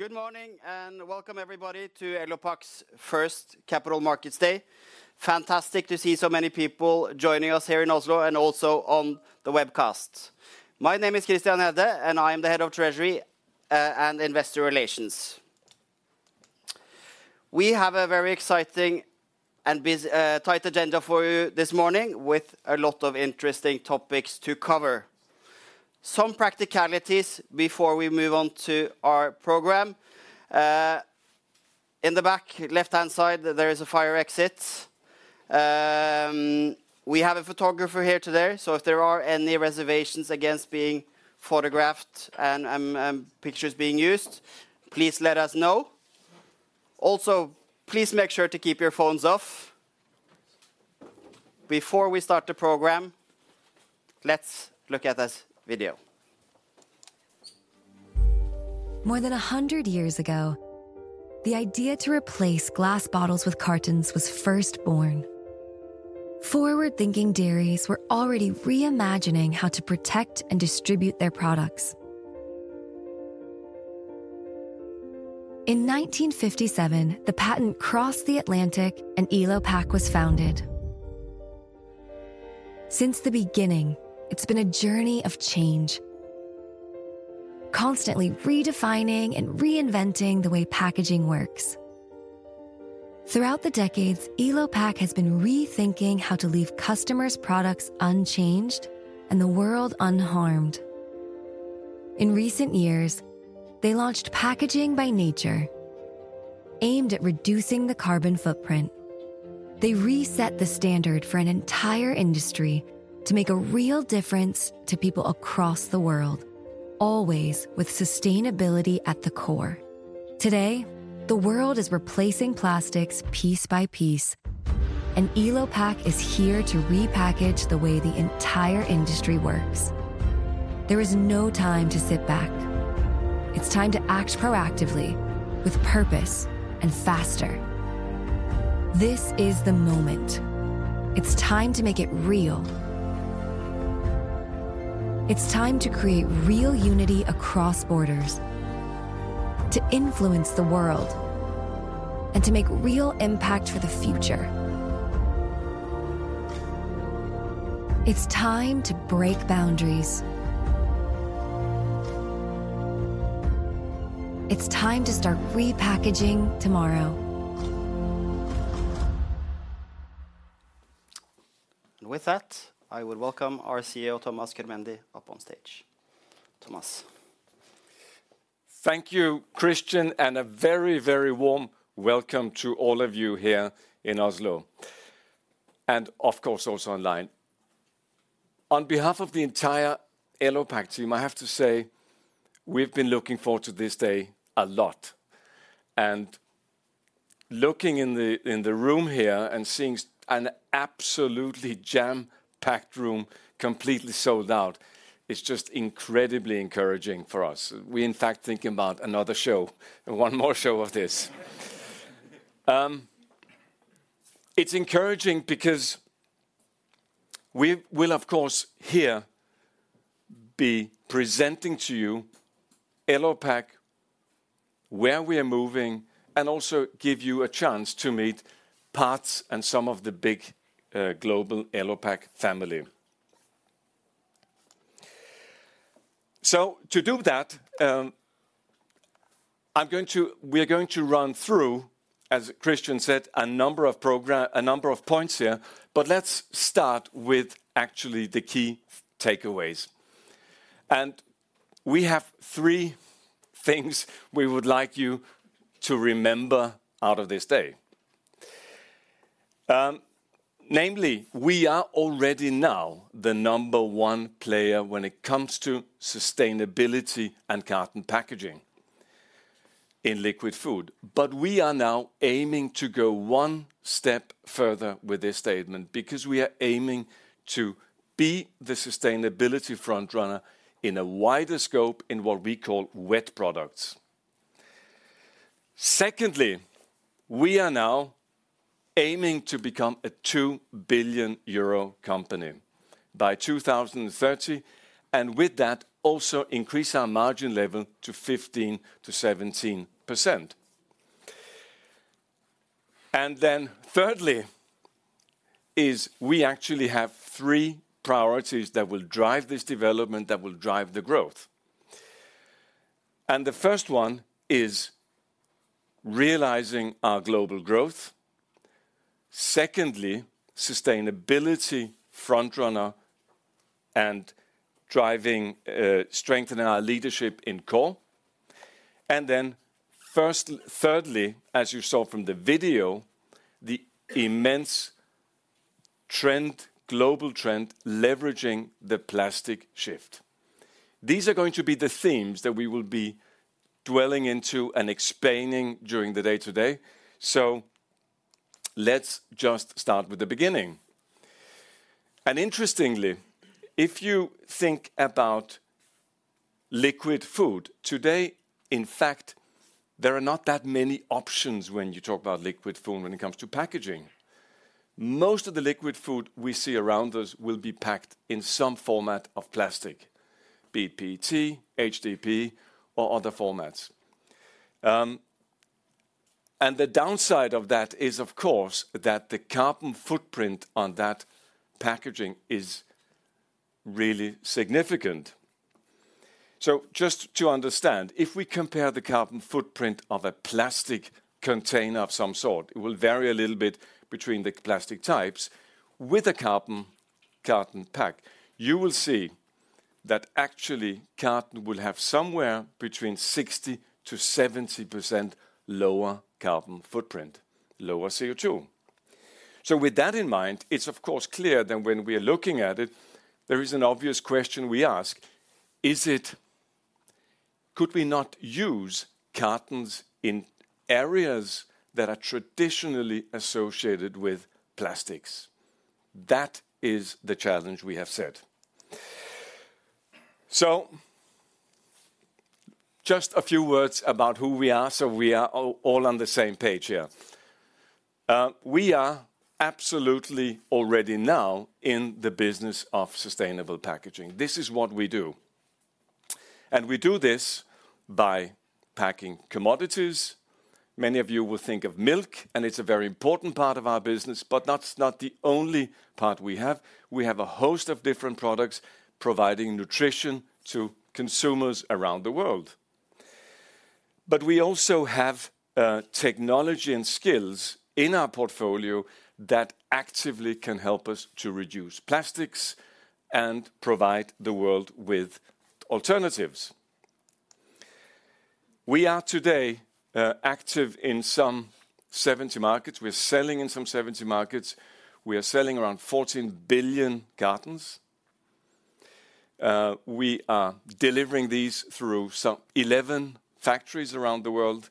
Good morning, and welcome everybody to Elopak's first Capital Markets Day. Fantastic to see so many people joining us here in Oslo, and also on the webcast. My name is Christian Gjerde, and I am the Head of Treasury and Investor Relations. We have a very exciting and tight agenda for you this morning, with a lot of interesting topics to cover. Some practicalities before we move on to our program. In the back, left-hand side, there is a fire exit. We have a photographer here today, so if there are any reservations against being photographed and pictures being used, please let us know. Also, please make sure to keep your phones off. Before we start the program, let's look at this video. More than a hundred years ago, the idea to replace glass bottles with cartons was first born. Forward-thinking dairies were already reimagining how to protect and distribute their products. In 1957, the patent crossed the Atlantic, and Elopak was founded. Since the beginning, it's been a journey of change, constantly redefining and reinventing the way packaging works. Throughout the decades, Elopak has been rethinking how to leave customers' products unchanged and the world unharmed. In recent years, they launched Packaging by Nature, aimed at reducing the carbon footprint. They reset the standard for an entire industry to make a real difference to people across the world, always with sustainability at the core. Today, the world is replacing plastics piece by piece, and Elopak is here to repackage the way the entire industry works. There is no time to sit back. It's time to act proactively with purpose and faster. This is the moment. It's time to make it real. It's time to create real unity across borders, to influence the world, and to make real impact for the future. It's time to break boundaries. It's time to start repackaging tomorrow. With that, I will welcome our CEO, Thomas Körmendi, up on stage. Thomas. Thank you, Christian, and a very, very warm welcome to all of you here in Oslo, and of course, also online. On behalf of the entire Elopak team, I have to say we've been looking forward to this day a lot. Looking in the room here and seeing an absolutely jam-packed room, completely sold out, is just incredibly encouraging for us. We, in fact, thinking about another show, and one more show of this. It's encouraging because we will, of course, here be presenting to you Elopak, where we are moving, and also give you a chance to meet parts and some of the big global Elopak family. So to do that, I'm going to... We're going to run through, as Christian said, a number of points here, but let's start with actually the key takeaways. We have three things we would like you to remember out of this day. Namely, we are already now the number one player when it comes to sustainability and carton packaging in liquid food. But we are now aiming to go one step further with this statement, because we are aiming to be the sustainability front runner in a wider scope in what we call wet products. Secondly, we are now aiming to become a 2 billion euro company by 2030, and with that, also increase our margin level to 15%-17%. Then thirdly, we actually have three priorities that will drive this development, that will drive the growth. The first one is realizing our global growth. Secondly, sustainability front runner and driving, strengthening our leadership in core. Thirdly, as you saw from the video, the immense trend, global trend, leveraging the plastic shift. These are going to be the themes that we will be dwelling into and explaining during the day today. Let's just start with the beginning. Interestingly, if you think about liquid food, today, in fact, there are not that many options when you talk about liquid food when it comes to packaging. Most of the liquid food we see around us will be packed in some format of plastic, PET, HDPE, or other formats. The downside of that is, of course, that the carbon footprint on that packaging is really significant. Just to understand, if we compare the carbon footprint of a plastic container of some sort, it will vary a little bit between the plastic types. With a carton pack, you will see that actually carton will have somewhere between 60%-70% lower carbon footprint, lower CO2. With that in mind, it's of course clear that when we are looking at it, there is an obvious question we ask: Could we not use cartons in areas that are traditionally associated with plastics? That is the challenge we have set. Just a few words about who we are, so we are all on the same page here. We are absolutely already now in the business of sustainable packaging. This is what we do, and we do this by packing commodities. Many of you will think of milk, and it's a very important part of our business, but that's not the only part we have. We have a host of different products providing nutrition to consumers around the world. But we also have technology and skills in our portfolio that actively can help us to reduce plastics and provide the world with alternatives. We are today active in some 70 markets. We're selling in some 70 markets. We are selling around 14 billion cartons. We are delivering these through some 11 factories around the world,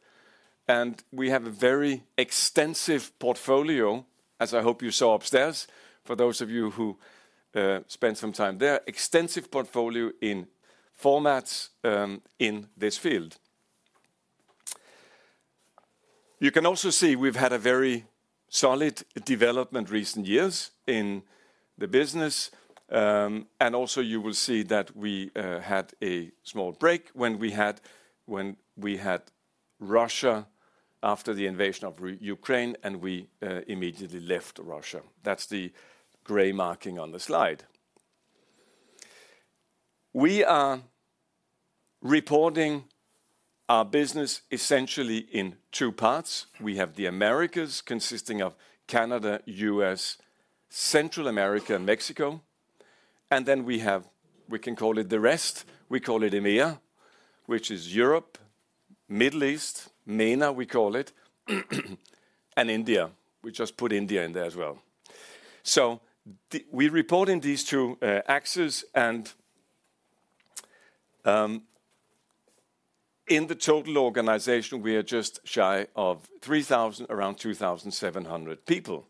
and we have a very extensive portfolio, as I hope you saw upstairs, for those of you who spent some time there. Extensive portfolio in formats, in this field. You can also see we've had a very solid development recent years in the business, and also you will see that we had a small break when we had Russia after the invasion of Ukraine, and we immediately left Russia. That's the gray marking on the slide. We are reporting our business essentially in two parts. We have the Americas, consisting of Canada, U.S., Central America, and Mexico, and then we have, we can call it the rest. We call it EMEA, which is Europe, Middle East, MENA, we call it, and India. We just put India in there as well. So the, we report in these two axes, and, in the total organization, we are just shy of 3,000, around 2,700 people.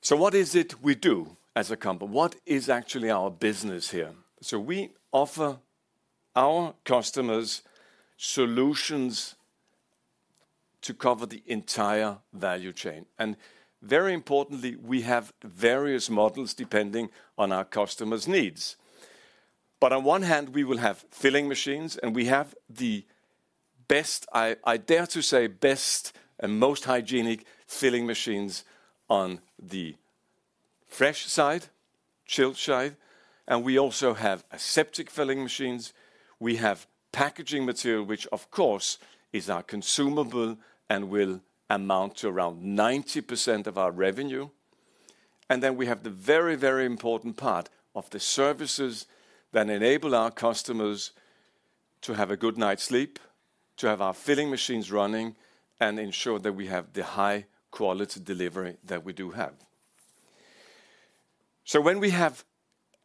So what is it we do as a company? What is actually our business here? So we offer our customers solutions to cover the entire value chain, and very importantly, we have various models depending on our customers' needs. But on one hand, we will have filling machines, and we have the best, I, I dare to say, best and most hygienic filling machines on the fresh side, chilled side, and we also have aseptic filling machines. We have packaging material, which of course, is our consumable and will amount to around 90% of our revenue. And then we have the very, very important part of the services that enable our customers to have a good night's sleep, to have our filling machines running, and ensure that we have the high-quality delivery that we do have. So when we have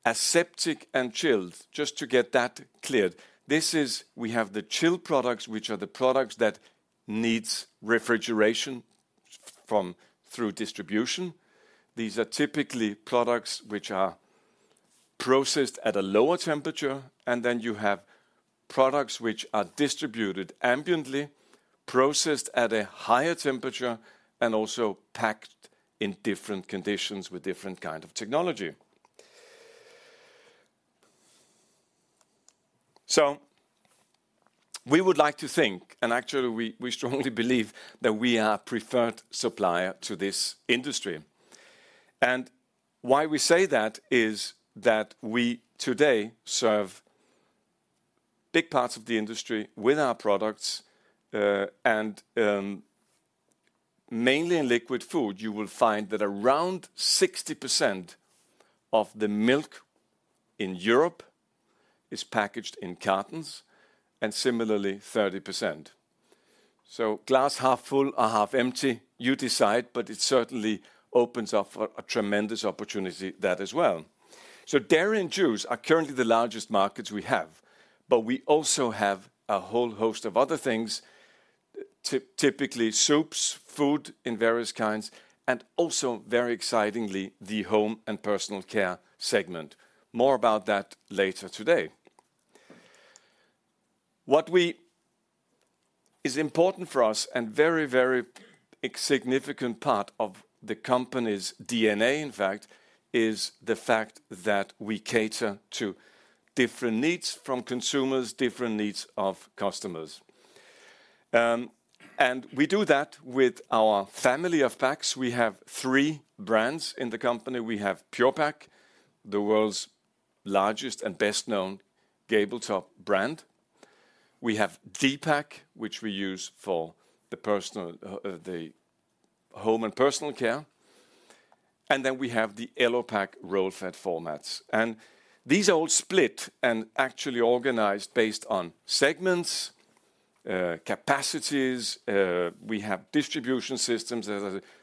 aseptic and chilled, just to get that cleared, this is... We have the chilled products, which are the products that needs refrigeration from through distribution. These are typically products which are processed at a lower temperature, and then you have products which are distributed ambiently, processed at a higher temperature, and also packed in different conditions with different kind of technology, so we would like to think, and actually, we strongly believe that we are a preferred supplier to this industry. And why we say that is that we today serve big parts of the industry with our products, and mainly in liquid food, you will find that around 60% of the milk in Europe is packaged in cartons, and similarly, 30%, so glass half full or half empty, you decide, but it certainly opens up a tremendous opportunity there as well. Dairy and juice are currently the largest markets we have, but we also have a whole host of other things, typically, soups, food in various kinds, and also, very excitingly, the home and personal care segment. More about that later today. What is important for us and very, very significant part of the company's DNA, in fact, is the fact that we cater to different needs from consumers, different needs of customers. And we do that with our family of packs. We have three brands in the company. We have Pure-Pak, the world's largest and best-known gable top brand. We haveD-PAK, which we use for the personal, the home and personal care, and then we have the Elopak roll-fed formats. These are all split and actually organized based on segments, capacities, we have distribution systems,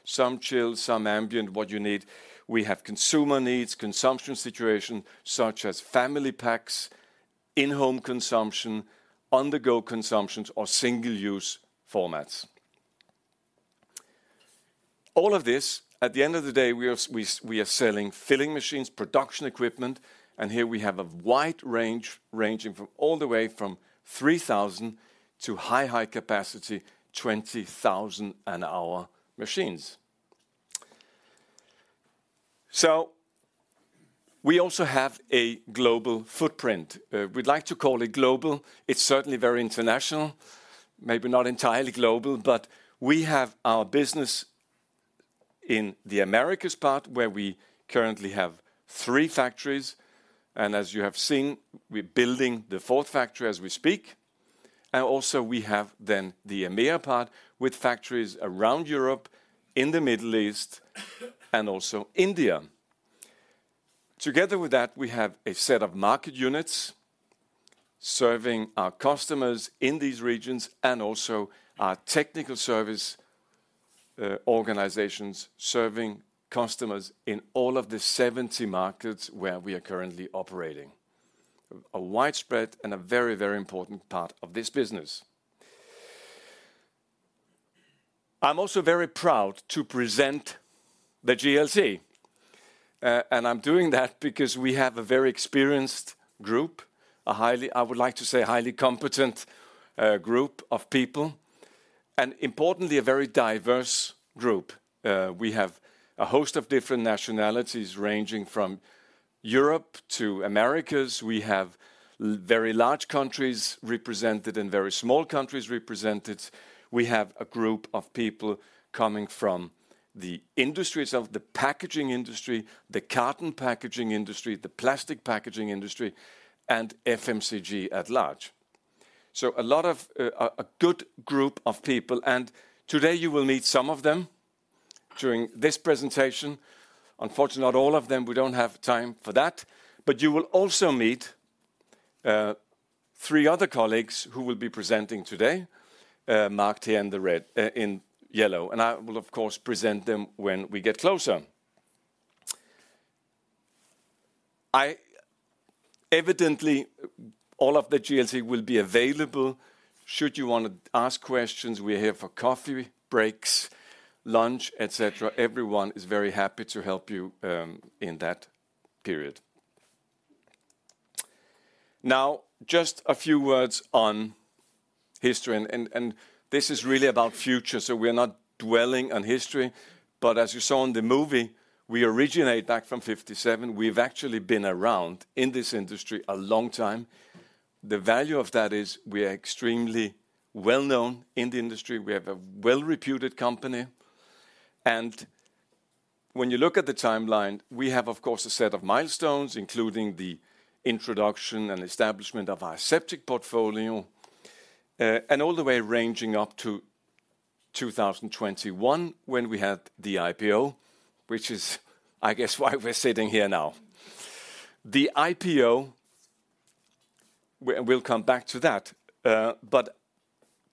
some chilled, some ambient, what you need. We have consumer needs, consumption situation, such as family packs, in-home consumption, on-the-go consumptions, or single-use formats. All of this, at the end of the day, we are selling filling machines, production equipment, and here we have a wide range, ranging from all the way from 3,000 to high capacity, 20,000 an hour machines. We also have a global footprint. We'd like to call it global. It's certainly very international, maybe not entirely global, but we have our business in the Americas part, where we currently have three factories, and as you have seen, we're building the fourth factory as we speak. And also, we have then the EMEA part, with factories around Europe, in the Middle East, and also India. Together with that, we have a set of market units serving our customers in these regions and also our technical service organizations, serving customers in all of the 70 markets where we are currently operating. A widespread and a very, very important part of this business. I'm also very proud to present the GLC, and I'm doing that because we have a very experienced group, a highly... I would like to say, a highly competent group of people, and importantly, a very diverse group. We have a host of different nationalities, ranging from Europe to Americas. We have very large countries represented and very small countries represented. We have a group of people coming from the industries of the packaging industry, the carton packaging industry, the plastic packaging industry, and FMCG at large. So a lot of a good group of people, and today you will meet some of them during this presentation. Unfortunately, not all of them. We don't have time for that. But you will also meet three other colleagues who will be presenting today, marked here in the red, in yellow, and I will, of course, present them when we get closer. Evidently, all of the GLC will be available should you want to ask questions. We're here for coffee, breaks, lunch, et cetera. Everyone is very happy to help you in that period. Now, just a few words on history, and this is really about future, so we're not dwelling on history, but as you saw in the movie, we originate back from 1957. We've actually been around in this industry a long time. The value of that is we are extremely well known in the industry. We have a well-reputed company, and when you look at the timeline, we have, of course, a set of milestones, including the introduction and establishment of our aseptic portfolio, and all the way ranging up to 2021, when we had the IPO, which is, I guess, why we're sitting here now. The IPO, we, we'll come back to that, but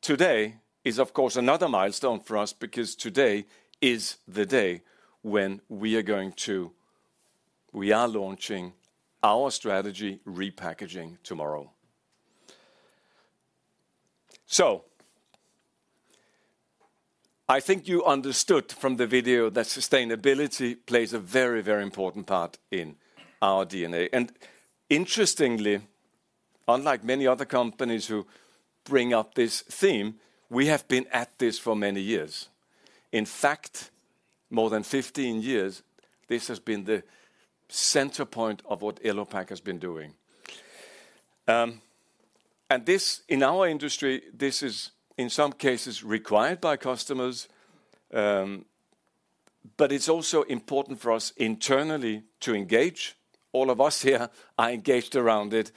today is, of course, another milestone for us, because today is the day when we are going to launch our strategy, Repackaging Tomorrow. So I think you understood from the video that sustainability plays a very, very important part in our DNA, and interestingly, unlike many other companies who bring up this theme, we have been at this for many years. In fact, more than fifteen years, this has been the center point of what Elopak has been doing. And this, in our industry, this is, in some cases, required by customers, but it's also important for us internally to engage. All of us here are engaged around it,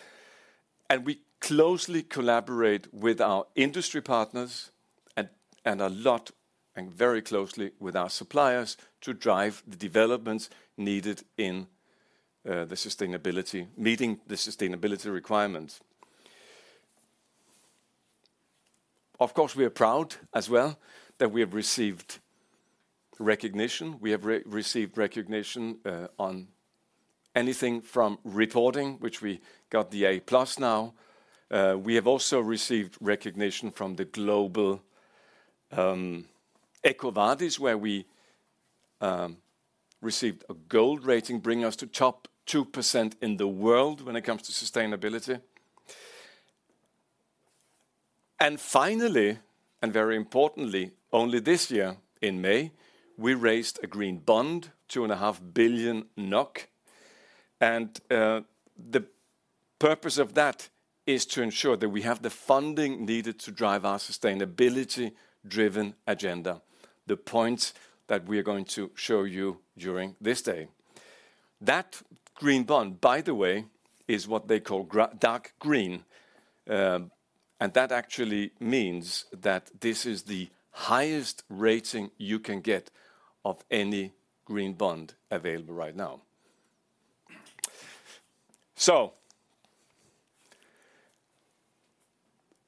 and we closely collaborate with our industry partners and very closely with our suppliers to drive the developments needed in the sustainability meeting the sustainability requirements. Of course, we are proud as well that we have received recognition. We have received recognition on anything from reporting, which we got the A plus now. We have also received recognition from the global EcoVadis, where we received a gold rating, bringing us to top 2% in the world when it comes to sustainability. And finally, and very importantly, only this year, in May, we raised a green bond, 2.5 billion NOK. And the purpose of that is to ensure that we have the funding needed to drive our sustainability-driven agenda, the points that we are going to show you during this day. That green bond, by the way, is what they call dark green, and that actually means that this is the highest rating you can get of any green bond available right now. So,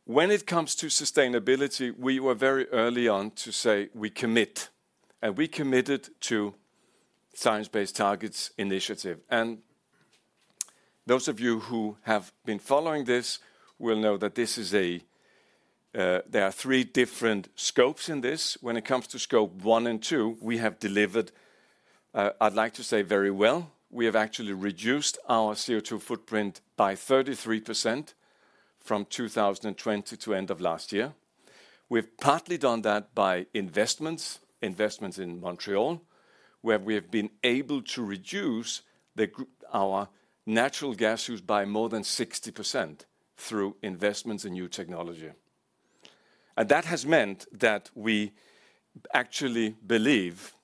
when it comes to sustainability, we were very early on to say we commit, and we committed to Science Based Targets initiative. Those of you who have been following this will know that this is. There are three different scopes in this. When it comes to Scope 1 and 2, we have delivered. I'd like to say very well. We have actually reduced our CO2 footprint by 33% from 2020 to end of last year. We've partly done that by investments, investments in Montreal, where we have been able to reduce our natural gas use by more than 60% through investments in new technology. That has meant that we actually believe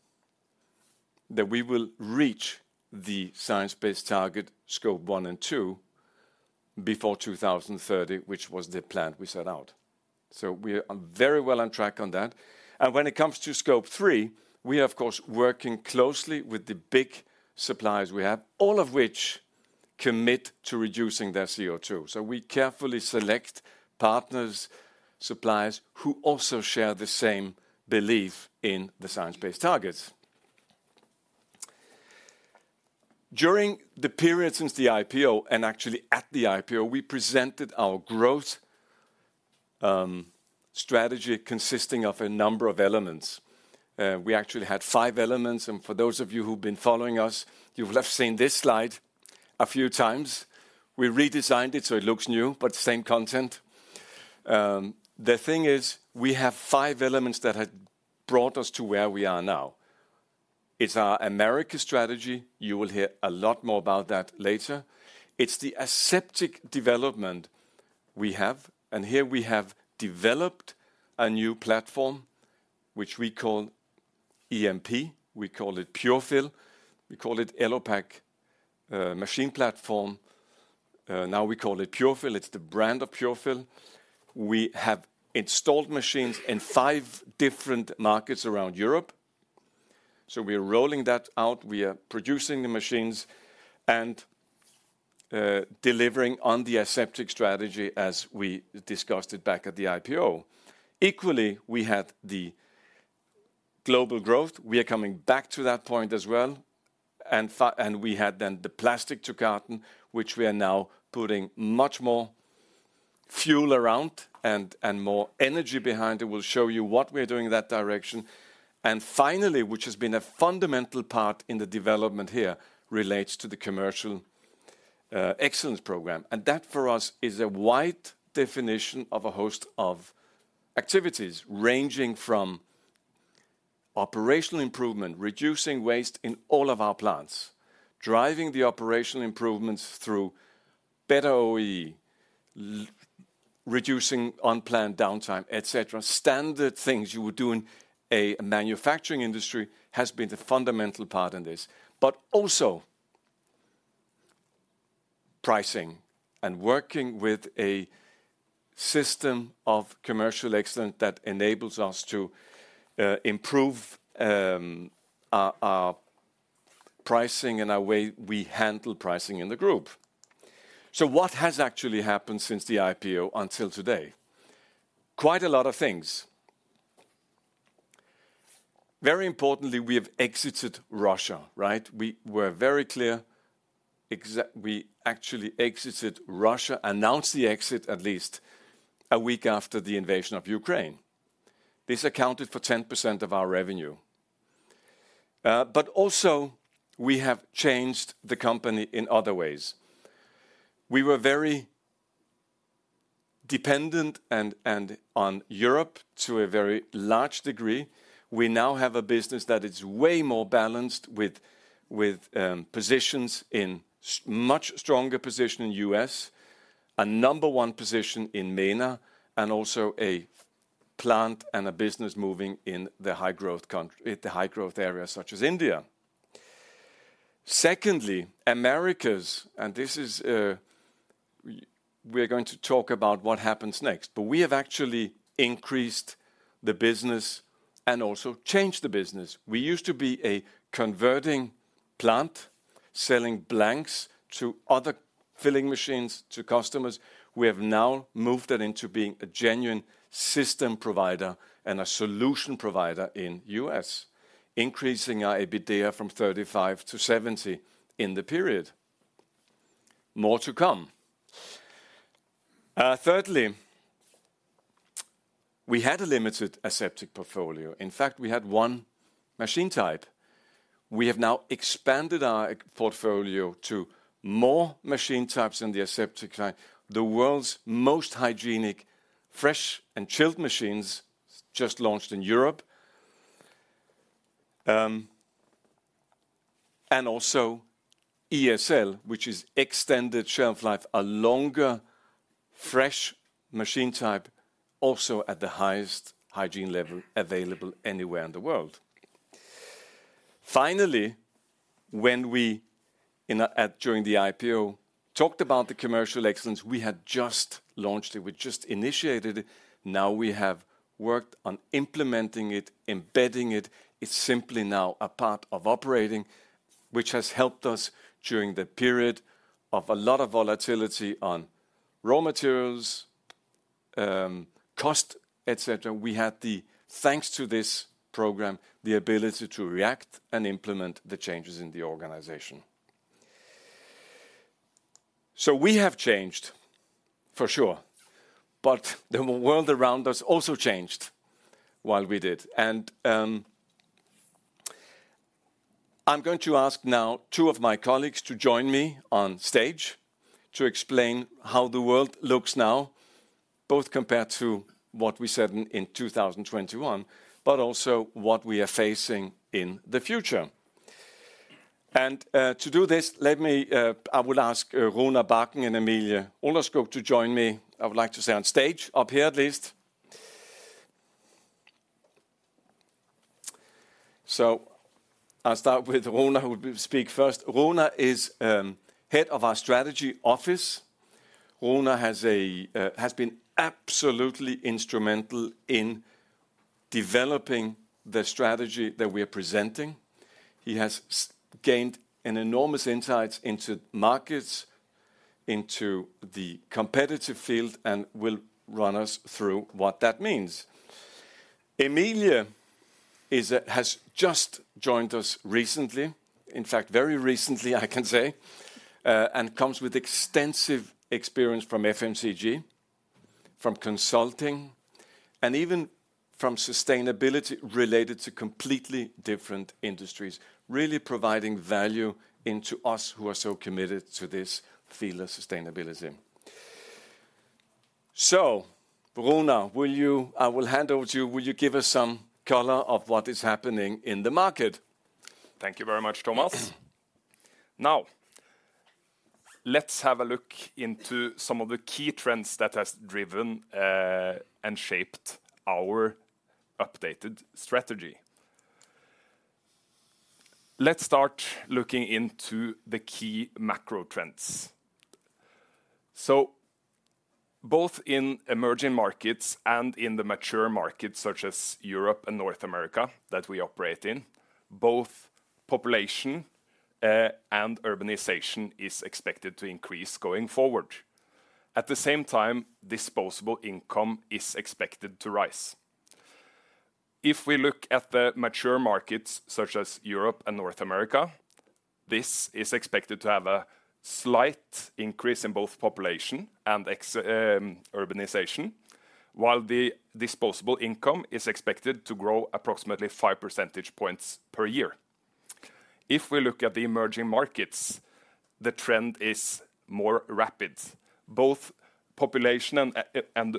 that we will reach the science-based target, Scope 1 and 2, before 2030, which was the plan we set out. We are very well on track on that. When it comes to Scope 3, we are, of course, working closely with the big suppliers we have, all of which commit to reducing their CO2. So we carefully select partners, suppliers, who also share the same belief in the science-based targets. During the period since the IPO, and actually at the IPO, we presented our growth strategy, consisting of a number of elements. We actually had five elements, and for those of you who've been following us, you will have seen this slide a few times. We redesigned it, so it looks new, but same content. The thing is, we have five elements that had brought us to where we are now. It's our America strategy. You will hear a lot more about that later. It's the aseptic development we have, and here we have developed a new platform, which we call EMP. We call it Pure-Fill. We call it Elopak Machine Platform. Now we call it Pure-Fill. It's the brand of Pure-Fill. We have installed machines in five different markets around Europe, so we are rolling that out. We are producing the machines and delivering on the aseptic strategy as we discussed it back at the IPO. Equally, we had the global growth. We are coming back to that point as well. And we had then the plastic to carton, which we are now putting much more fuel around and more energy behind it. We'll show you what we are doing in that direction. And finally, which has been a fundamental part in the development here, relates to the Commercial Excellence program. That, for us, is a wide definition of a host of activities, ranging from operational improvement, reducing waste in all of our plants, driving the operational improvements through better OEE, reducing unplanned downtime, et cetera. Standard things you would do in a manufacturing industry has been the fundamental part in this, but also, pricing and working with a system of commercial excellence that enables us to improve our pricing and our way we handle pricing in the group. What has actually happened since the IPO until today? Quite a lot of things. Very importantly, we have exited Russia, right? We were very clear, we actually exited Russia, announced the exit at least a week after the invasion of Ukraine. This accounted for 10% of our revenue. But also, we have changed the company in other ways. We were very dependent and on Europe to a very large degree. We now have a business that is way more balanced with a much stronger position in U.S., a number one position in MENA, and also a plant and a business moving in the high-growth areas such as India. Secondly, Americas, and this is... We're going to talk about what happens next, but we have actually increased the business and also changed the business. We used to be a converting plant, selling blanks to other filling machines, to customers. We have now moved that into being a genuine system provider and a solution provider in U.S., increasing our EBITDA from 35 to 70 in the period. More to come. Thirdly... We had a limited aseptic portfolio. In fact, we had one machine type. We have now expanded our portfolio to more machine types in the aseptic line, the world's most hygienic, fresh, and chilled machines just launched in Europe, and also ESL, which is extended shelf life, a longer fresh machine type, also at the highest hygiene level available anywhere in the world. Finally, when we, in, during the IPO, talked about the Commercial Excellence, we had just launched it. We just initiated it. Now we have worked on implementing it, embedding it. It's simply now a part of operating, which has helped us during the period of a lot of volatility on raw materials, cost, et cetera. We had, thanks to this program, the ability to react and implement the changes in the organization. We have changed, for sure, but the world around us also changed while we did, and I'm going to ask now two of my colleagues to join me on stage to explain how the world looks now, both compared to what we said in 2021, but also what we are facing in the future. To do this, let me, I will ask Runar Bakken and Emilie Olderskog to join me. I would like to say on stage, up here, at least. I'll start with Runar, who will speak first. Runar is head of our strategy office. Runar has been absolutely instrumental in developing the strategy that we are presenting. He has gained an enormous insight into markets, into the competitive field, and will run us through what that means. Emilie has just joined us recently, in fact, very recently, I can say, and comes with extensive experience from FMCG, from consulting, and even from sustainability related to completely different industries, really providing value into us, who are so committed to this field of sustainability. So, Runar, will you. I will hand over to you. Will you give us some color of what is happening in the market? Thank you very much, Thomas. Now, let's have a look into some of the key trends that has driven, and shaped our updated strategy. Let's start looking into the key macro trends. So both in emerging markets and in the mature markets, such as Europe and North America, that we operate in, both population, and urbanization is expected to increase going forward. At the same time, disposable income is expected to rise. If we look at the mature markets, such as Europe and North America, this is expected to have a slight increase in both population and urbanization, while the disposable income is expected to grow approximately 5% points per year. If we look at the emerging markets, the trend is more rapid. Both population and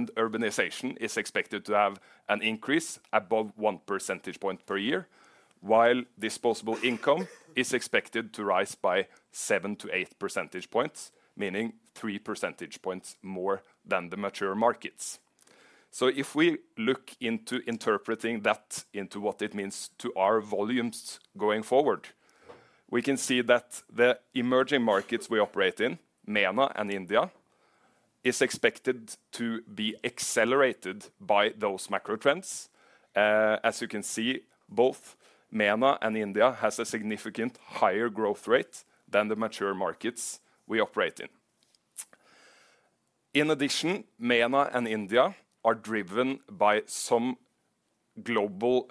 urbanization is expected to have an increase above 1% point per year, while disposable income is expected to rise by 7%-8% points, meaning 3% points more than the mature markets, so if we look into interpreting that into what it means to our volumes going forward, we can see that the emerging markets we operate in, MENA and India, is expected to be accelerated by those macro trends. As you can see, both MENA and India has a significant higher growth rate than the mature markets we operate in. In addition, MENA and India are driven by some global,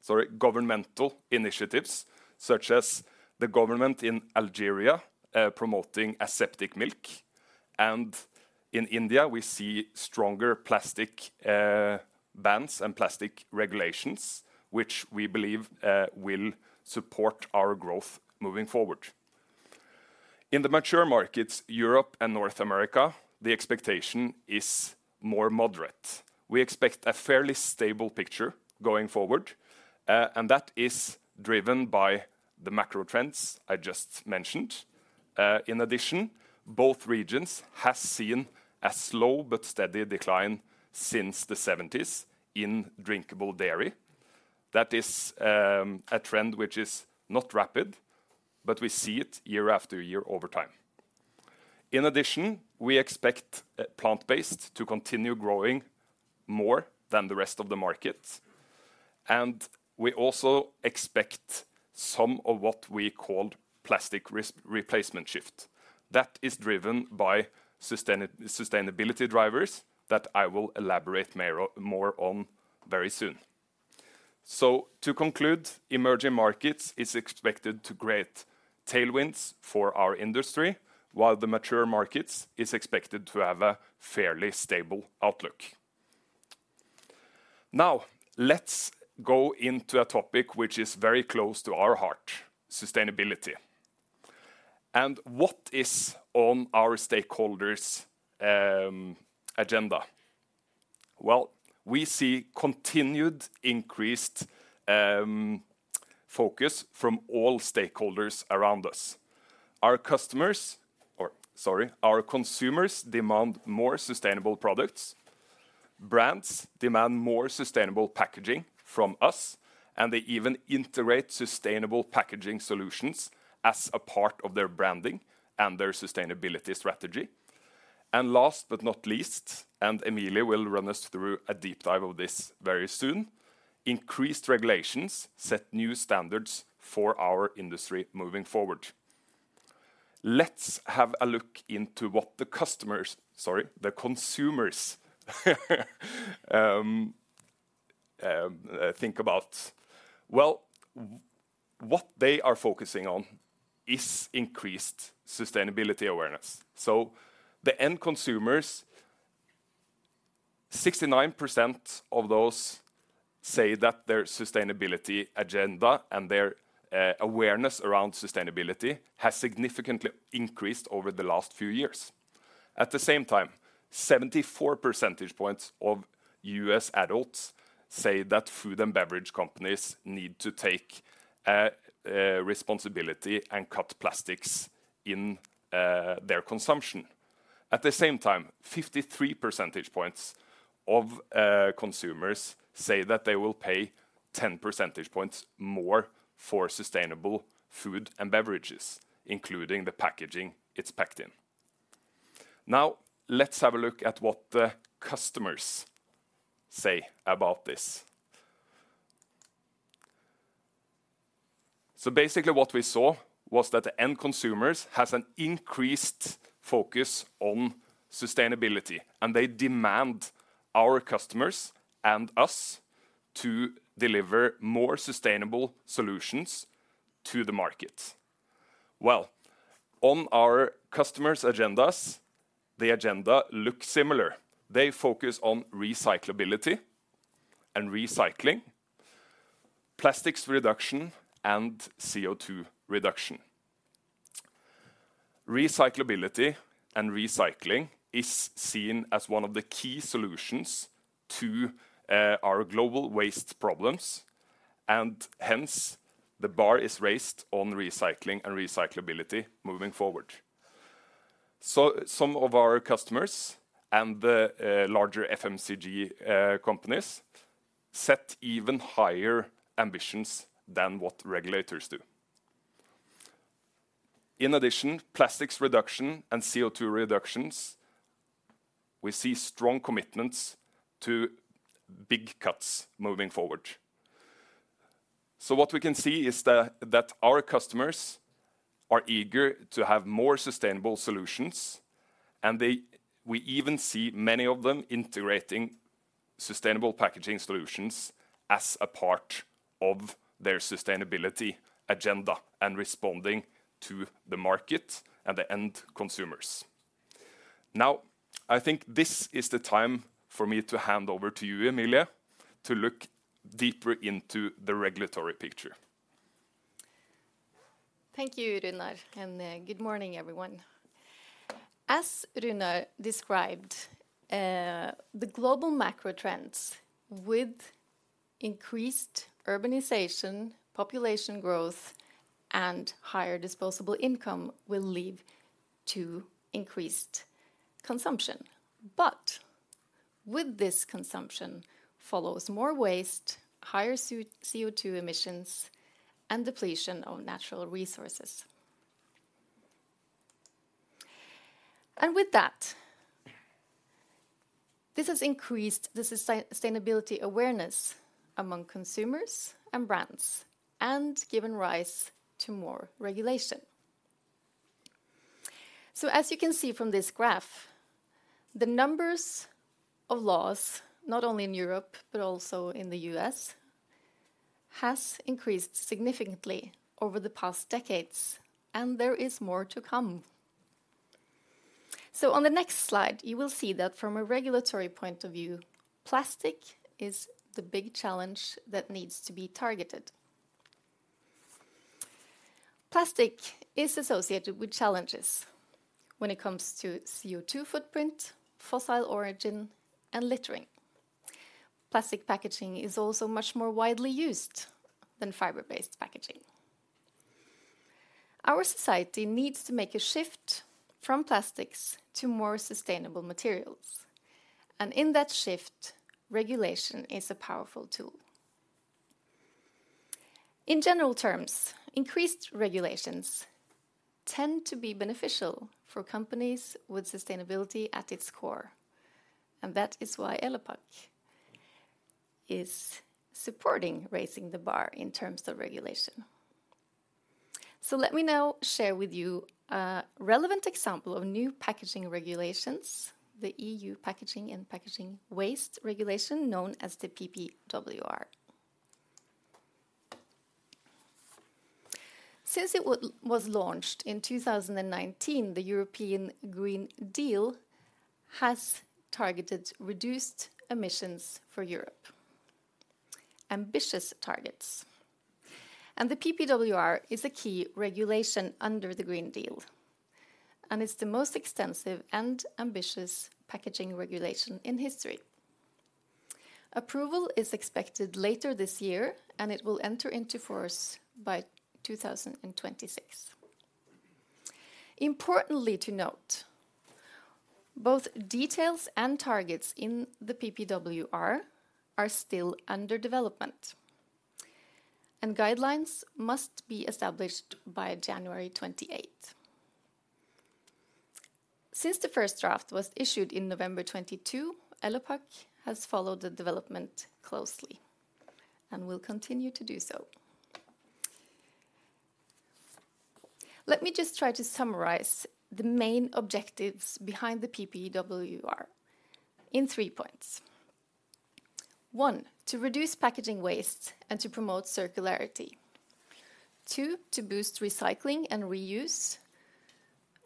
sorry, governmental initiatives, such as the government in Algeria promoting aseptic milk, and in India, we see stronger plastic bans and plastic regulations, which we believe will support our growth moving forward. In the mature markets, Europe and North America, the expectation is more moderate. We expect a fairly stable picture going forward, and that is driven by the macro trends I just mentioned. In addition, both regions has seen a slow but steady decline since the seventies in drinkable dairy. That is, a trend which is not rapid, but we see it year after year over time. In addition, we expect, plant-based to continue growing more than the rest of the market, and we also expect some of what we call plastic replacement shift. That is driven by sustainability drivers that I will elaborate more on very soon. So to conclude, emerging markets is expected to create tailwinds for our industry, while the mature markets is expected to have a fairly stable outlook. Now, let's go into a topic which is very close to our heart, sustainability. What is on our stakeholders' agenda? Well, we see continued increased focus from all stakeholders around us. Our customers, or sorry, our consumers demand more sustainable products, brands demand more sustainable packaging from us, and they even integrate sustainable packaging solutions as a part of their branding and their sustainability strategy. Last but not least, and Emilie will run us through a deep dive of this very soon, increased regulations set new standards for our industry moving forward. Let's have a look into what the customers, sorry, the consumers, think about. Well, what they are focusing on is increased sustainability awareness. So the end consumers, 69% of those say that their sustainability agenda and their awareness around sustainability has significantly increased over the last few years. At the same time, 74% points of U.S. adults say that food and beverage companies need to take responsibility and cut plastics in their consumption. At the same time, 53% points of consumers say that they will pay 10% points more for sustainable food and beverages, including the packaging it's packed in. Now, let's have a look at what the customers say about this. Basically, what we saw was that the end consumers has an increased focus on sustainability, and they demand our customers and us to deliver more sustainable solutions to the market. On our customers' agendas, the agenda looks similar. They focus on recyclability and recycling, plastics reduction, and CO2 reduction. Recyclability and recycling is seen as one of the key solutions to our global waste problems, and hence, the bar is raised on recycling and recyclability moving forward, so some of our customers and the larger FMCG companies set even higher ambitions than what regulators do. In addition, plastics reduction and CO2 reductions, we see strong commitments to big cuts moving forward, so what we can see is that our customers are eager to have more sustainable solutions, and they... We even see many of them integrating sustainable packaging solutions as a part of their sustainability agenda and responding to the market and the end consumers. Now, I think this is the time for me to hand over to you, Emilie, to look deeper into the regulatory picture. Thank you, Runar, and good morning, everyone. As Runar described, the global macro trends with increased urbanization, population growth, and higher disposable income will lead to increased consumption. But with this consumption follows more waste, higher CO2 emissions, and depletion of natural resources. And with that, this has increased the sustainability awareness among consumers and brands, and given rise to more regulation. So as you can see from this graph, the numbers of laws, not only in Europe but also in the U.S., has increased significantly over the past decades, and there is more to come. So on the next slide, you will see that from a regulatory point of view, plastic is the big challenge that needs to be targeted. Plastic is associated with challenges when it comes to CO2 footprint, fossil origin, and littering. Plastic packaging is also much more widely used than fiber-based packaging. Our society needs to make a shift from plastics to more sustainable materials, and in that shift, regulation is a powerful tool. In general terms, increased regulations tend to be beneficial for companies with sustainability at its core, and that is why Elopak is supporting raising the bar in terms of regulation. So let me now share with you a relevant example of new packaging regulations, the EU Packaging and Packaging Waste Regulation, known as the PPWR. Since it was launched in 2019, the European Green Deal has targeted reduced emissions for Europe. Ambitious targets. And the PPWR is a key regulation under the Green Deal, and it's the most extensive and ambitious packaging regulation in history. Approval is expected later this year, and it will enter into force by 2026. Importantly to note, both details and targets in the PPWR are still under development, and guidelines must be established by January 28. Since the first draft was issued in November 22, Elopak has followed the development closely and will continue to do so. Let me just try to summarize the main objectives behind the PPWR in three points. One, to reduce packaging waste and to promote circularity. Two, to boost recycling and reuse,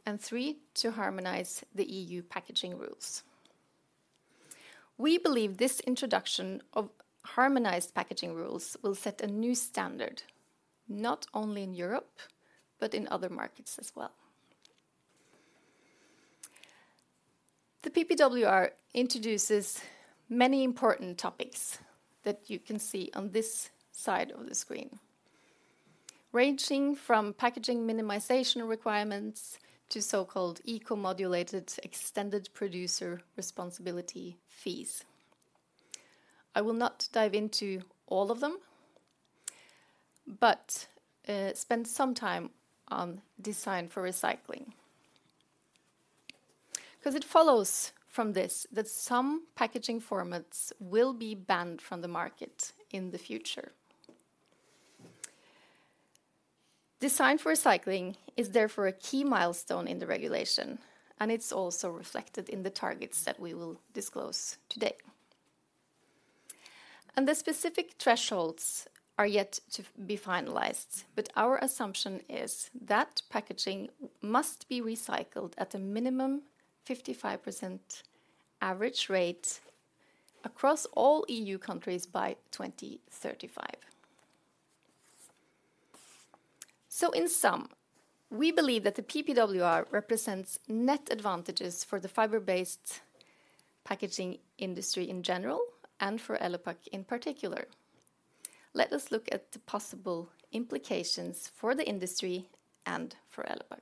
and three, to harmonize the EU packaging rules. We believe this introduction of harmonized packaging rules will set a new standard, not only in Europe, but in other markets as well. The PPWR introduces many important topics that you can see on this side of the screen, ranging from packaging minimization requirements to so-called eco-modulated extended producer responsibility fees. I will not dive into all of them, but spend some time on design for recycling. 'Cause it follows from this, that some packaging formats will be banned from the market in the future. Design for Recycling is therefore a key milestone in the regulation, and it's also reflected in the targets that we will disclose today. And the specific thresholds are yet to be finalized, but our assumption is that packaging must be recycled at a minimum 55% average rate across all EU countries by 2035. So in sum, we believe that the PPWR represents net advantages for the fiber-based packaging industry in general, and for Elopak in particular. Let us look at the possible implications for the industry and for Elopak.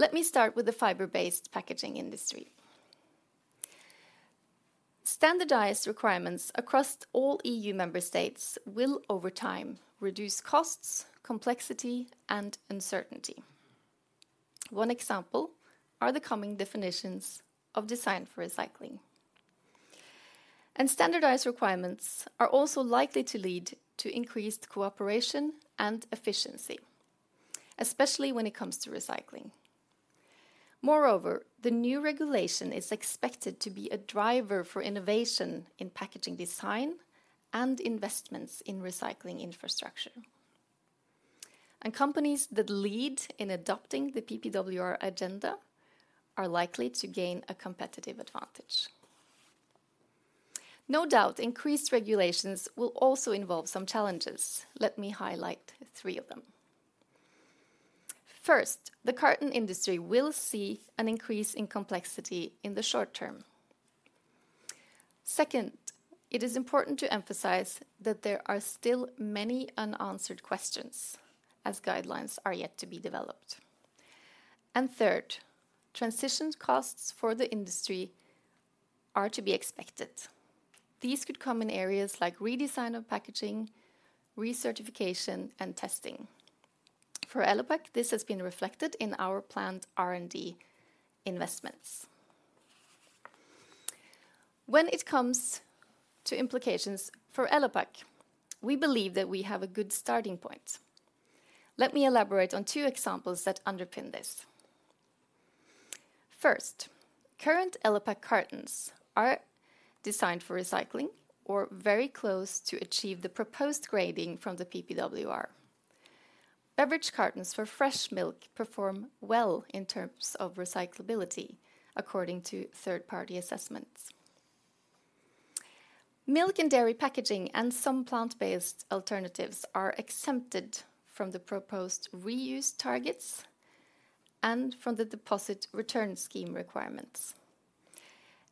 Let me start with the fiber-based packaging industry. Standardized requirements across all EU member states will, over time, reduce costs, complexity, and uncertainty. One example are the coming definitions of Design for Recycling. Standardized requirements are also likely to lead to increased cooperation and efficiency, especially when it comes to recycling. Moreover, the new regulation is expected to be a driver for innovation in packaging design and investments in recycling infrastructure. Companies that lead in adopting the PPWR agenda are likely to gain a competitive advantage. No doubt, increased regulations will also involve some challenges. Let me highlight three of them. First, the carton industry will see an increase in complexity in the short term. Second, it is important to emphasize that there are still many unanswered questions, as guidelines are yet to be developed. Third, transition costs for the industry are to be expected. These could come in areas like redesign of packaging, recertification, and testing. For Elopak, this has been reflected in our planned R&D investments. When it comes to implications for Elopak, we believe that we have a good starting point. Let me elaborate on two examples that underpin this. First, current Elopak cartons are designed for recycling or very close to achieve the proposed grading from the PPWR. Beverage cartons for fresh milk perform well in terms of recyclability, according to third-party assessments. Milk and dairy packaging and some plant-based alternatives are exempted from the proposed reuse targets and from the deposit return scheme requirements,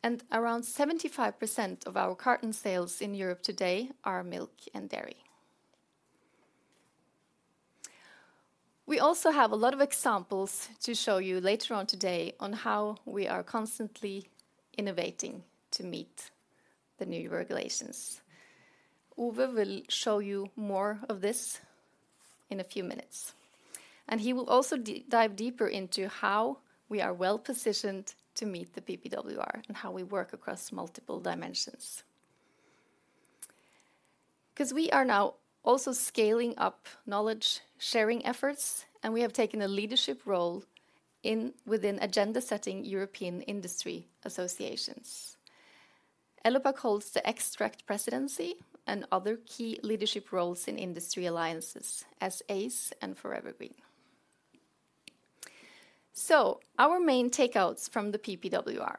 and around 75% of our carton sales in Europe today are milk and dairy. We also have a lot of examples to show you later on today on how we are constantly innovating to meet the new regulations. Uwe will show you more of this in a few minutes. He will also dive deeper into how we are well-positioned to meet the PPWR, and how we work across multiple dimensions. 'Cause we are now also scaling up knowledge-sharing efforts, and we have taken a leadership role in, within agenda-setting European industry associations. Elopak holds the 4evergreen presidency and other key leadership roles in industry alliances as ACE and 4erevergreen. Our main takeaways from the PPWR: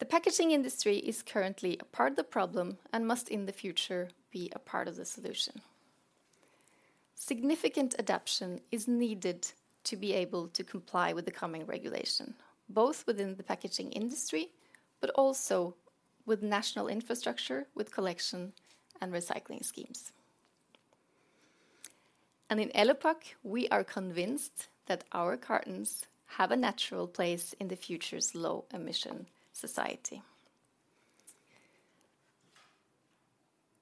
the packaging industry is currently a part of the problem and must, in the future, be a part of the solution. Significant adaptation is needed to be able to comply with the coming regulation, both within the packaging industry, but also with national infrastructure, with collection and recycling schemes. In Elopak, we are convinced that our cartons have a natural place in the future's low-emission society.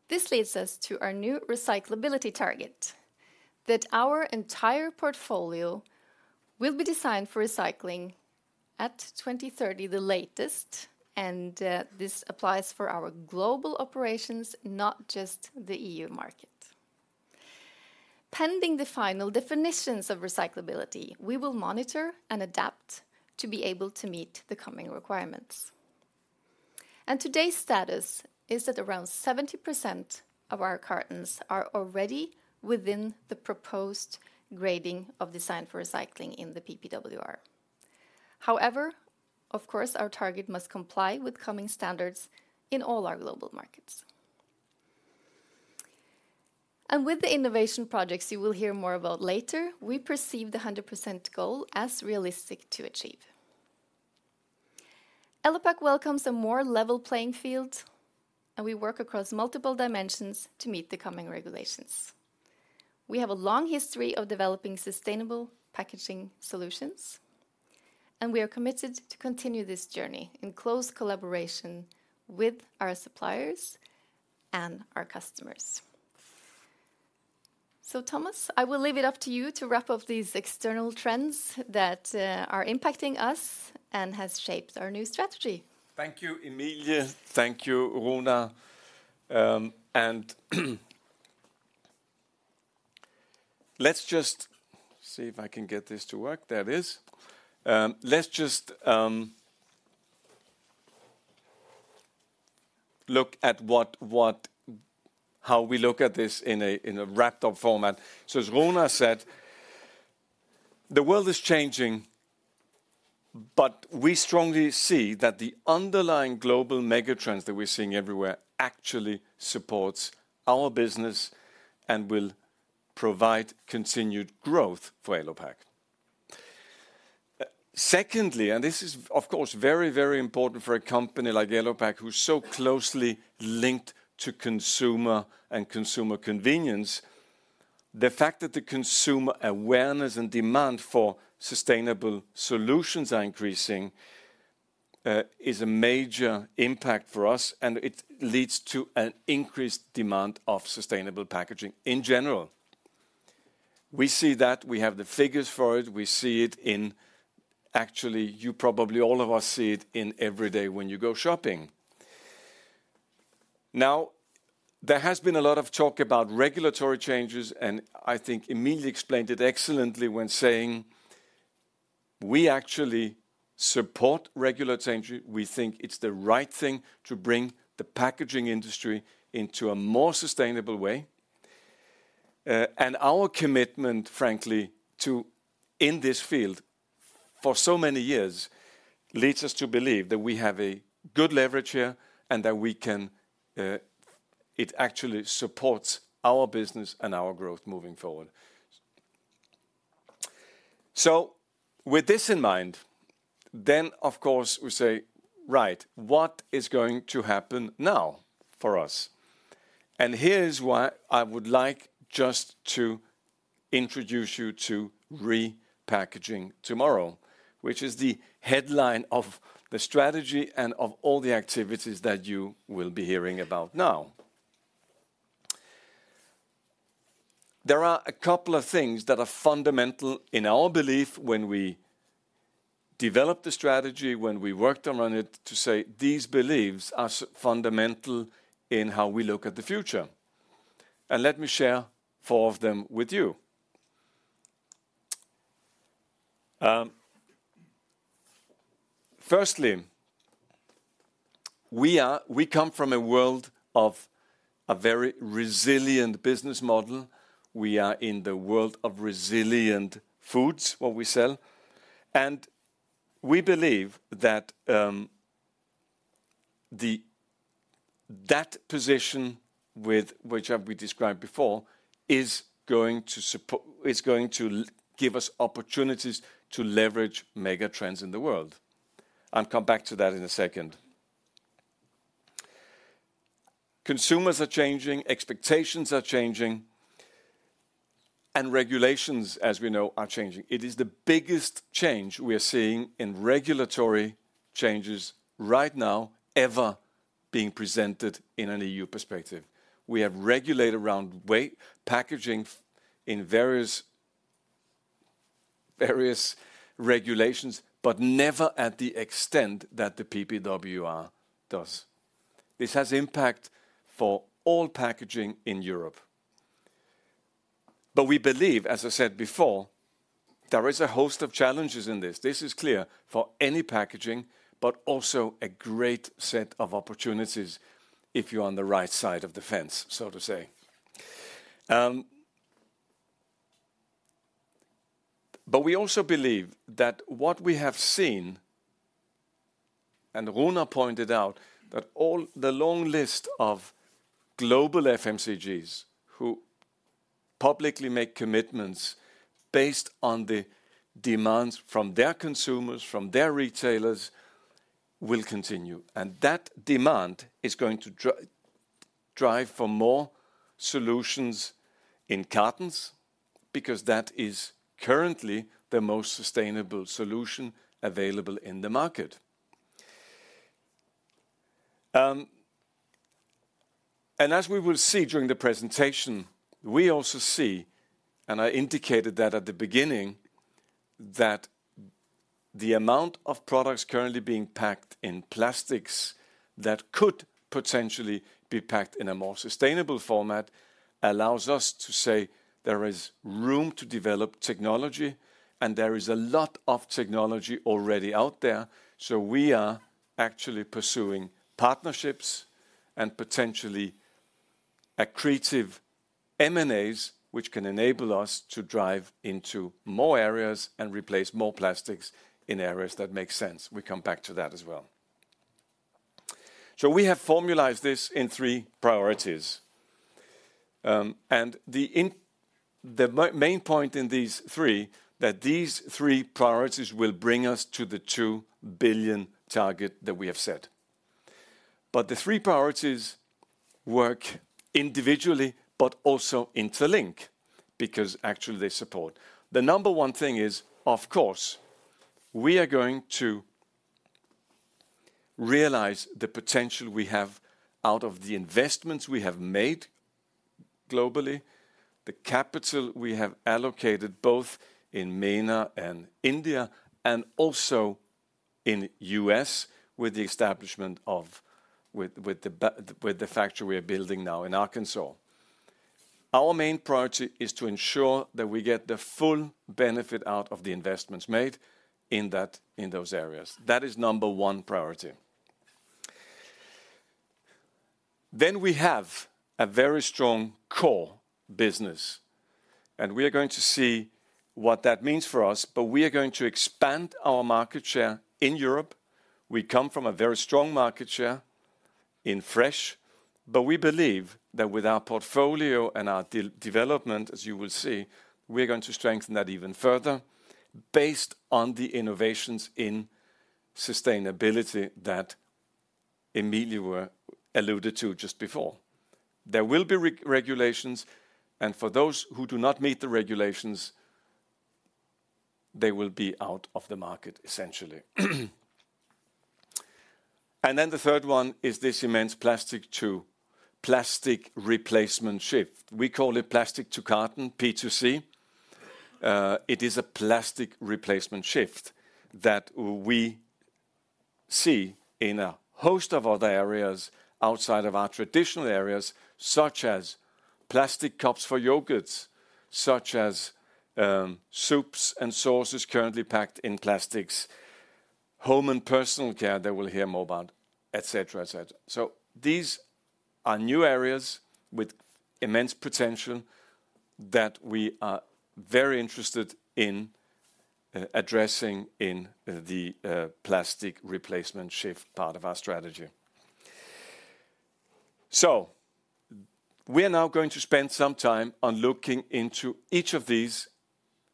This leads us to our new recyclability target, that our entire portfolio will be designed for recycling at 2030, the latest, and this applies for our global operations, not just the EU market. Pending the final definitions of recyclability, we will monitor and adapt to be able to meet the coming requirements. Today's status is that around 70% of our cartons are already within the proposed grading of design for recycling in the PPWR. However, of course, our target must comply with coming standards in all our global markets. And with the innovation projects you will hear more about later, we perceive the 100% goal as realistic to achieve. Elopak welcomes a more level playing field, and we work across multiple dimensions to meet the coming regulations. We have a long history of developing sustainable packaging solutions, and we are committed to continue this journey in close collaboration with our suppliers and our customers. So, Thomas, I will leave it up to you to wrap up these external trends that are impacting us and has shaped our new strategy. Thank you, Emilie. Thank you, Runar. And let's just see if I can get this to work. There it is. Let's just look at how we look at this in a wrapped-up format. So as Runar said, the world is changing, but we strongly see that the underlying global mega trends that we're seeing everywhere actually supports our business and will provide continued growth for Elopak. Secondly, and this is, of course, very, very important for a company like Elopak, who's so closely linked to consumer and consumer convenience. The fact that the consumer awareness and demand for sustainable solutions are increasing is a major impact for us, and it leads to an increased demand of sustainable packaging in general. We see that. We have the figures for it. Actually, you probably all of us see it every day when you go shopping. Now, there has been a lot of talk about regulatory changes, and I think Emilie explained it excellently when saying, "we actually support regulatory change. We think it's the right thing to bring the packaging industry into a more sustainable way." And our commitment, frankly, to in this field for so many years leads us to believe that we have a good leverage here and that we can. It actually supports our business and our growth moving forward. With this in mind, then, of course, we say, "Right, what is going to happen now for us?" And here is why I would like just to introduce you to Repackaging Tomorrow, which is the headline of the strategy and of all the activities that you will be hearing about now. There are a couple of things that are fundamental in our belief when we developed the strategy, when we worked on it, to say these beliefs are fundamental in how we look at the future. And let me share four of them with you. Firstly, we come from a world of a very resilient business model. We are in the world of resilient foods, what we sell, and we believe that, the, that position with which we described before is going to give us opportunities to leverage mega trends in the world. I'll come back to that in a second. Consumers are changing, expectations are changing, and regulations, as we know, are changing. It is the biggest change we are seeing in regulatory changes right now, being presented in an EU perspective. We have regulated around weight, packaging in various, various regulations, but never at the extent that the PPWR does. This has impact for all packaging in Europe. But we believe, as I said before, there is a host of challenges in this. This is clear for any packaging, but also a great set of opportunities if you're on the right side of the fence, so to say. But we also believe that what we have seen, and Runar pointed out, that all the long list of global FMCGs, who publicly make commitments based on the demands from their consumers, from their retailers, will continue, and that demand is going to drive for more solutions in cartons, because that is currently the most sustainable solution available in the market. And as we will see during the presentation, we also see, and I indicated that at the beginning, that the amount of products currently being packed in plastics that could potentially be packed in a more sustainable format, allows us to say there is room to develop technology, and there is a lot of technology already out there. So we are actually pursuing partnerships and potentially accretive M&As, which can enable us to drive into more areas and replace more plastics in areas that make sense. We come back to that as well, so we have formalized this in three priorities. And the main point in these three, that these three priorities will bring us to the two billion target that we have set, but the three priorities work individually, but also interlink, because actually they support. The number one thing is, of course, we are going to realize the potential we have out of the investments we have made globally, the capital we have allocated, both in MENA and India, and also in U.S., with the establishment of, with the factory we are building now in Arkansas. Our main priority is to ensure that we get the full benefit out of the investments made in that, in those areas. That is number one priority. We have a very strong core business, and we are going to see what that means for us, but we are going to expand our market share in Europe. We come from a very strong market share in fresh, but we believe that with our portfolio and our development, as you will see, we're going to strengthen that even further based on the innovations in sustainability that Emilie alluded to just before. There will be regulations, and for those who do not meet the regulations, they will be out of the market, essentially. The third one is this immense Plastic to Carton replacement shift. We call it Plastic to Carton, P2C. It is a plastic replacement shift that we see in a host of other areas outside of our traditional areas, such as plastic cups for yogurts, such as, soups and sauces currently packed in plastics, home and personal care, that we'll hear more about, et cetera, et cetera, so these are new areas with immense potential that we are very interested in, addressing in the, plastic replacement shift part of our strategy, so we are now going to spend some time on looking into each of these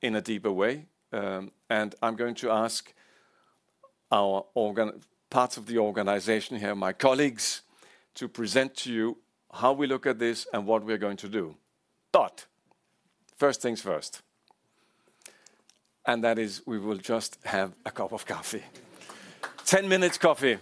in a deeper way, and I'm going to ask our parts of the organization here, my colleagues, to present to you how we look at this and what we are going to do. But first things first, and that is we will just have a cup of coffee. Ten minutes coffee.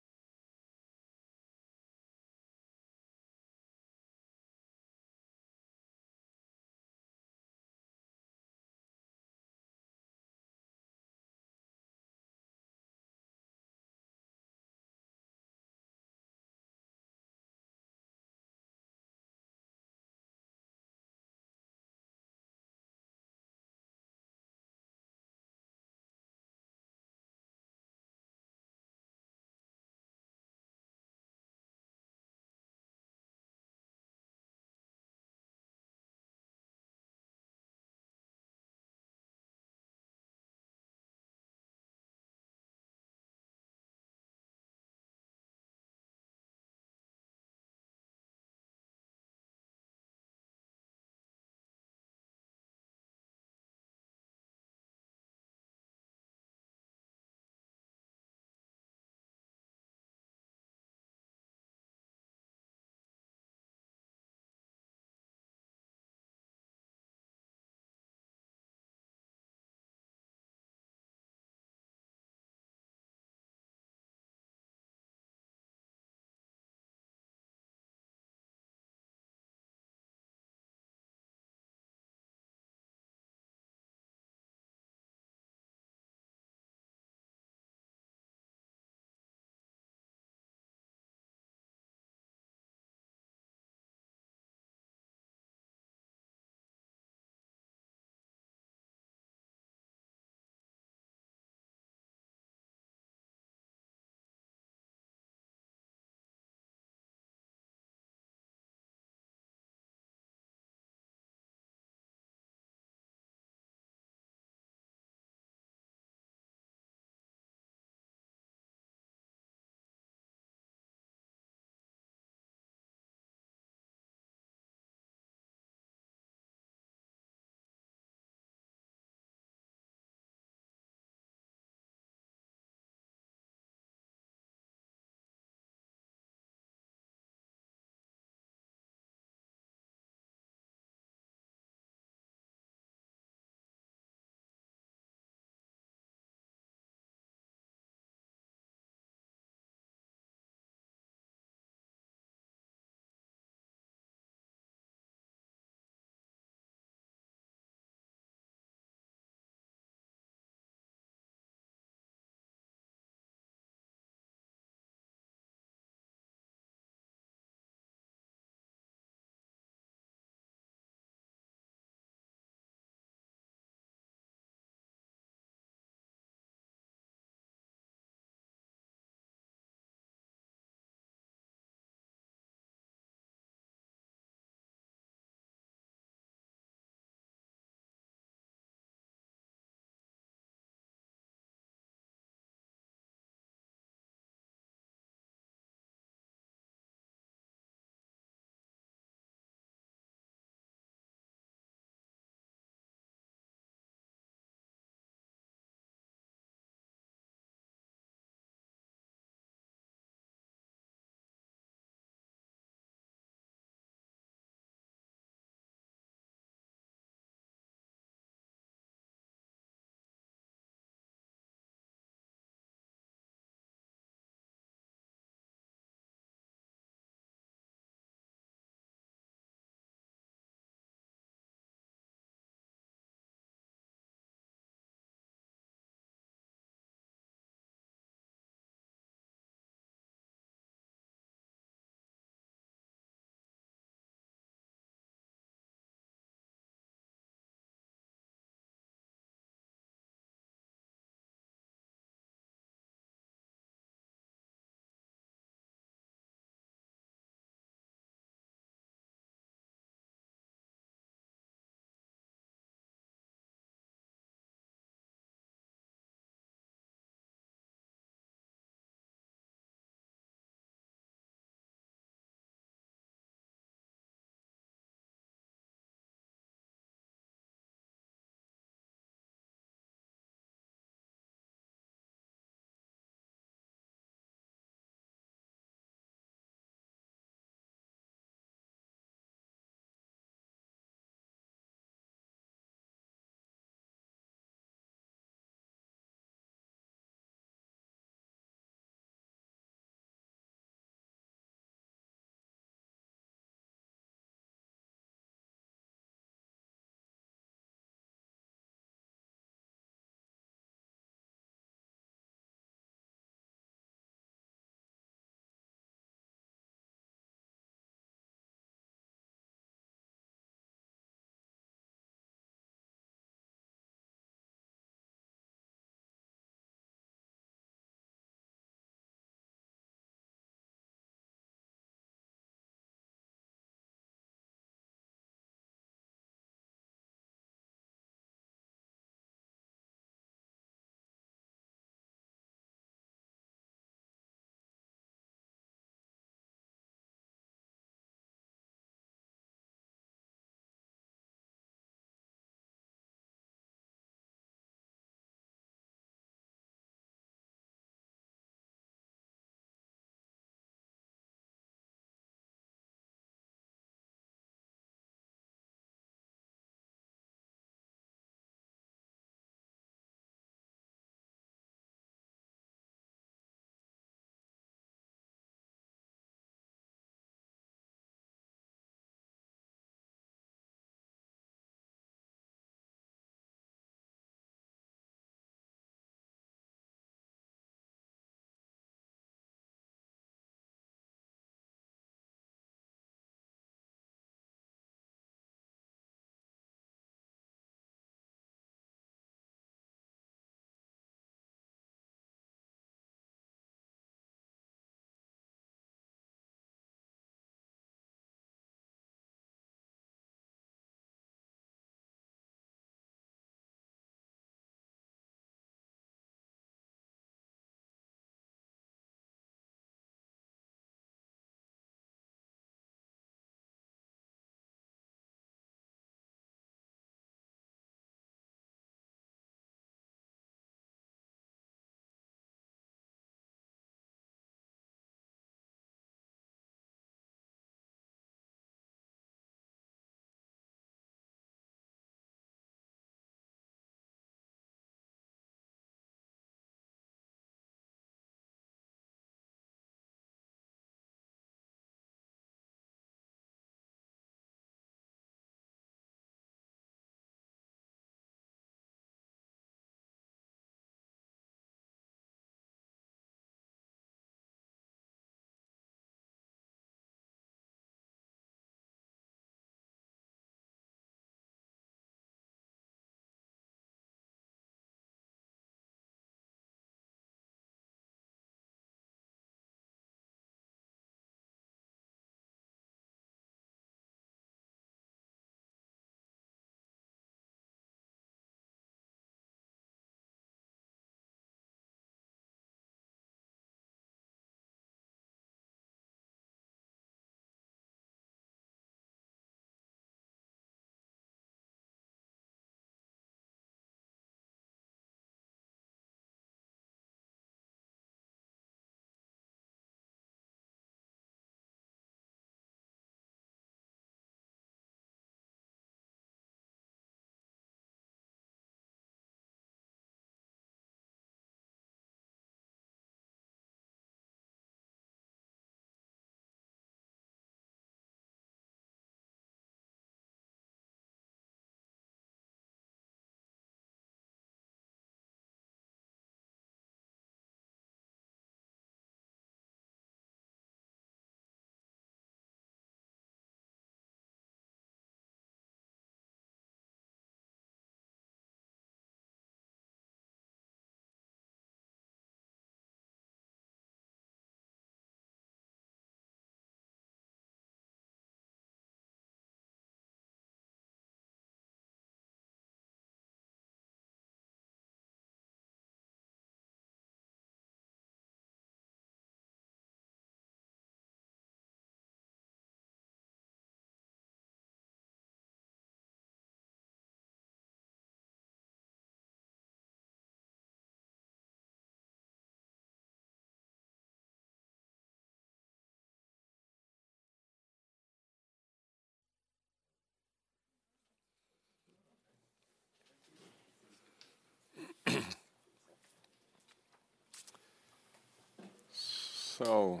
So...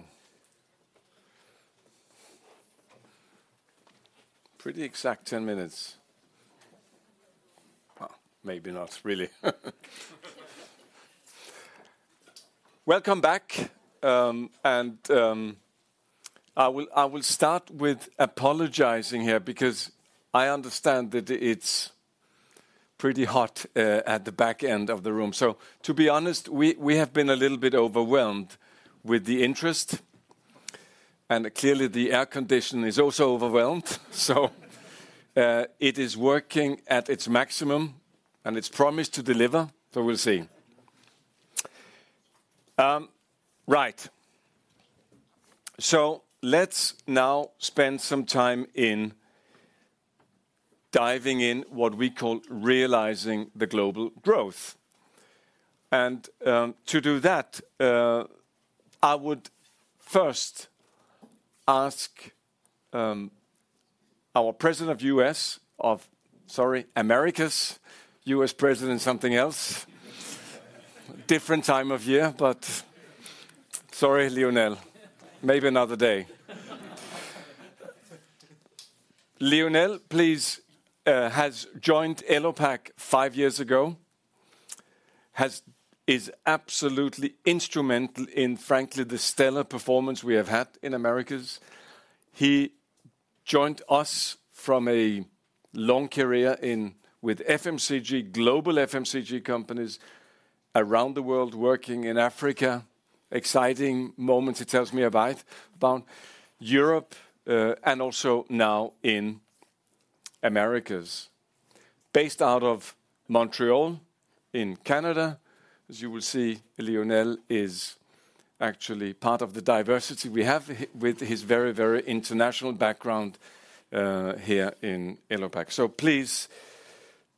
pretty exact ten minutes. Maybe not really. Welcome back, and I will start with apologizing here because I understand that it's pretty hot at the back end of the room. So to be honest, we have been a little bit overwhelmed with the interest, and clearly the air condition is also overwhelmed. So it is working at its maximum, and it's promised to deliver, so we'll see. Right. So let's now spend some time in diving in what we call realizing the global growth. To do that, I would first ask our president of US of... Sorry, Americas, US president something else. Different time of year, but sorry, Lionel. Maybe another day. Lionel, please, has joined Elopak five years ago, is absolutely instrumental in, frankly, the stellar performance we have had in Americas. He-... Joined us from a long career in, with FMCG, global FMCG companies around the world, working in Africa. Exciting moments, he tells me about, about Europe, and also now in Americas. Based out of Montreal in Canada. As you will see, Lionel is actually part of the diversity we have with his very, very international background, here in Elopak. So please,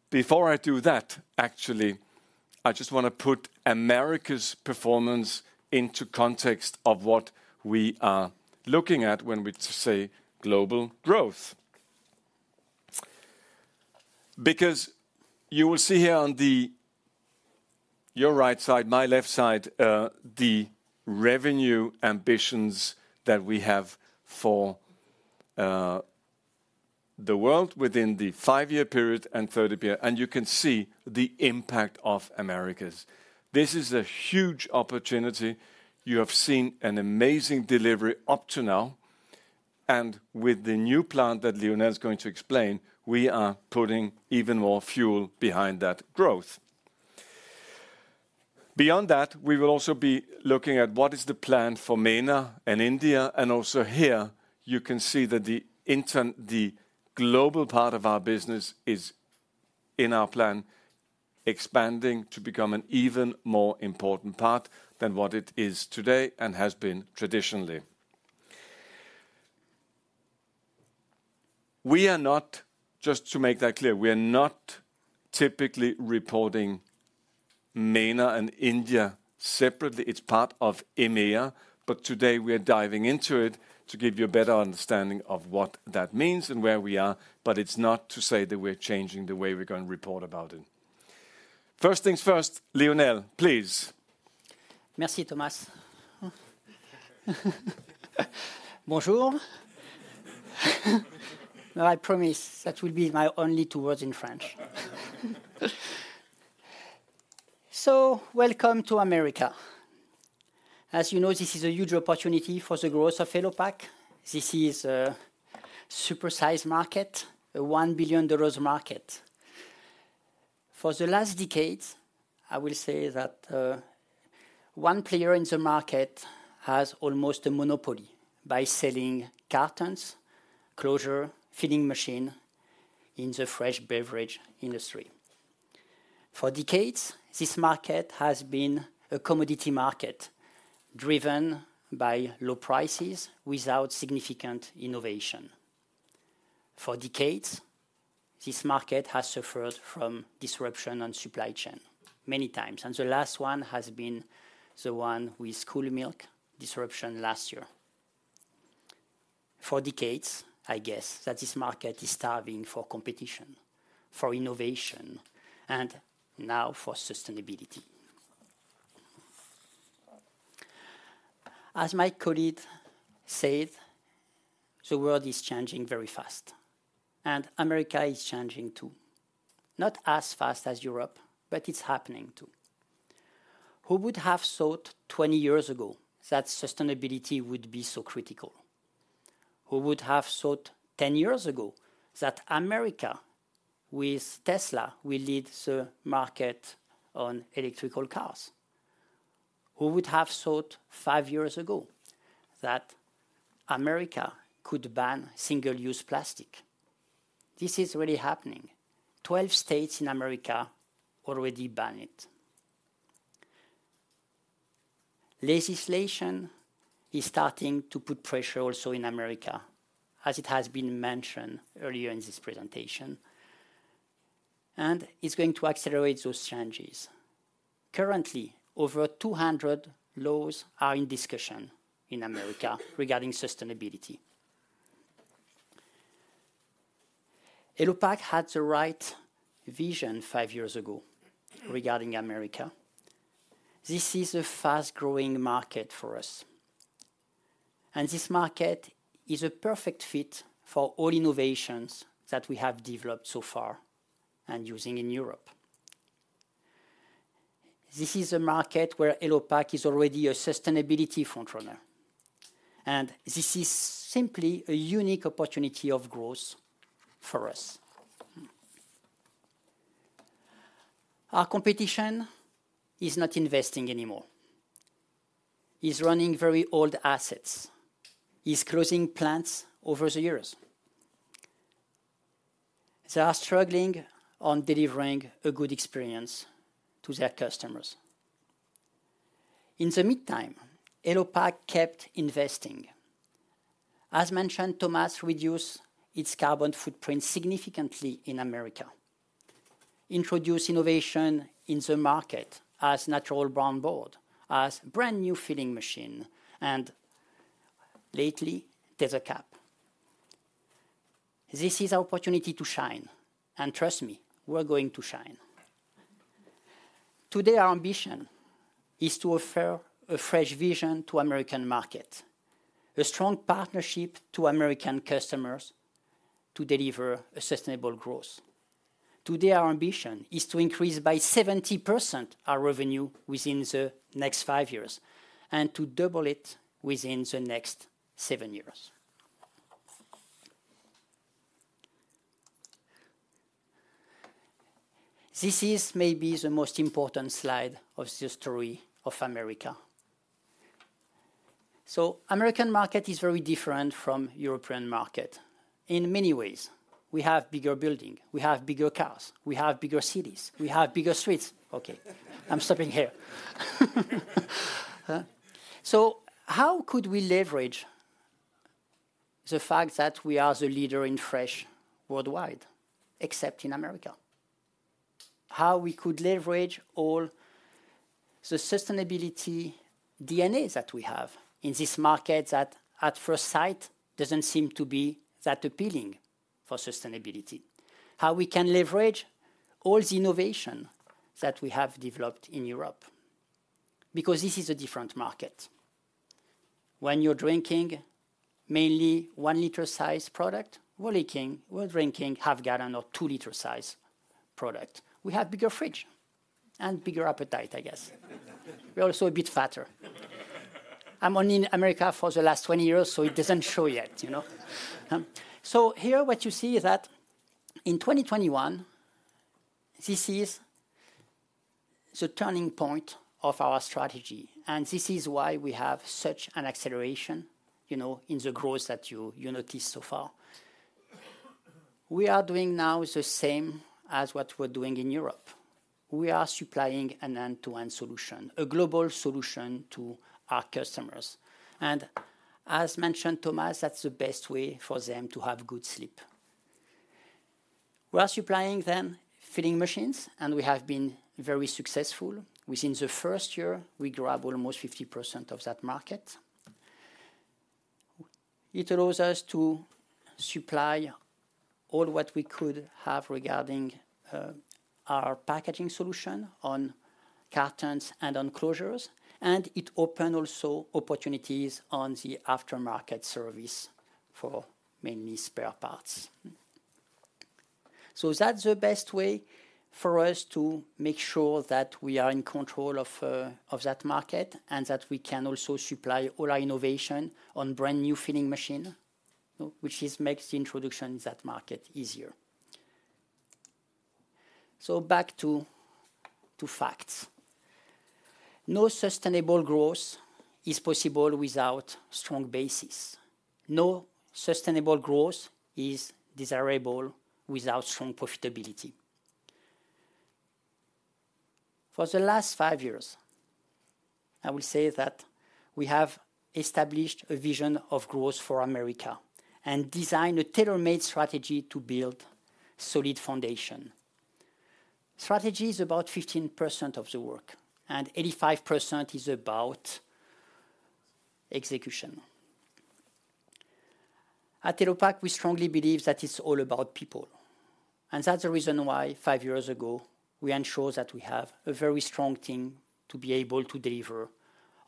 before I do that, actually, I just wanna put America's performance into context of what we are looking at when we say global growth. Because you will see here on the, your right side, my left side, the revenue ambitions that we have for, the world within the five-year period and there appear, and you can see the impact of Americas. This is a huge opportunity. You have seen an amazing delivery up to now, and with the new plant that Lionel is going to explain, we are putting even more fuel behind that growth. Beyond that, we will also be looking at what is the plan for MENA and India, and also here you can see that the global part of our business is, in our plan, expanding to become an even more important part than what it is today and has been traditionally. We are not, just to make that clear, we are not typically reporting MENA and India separately. It's part of EMEA, but today we are diving into it to give you a better understanding of what that means and where we are, but it's not to say that we're changing the way we're gonna report about it. First things first, Lionel, please. Merci, Thomas. Bonjour! No, I promise that will be my only two words in French. So welcome to America. As you know, this is a huge opportunity for the growth of Elopak. This is a super-sized market, a $1 billion market. For the last decades, I will say that one player in the market has almost a monopoly by selling cartons, closure, filling machine in the fresh beverage industry. For decades, this market has been a commodity market, driven by low prices without significant innovation. For decades, this market has suffered from disruption on supply chain many times, and the last one has been the one with school milk disruption last year. For decades, I guess, that this market is starving for competition, for innovation, and now for sustainability. As my colleague said, the world is changing very fast, and America is changing, too. Not as fast as Europe, but it's happening, too. Who would have thought 20 years ago that sustainability would be so critical? Who would have thought 10 years ago that America, with Tesla, will lead the market on electric cars? Who would have thought 5 years ago that America could ban single-use plastic? This is really happening. 12 states in America already ban it. Legislation is starting to put pressure also in America, as it has been mentioned earlier in this presentation, and it's going to accelerate those changes. Currently, over 200 laws are in discussion in America regarding sustainability. Elopak had the right vision 5 years ago regarding America. This is a fast-growing market for us, and this market is a perfect fit for all innovations that we have developed so far and using in Europe. This is a market where Elopak is already a sustainability frontrunner, and this is simply a unique opportunity of growth for us. Our competition is not investing anymore. It's running very old assets. It's closing plants over the years. They are struggling on delivering a good experience to their customers. In the meantime, Elopak kept investing. As mentioned, Thomas reduced its carbon footprint significantly in America, introduced innovation in the market as natural brown board, as brand-new filling machine, and lately, there's a cap. This is our opportunity to shine, and trust me, we're going to shine. Today, our ambition is to offer a fresh vision to American market, a strong partnership to American customers to deliver a sustainable growth.... Today our ambition is to increase by 70% our revenue within the next five years, and to double it within the next seven years. This is maybe the most important slide in the history of America. So American market is very different from European market in many ways. We have bigger building, we have bigger cars, we have bigger cities, we have bigger streets. Okay, I'm stopping here. So how could we leverage the fact that we are the leader in fresh worldwide, except in America? How we could leverage all the sustainability DNAs that we have in this market that at first sight, doesn't seem to be that appealing for sustainability? How we can leverage all the innovation that we have developed in Europe? Because this is a different market. When you're drinking mainly one-liter size product, we're drinking, we're drinking half gallon or two-liter size product. We have bigger fridge and bigger appetite, I guess. We're also a bit fatter. I'm only in America for the last 20 years, so it doesn't show yet, you know? So here what you see is that in 2021, this is the turning point of our strategy, and this is why we have such an acceleration, you know, in the growth that you notice so far. We are doing now the same as what we're doing in Europe. We are supplying an end-to-end solution, a global solution to our customers. And as mentioned, Thomas, that's the best way for them to have good sleep. We are supplying them filling machines, and we have been very successful. Within the first year, we grabbed almost 50% of that market. It allows us to supply all what we could have regarding our packaging solution on cartons and on closures, and it open also opportunities on the aftermarket service for mainly spare parts. That's the best way for us to make sure that we are in control of, of that market, and that we can also supply all our innovation on brand-new filling machine, which is makes the introduction in that market easier. Back to facts. No sustainable growth is possible without strong basis. No sustainable growth is desirable without strong profitability. For the last five years, I will say that we have established a vision of growth for America, and designed a tailor-made strategy to build solid foundation. Strategy is about 15% of the work, and 85% is about execution. At Elopak, we strongly believe that it's all about people, and that's the reason why, five years ago, we ensure that we have a very strong team to be able to deliver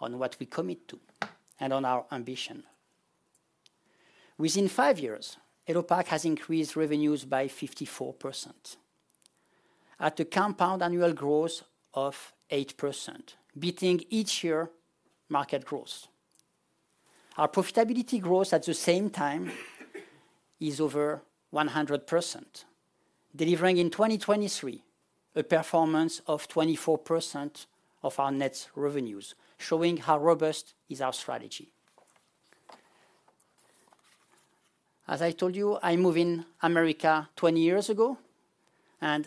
on what we commit to and on our ambition. Within five years, Elopak has increased revenues by 54%, at a compound annual growth of 8%, beating each year market growth. Our profitability growth, at the same time, is over 100%, delivering in 2023 a performance of 24% of our net revenues, showing how robust is our strategy. As I told you, I move in America 20 years ago, and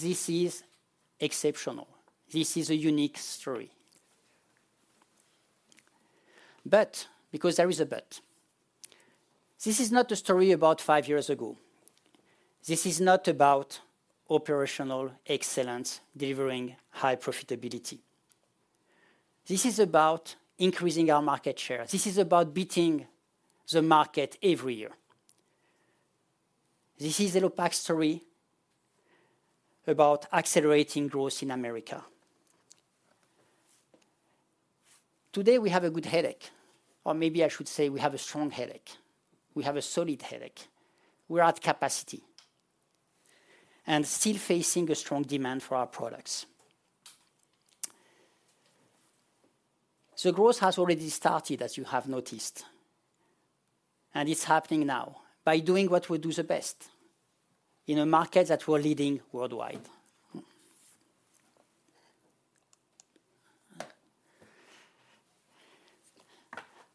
this is exceptional. This is a unique story. But because there is a but, this is not a story about five years ago. This is not about operational excellence, delivering high profitability. This is about increasing our market share. This is about beating the market every year. This is Elopak's story about accelerating growth in America. Today, we have a good headache, or maybe I should say we have a strong headache. We have a solid headache. We're at capacity, and still facing a strong demand for our products. So growth has already started, as you have noticed, and it's happening now by doing what we do the best in a market that we're leading worldwide.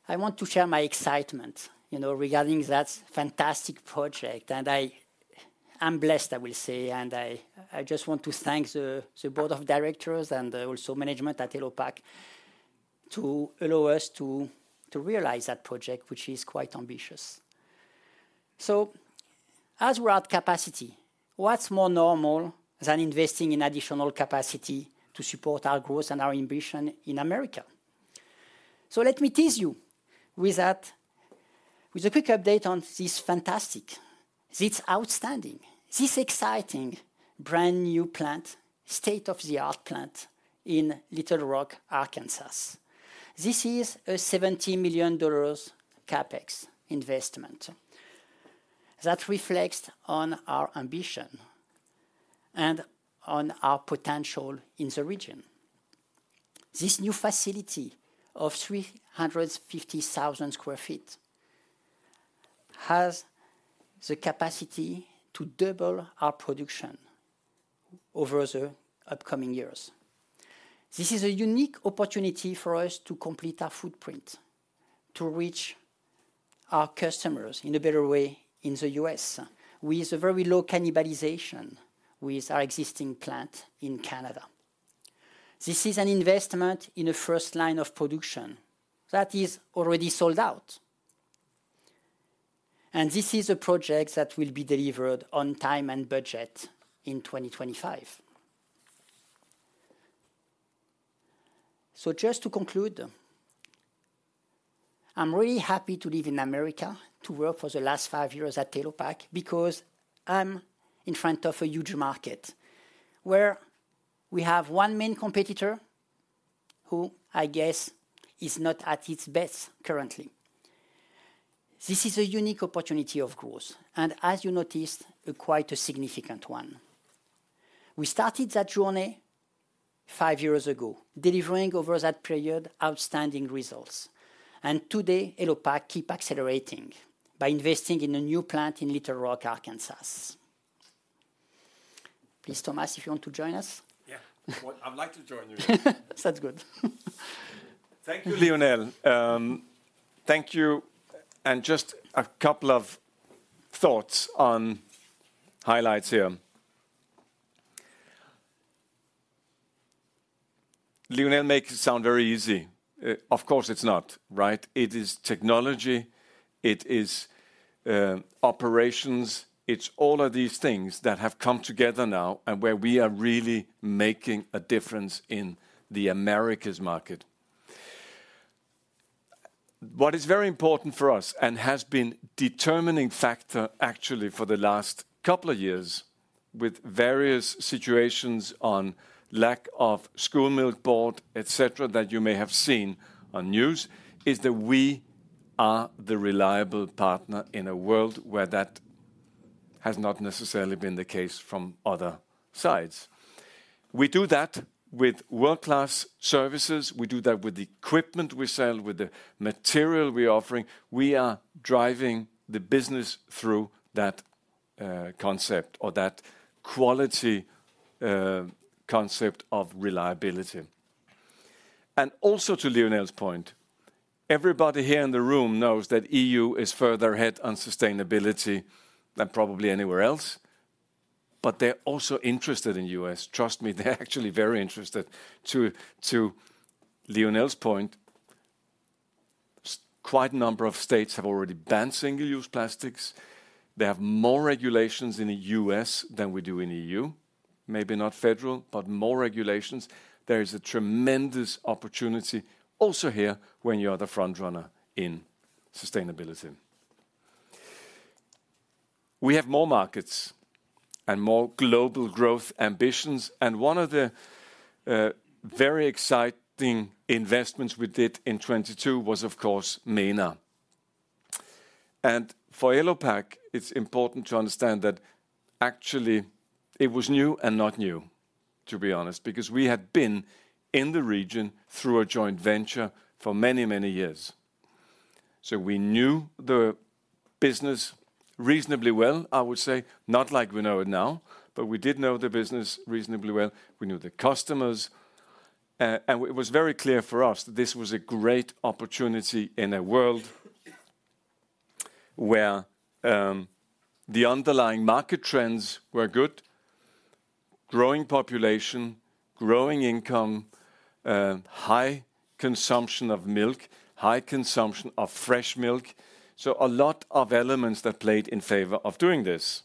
I want to share my excitement, you know, regarding that fantastic project, and I'm blessed, I will say, and I just want to thank the board of directors and also management at Elopak, to allow us to realize that project, which is quite ambitious. So as we're at capacity, what's more normal than investing in additional capacity to support our growth and our ambition in America? So let me tease you with that, with a quick update on this fantastic, this outstanding, this exciting, brand-new plant, state-of-the-art plant in Little Rock, Arkansas. This is a $70 million CapEx investment. That reflects on our ambition and on our potential in the region. This new facility of 350,000 sq ft has the capacity to double our production over the upcoming years. This is a unique opportunity for us to complete our footprint, to reach our customers in a better way in the US, with a very low cannibalization with our existing plant in Canada. This is an investment in a first line of production that is already sold out, and this is a project that will be delivered on time and budget in 2025. Just to conclude, I'm really happy to live in America, to work for the last five years at Elopak, because I'm in front of a huge market, where we have one main competitor, who I guess is not at its best currently. This is a unique opportunity, of course, and as you noticed, a quite significant one. We started that journey five years ago, delivering over that period, outstanding results and today, Elopak keep accelerating by investing in a new plant in Little Rock, Arkansas. Please, Thomas, if you want to join us. Yeah. Well, I'd like to join you. That's good. Thank you, Lionel. Thank you, and just a couple of thoughts on highlights here. Lionel make it sound very easy. Of course, it's not, right? It is technology, it is operations, it's all of these things that have come together now and where we are really making a difference in the Americas market. What is very important for us and has been determining factor, actually, for the last couple of years, with various situations on lack of school milk board, et cetera, that you may have seen on news, is that we are the reliable partner in a world where that has not necessarily been the case from other sides. We do that with world-class services, we do that with the equipment we sell, with the material we're offering. We are driving the business through that concept or that quality concept of reliability. Also to Lionel's point, everybody here in the room knows that E.U. is further ahead on sustainability than probably anywhere else, but they're also interested in U.S. Trust me, they're actually very interested. To Lionel's point, quite a number of states have already banned single-use plastics. They have more regulations in the U.S. than we do in E.U. Maybe not federal, but more regulations. There is a tremendous opportunity also here when you are the front runner in sustainability. We have more markets and more global growth ambitions, and one of the very exciting investments we did in 2022 was, of course, MENA. And for Elopak, it is important to understand that actually it was new and not new, to be honest, because we had been in the region through a joint venture for many, many years. So we knew the business reasonably well, I would say. Not like we know it now, but we did know the business reasonably well. We knew the customers, and it was very clear for us that this was a great opportunity in a world where the underlying market trends were good: growing population, growing income, high consumption of milk, high consumption of fresh milk. So a lot of elements that played in favor of doing this.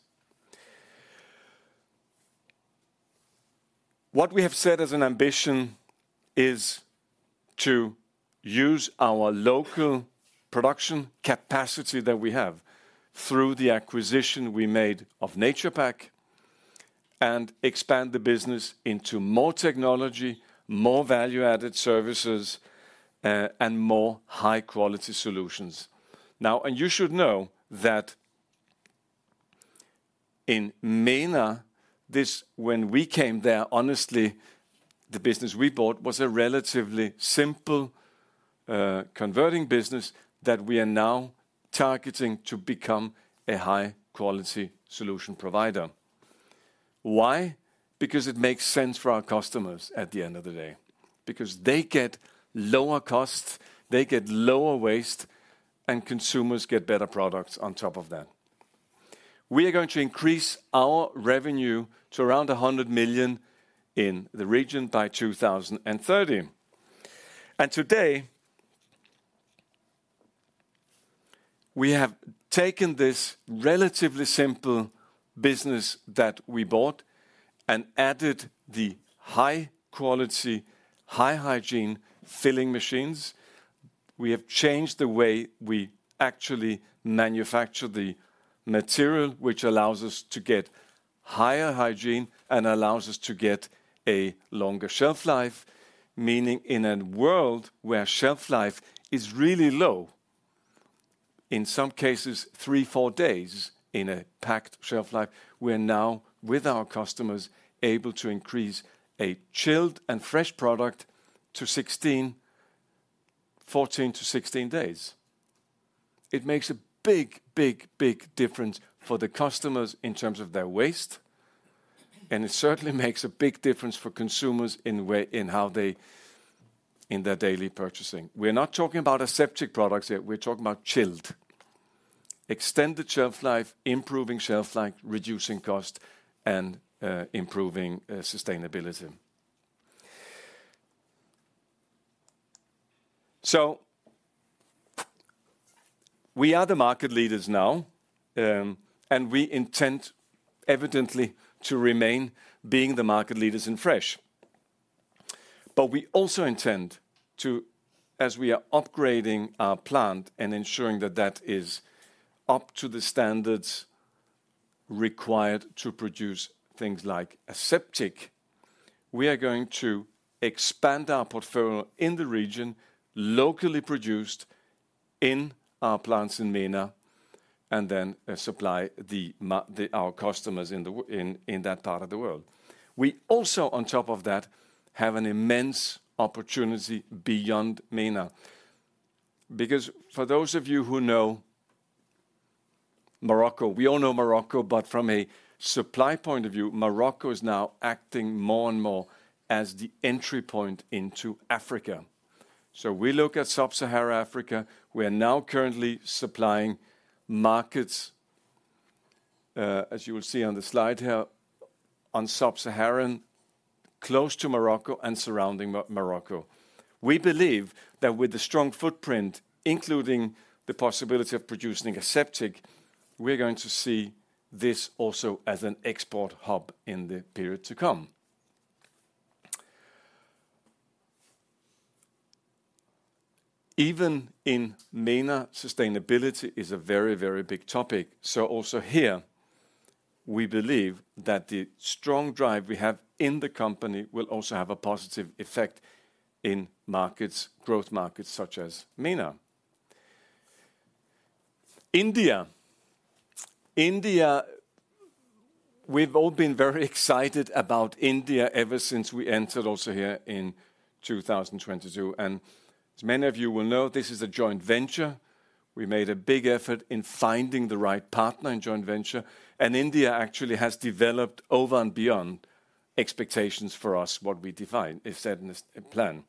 What we have said as an ambition is to use our local production capacity that we have through the acquisition we made of Naturepak, and expand the business into more technology, more value-added services, and more high-quality solutions. Now, and you should know that in MENA, this, when we came there, honestly, the business we bought was a relatively simple converting business that we are now targeting to become a high-quality solution provider. Why? Because it makes sense for our customers at the end of the day. Because they get lower costs, they get lower waste, and consumers get better products on top of that. We are going to increase our revenue to around 100 million in the region by 2030. And today, we have taken this relatively simple business that we bought and added the high quality, high hygiene filling machines. We have changed the way we actually manufacture the material, which allows us to get... Higher hygiene and allows us to get a longer shelf life, meaning in a world where shelf life is really low, in some cases, three, four days in an in-pack shelf life. We're now, with our customers, able to increase a chilled and fresh product to 14 days-16 days. It makes a big, big, big difference for the customers in terms of their waste, and it certainly makes a big difference for consumers in a way, in how they, in their daily purchasing. We're not talking about aseptic products here, we're talking about chilled. Extended shelf life, improving shelf life, reducing cost, and improving sustainability. We are the market leaders now, and we intend evidently to remain being the market leaders in fresh. We also intend to, as we are upgrading our plant and ensuring that that is up to the standards required to produce things like aseptic, expand our portfolio in the region, locally produced in our plants in MENA, and then supply the, our customers in, in that part of the world. We also, on top of that, have an immense opportunity beyond MENA. Because for those of you who know Morocco, we all know Morocco, but from a supply point of view, Morocco is now acting more and more as the entry point into Africa. So we look at Sub-Saharan Africa, we are now currently supplying markets, as you will see on the slide here, on Sub-Saharan, close to Morocco and surrounding Morocco. We believe that with a strong footprint, including the possibility of producing aseptic, we're going to see this also as an export hub in the period to come. Even in MENA, sustainability is a very, very big topic. So also here, we believe that the strong drive we have in the company will also have a positive effect in markets, growth markets such as MENA. India. India, we've all been very excited about India ever since we entered also here in 2022, and as many of you will know, this is a joint venture. We made a big effort in finding the right partner in joint venture, and India actually has developed over and beyond expectations for us, what we defined, if set in a plan.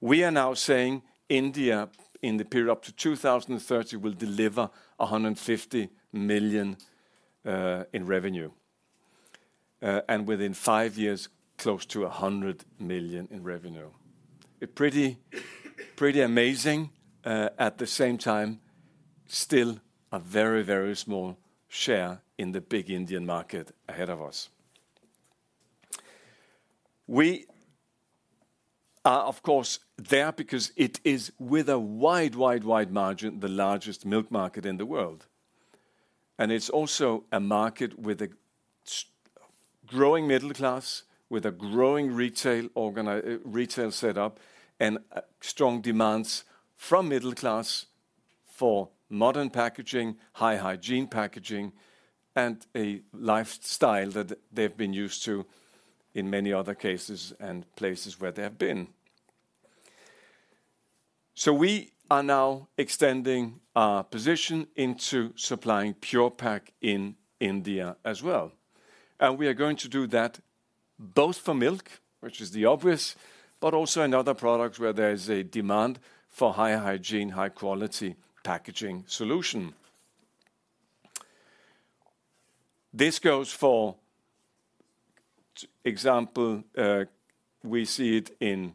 We are now saying India, in the period up to 2030, will deliver 150 million in revenue, and within 5 years, close to 100 million in revenue. A pretty amazing, at the same time, still a very small share in the big Indian market ahead of us. We are, of course, there because it is with a wide margin, the largest milk market in the world, and it's also a market with a growing middle class, with a growing retail set up, and strong demands from middle class for modern packaging, high hygiene packaging, and a lifestyle that they've been used to in many other cases and places where they have been. So we are now extending our position into supplying Pure-Pak in India as well, and we are going to do that both for milk, which is the obvious, but also in other products where there is a demand for higher hygiene, high-quality packaging solution. This goes for example, we see it in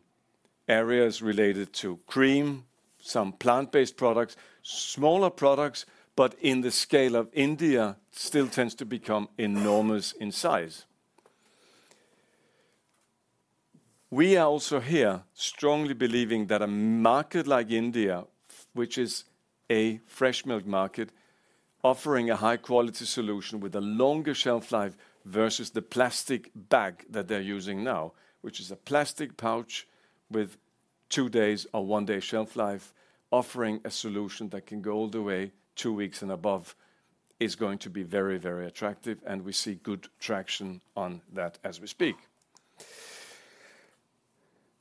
areas related to cream, some plant-based products, smaller products, but in the scale of India, still tends to become enormous in size. We are also here strongly believing that a market like India, which is a fresh milk market, offering a high-quality solution with a longer shelf life versus the plastic bag that they're using now, which is a plastic pouch with two days or one-day shelf life, offering a solution that can go all the way, two weeks and above, is going to be very, very attractive, and we see good traction on that as we speak.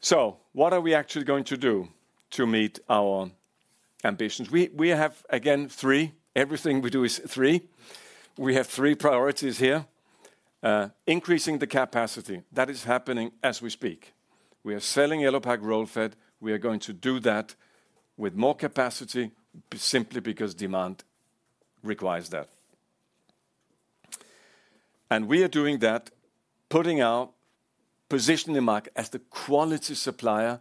So what are we actually going to do to meet our ambitions? We have, again, three. Everything we do is three. We have three priorities here. Increasing the capacity, that is happening as we speak. We are selling Elopak Roll-fed. We are going to do that with more capacity, simply because demand requires that. We are doing that, putting our position in the market as the quality supplier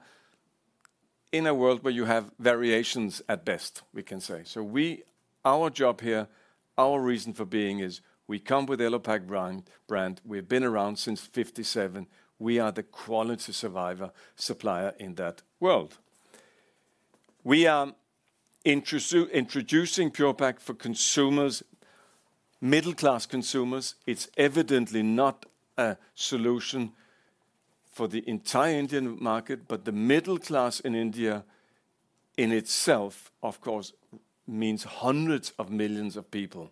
in a world where you have variations at best, we can say. Our job here, our reason for being is we come with Elopak brand. We've been around since 1957. We are the quality supplier in that world. We are introducing Pure-Pak for consumers, middle-class consumers. It's evidently not a solution for the entire Indian market, but the middle class in India, in itself, of course, means hundreds of millions of people.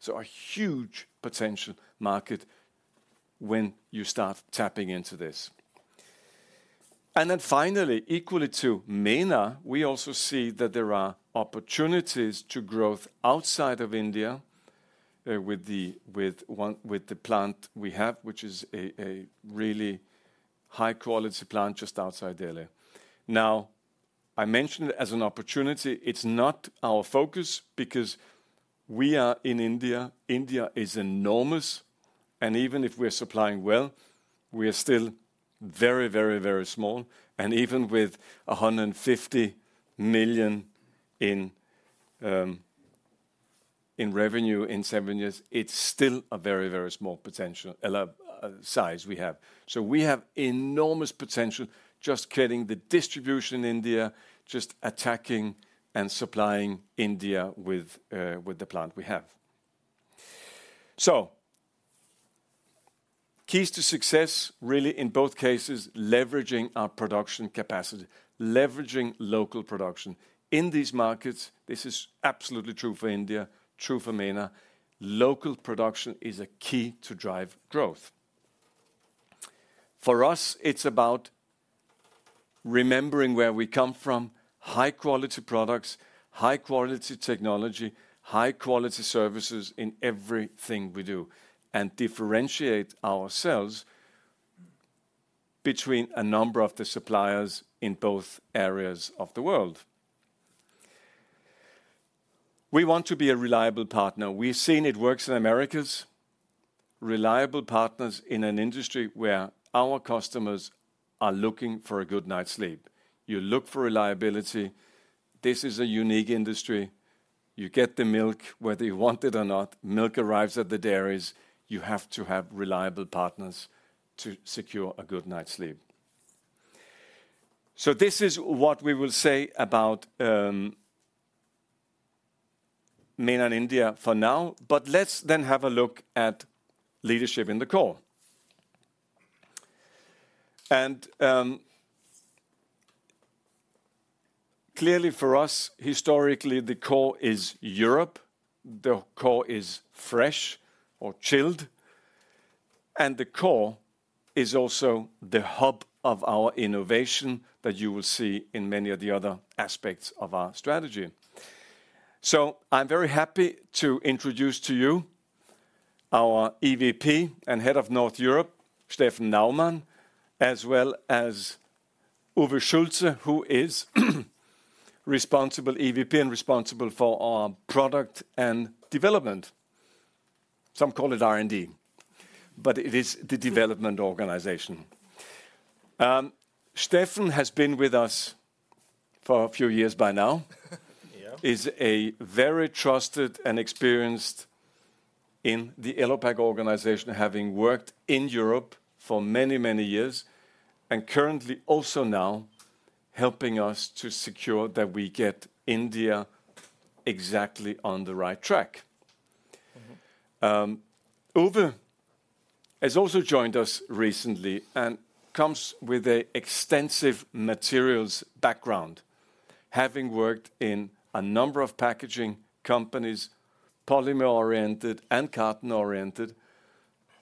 So a huge potential market when you start tapping into this. Then finally, equally to MENA, we also see that there are opportunities to growth outside of India with the plant we have, which is a really high-quality plant just outside Delhi. Now, I mentioned it as an opportunity. It's not our focus because we are in India. India is enormous, and even if we're supplying well, we are still very, very, very small, and even with 150 million in revenue in seven years, it's still a very, very small potential size we have. So we have enormous potential just getting the distribution in India, just attacking and supplying India with the plant we have. So, keys to success, really, in both cases, leveraging our production capacity, leveraging local production. In these markets, this is absolutely true for India, true for MENA. Local production is a key to drive growth. For us, it's about remembering where we come from, high-quality products, high-quality technology, high-quality services in everything we do, and differentiate ourselves between a number of the suppliers in both areas of the world. We want to be a reliable partner. We've seen it works in Americas. Reliable partners in an industry where our customers are looking for a good night's sleep. You look for reliability. This is a unique industry. You get the milk, whether you want it or not, milk arrives at the dairies. You have to have reliable partners to secure a good night's sleep. So this is what we will say about MENA and India for now, but let's then have a look at leadership in the core, and clearly, for us, historically, the core is Europe, the core is fresh or chilled, and the core is also the hub of our innovation that you will see in many of the other aspects of our strategy. I'm very happy to introduce to you our EVP and Head of North Europe, Stephen Naumann, as well as Uwe Schulze, who is our EVP responsible for our product and development. Some call it R&D, but it is the development organization. Stephen has been with us for a few years by now. Yeah. Is a very trusted and experienced in the Elopak organization, having worked in Europe for many, many years, and currently also now helping us to secure that we get India exactly on the right track. Mm-hmm. Has also joined us recently and comes with an extensive materials background, having worked in a number of packaging companies, polymer-oriented and carton-oriented,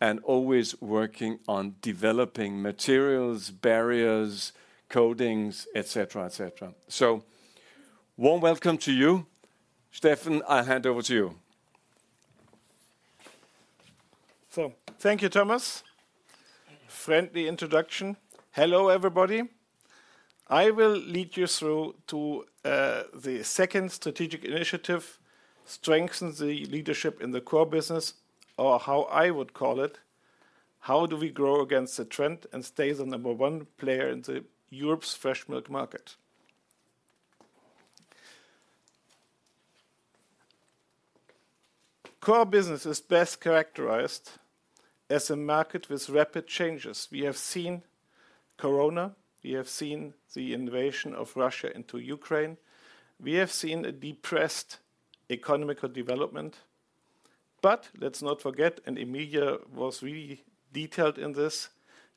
and always working on developing materials, barriers, coatings, et cetera, et cetera. So, warm welcome to you. Steffen, I'll hand over to you. So thank you, Thomas. Friendly introduction. Hello, everybody. I will lead you through to the second strategic initiative, strengthen the leadership in the core business, or how I would call it, how do we grow against the trend and stay the number one player in Europe's fresh milk market? Core business is best characterized as a market with rapid changes. We have seen Corona, we have seen the invasion of Russia into Ukraine, we have seen a depressed economic development. But let's not forget, and Emilie was really detailed in this,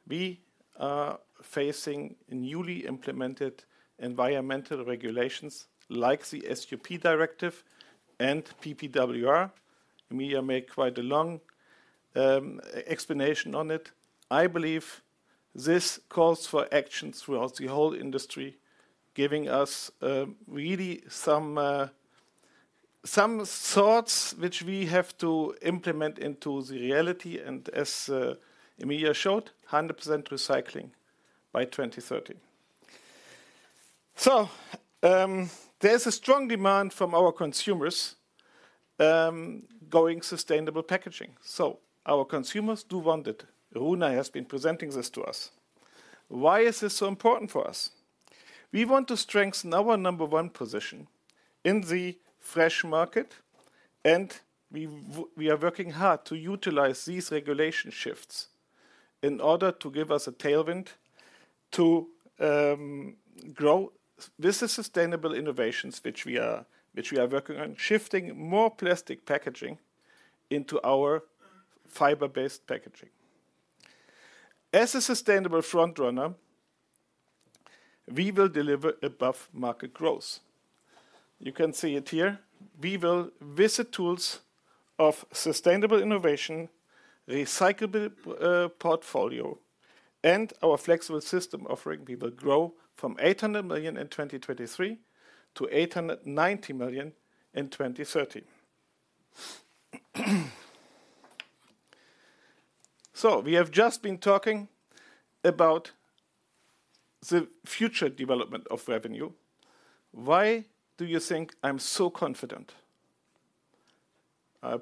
we are facing newly implemented environmental regulations like the SUP Directive and PPWR. Emilie made quite a long explanation on it. I believe this calls for action throughout the whole industry, giving us really some thoughts which we have to implement into the reality, and as Emilie showed, 100% recycling by 2030. So there is a strong demand from our consumers going sustainable packaging, so our consumers do want it. Runar has been presenting this to us. Why is this so important for us? We want to strengthen our number one position in the fresh market, and we are working hard to utilize these regulation shifts in order to give us a tailwind to grow. This is sustainable innovations, which we are working on, shifting more plastic packaging into our fiber-based packaging. As a sustainable front runner, we will deliver above-market growth. You can see it here. We will, with the tools of sustainable innovation, recyclable portfolio, and our flexible system offering, we will grow from 800 million in 2023 to 890 million in 2030. So we have just been talking about the future development of revenue. Why do you think I'm so confident?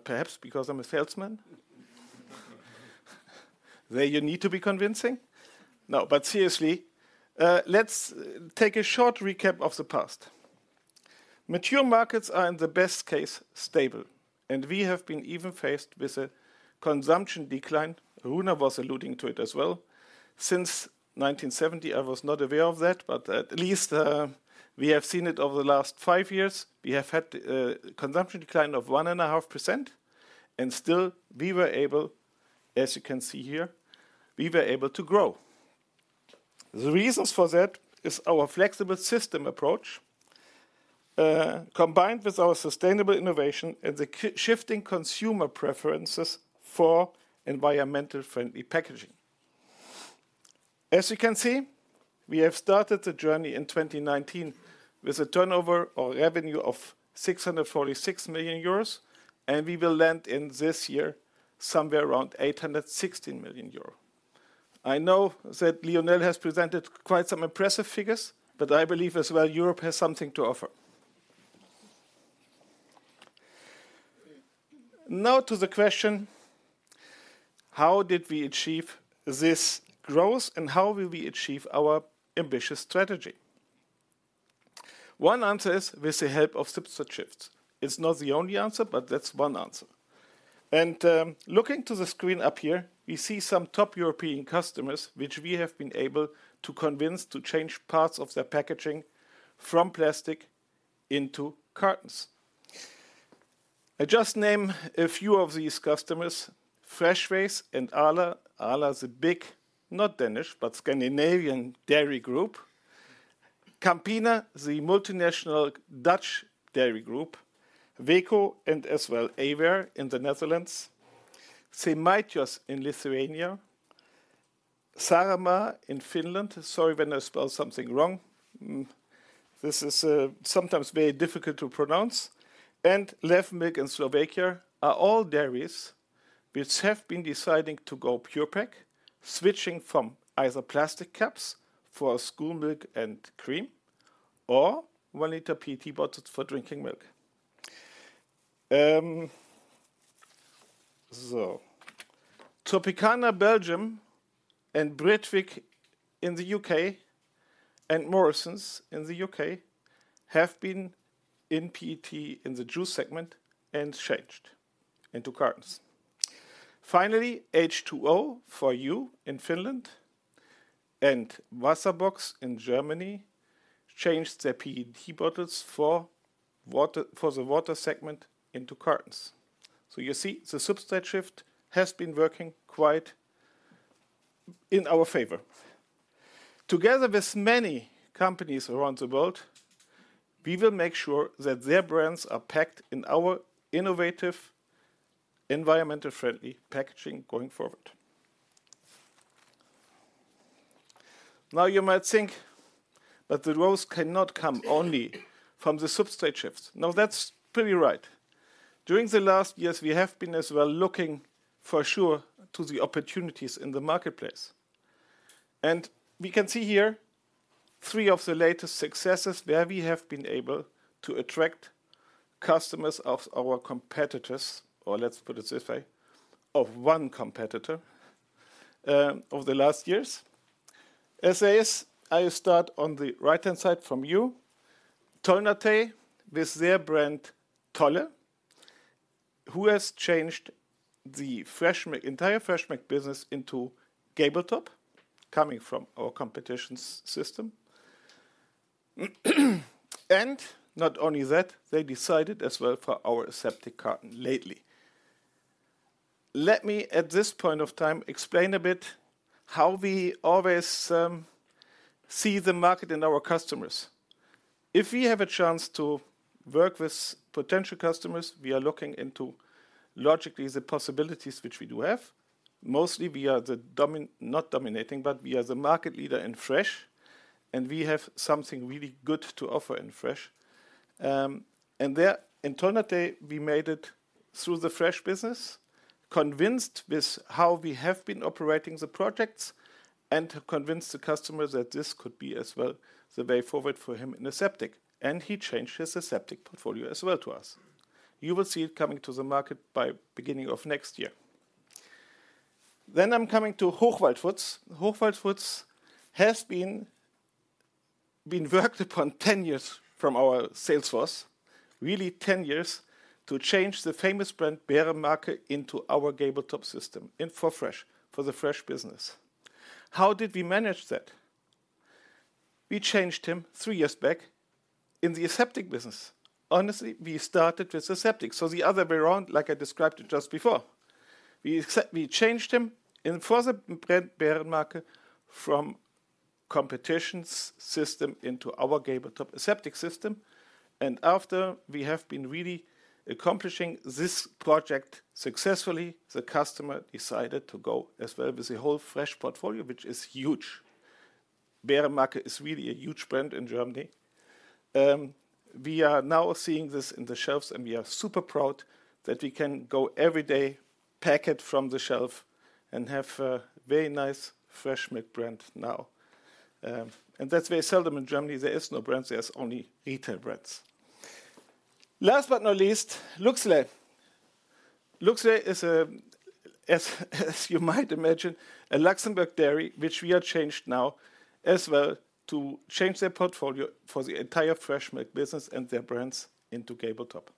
Perhaps because I'm a salesman? There, you need to be convincing. No, but seriously, let's take a short recap of the past. Mature markets are, in the best case, stable, and we have been even faced with a consumption decline. Runar was alluding to it as well. Since 1970, I was not aware of that, but at least, we have seen it over the last five years. We have had consumption decline of 1.5%, and still we were able, as you can see here, we were able to grow. The reasons for that is our flexible system approach, combined with our sustainable innovation and the shifting consumer preferences for environmentally friendly packaging. As you can see, we have started the journey in 2019 with a turnover or revenue of 646 million euros, and we will land in this year somewhere around 816 million euros. I know that Lionel has presented quite some impressive figures, but I believe as well Europe has something to offer. Now, to the question: How did we achieve this growth, and how will we achieve our ambitious strategy? One answer is with the help of substrate shifts. It's not the only answer, but that's one answer. Looking to the screen up here, we see some top European customers which we have been able to convince to change parts of their packaging from plastic into cartons. I just name a few of these customers, Freshways and Arla. Arla is a big, not Danish, but Scandinavian dairy group. Campina, the multinational Dutch dairy group, Veko, and as well, A-ware in the Netherlands. Žemaitijos in Lithuania, Saaremaa in Finland. Sorry when I spell something wrong. This is sometimes very difficult to pronounce. Levmilk in Slovakia are all dairies which have been deciding to go Pure-Pak, switching from either plastic cups for school milk and cream or one liter PET bottles for drinking milk. Tropicana Belgium and Britvic in the U.K., and Morrisons in the U.K., have been in PET in the juice segment and changedinto cartons. Finally, H2O for you in Finland and Waterbox in Germany changed their PET bottles for water, for the water segment into cartons, so you see, the substrate shift has been working quite in our favor. Together with many companies around the world, we will make sure that their brands are packed in our innovative, environmentally friendly packaging going forward. Now, you might think that the growth cannot come only from the substrate shifts. Now, that's pretty right. During the last years, we have been as well looking for sure to the opportunities in the marketplace, and we can see here three of the latest successes where we have been able to attract customers of our competitors, or let's put it this way, of one competitor, over the last years. as I start on the right-hand side from you, Tolnatej, with their brand, Tolle, who has changed the entire fresh milk business into gable top, coming from our competition's system. And not only that, they decided as well for our aseptic carton lately. Let me, at this point of time, explain a bit how we always see the market and our customers. If we have a chance to work with potential customers, we are looking into, logically, the possibilities which we do have. Mostly, we are not dominating, but we are the market leader in fresh, and we have something really good to offer in fresh. And there, in Tolnatej, we made it through the fresh business, convinced with how we have been operating the projects and convinced the customer that this could be as well the way forward for him in aseptic, and he changed his aseptic portfolio as well to us. You will see it coming to the market by beginning of next year. Then I'm coming to Hochwald Foods. Hochwald Foods has been worked upon ten years from our sales force, really ten years, to change the famous brand, Bärenmarke, into our gable top system in for fresh, for the fresh business. How did we manage that? We changed him three years back in the aseptic business. Honestly, we started with aseptic, so the other way around, like I described it just before. We changed them in for the brand Bärenmarke from competitors' system into our gable top aseptic system, and after we have been really accomplishing this project successfully, the customer decided to go as well with the whole fresh milk portfolio, which is huge. Bärenmarke is really a huge brand in Germany. We are now seeing this in the shelves, and we are super proud that we can go every day, pick it from the shelf, and have a very nice fresh milk brand now. And that's very seldom in Germany. There is no brands, there is only retail brands. Last but not least, Luxlait. Luxlait is a, as you might imagine, a Luxembourg dairy, which we have changed now as well to change their portfolio for the entire fresh milk business and their brands into gable top.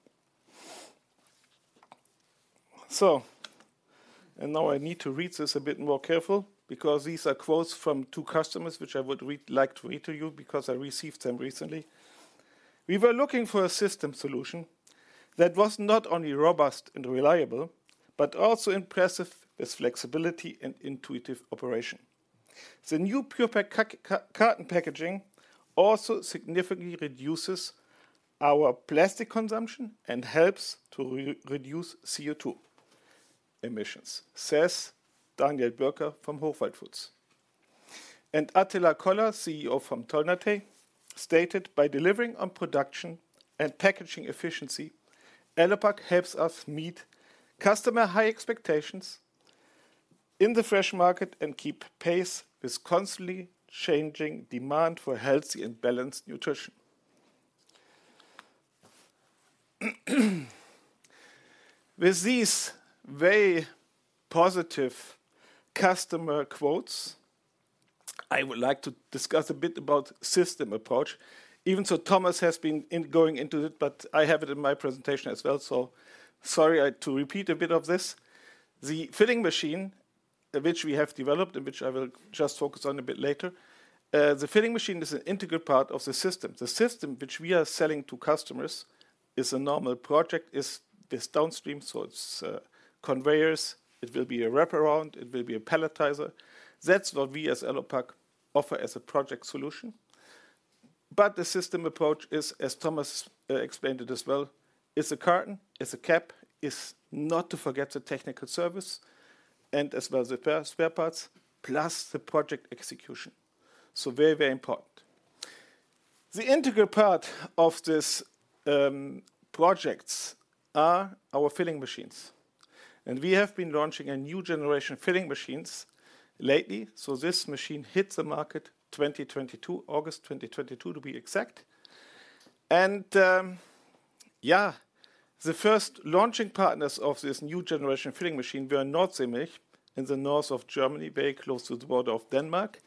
So, now I need to read this a bit more careful, because these are quotes from two customers, which I would like to read to you because I received them recently. "We were looking for a system solution that was not only robust and reliable, but also impressive, with flexibility and intuitive operation. The new Pure-Pak carton packaging also significantly reduces our plastic consumption and helps to reduce CO2 emissions," says Daniel Berger from Hochwald Foods. And Attila Koller, CEO from Tolnatej, stated: "By delivering on production and packaging efficiency, Elopak helps us meet customer high expectations in the fresh market and keep pace with constantly changing demand for healthy and balanced nutrition." With these very positive customer quotes, I would like to discuss a bit about system approach. Even so, Thomas has been going into it, but I have it in my presentation as well, so sorry, I to repeat a bit of this. The filling machine, which we have developed and which I will just focus on a bit later, the filling machine is an integral part of the system. The system which we are selling to customers is a normal project, is this downstream, so it's conveyors, it will be a wraparound, it will be a palletizer. That's what we as Elopak offer as a project solution. But the system approach is, as Thomas explained it as well, it's a carton, it's a cap, it's not to forget the technical service and as well as the spare parts, plus the project execution. So very, very important. The integral part of this projects are our filling machines, and we have been launching a new generation filling machines lately. So this machine hit the market 2022, August 2022, to be exact. And the first launching partners of this new generation filling machine were NordseeMilch, in the north of Germany, very close to the border of Denmark.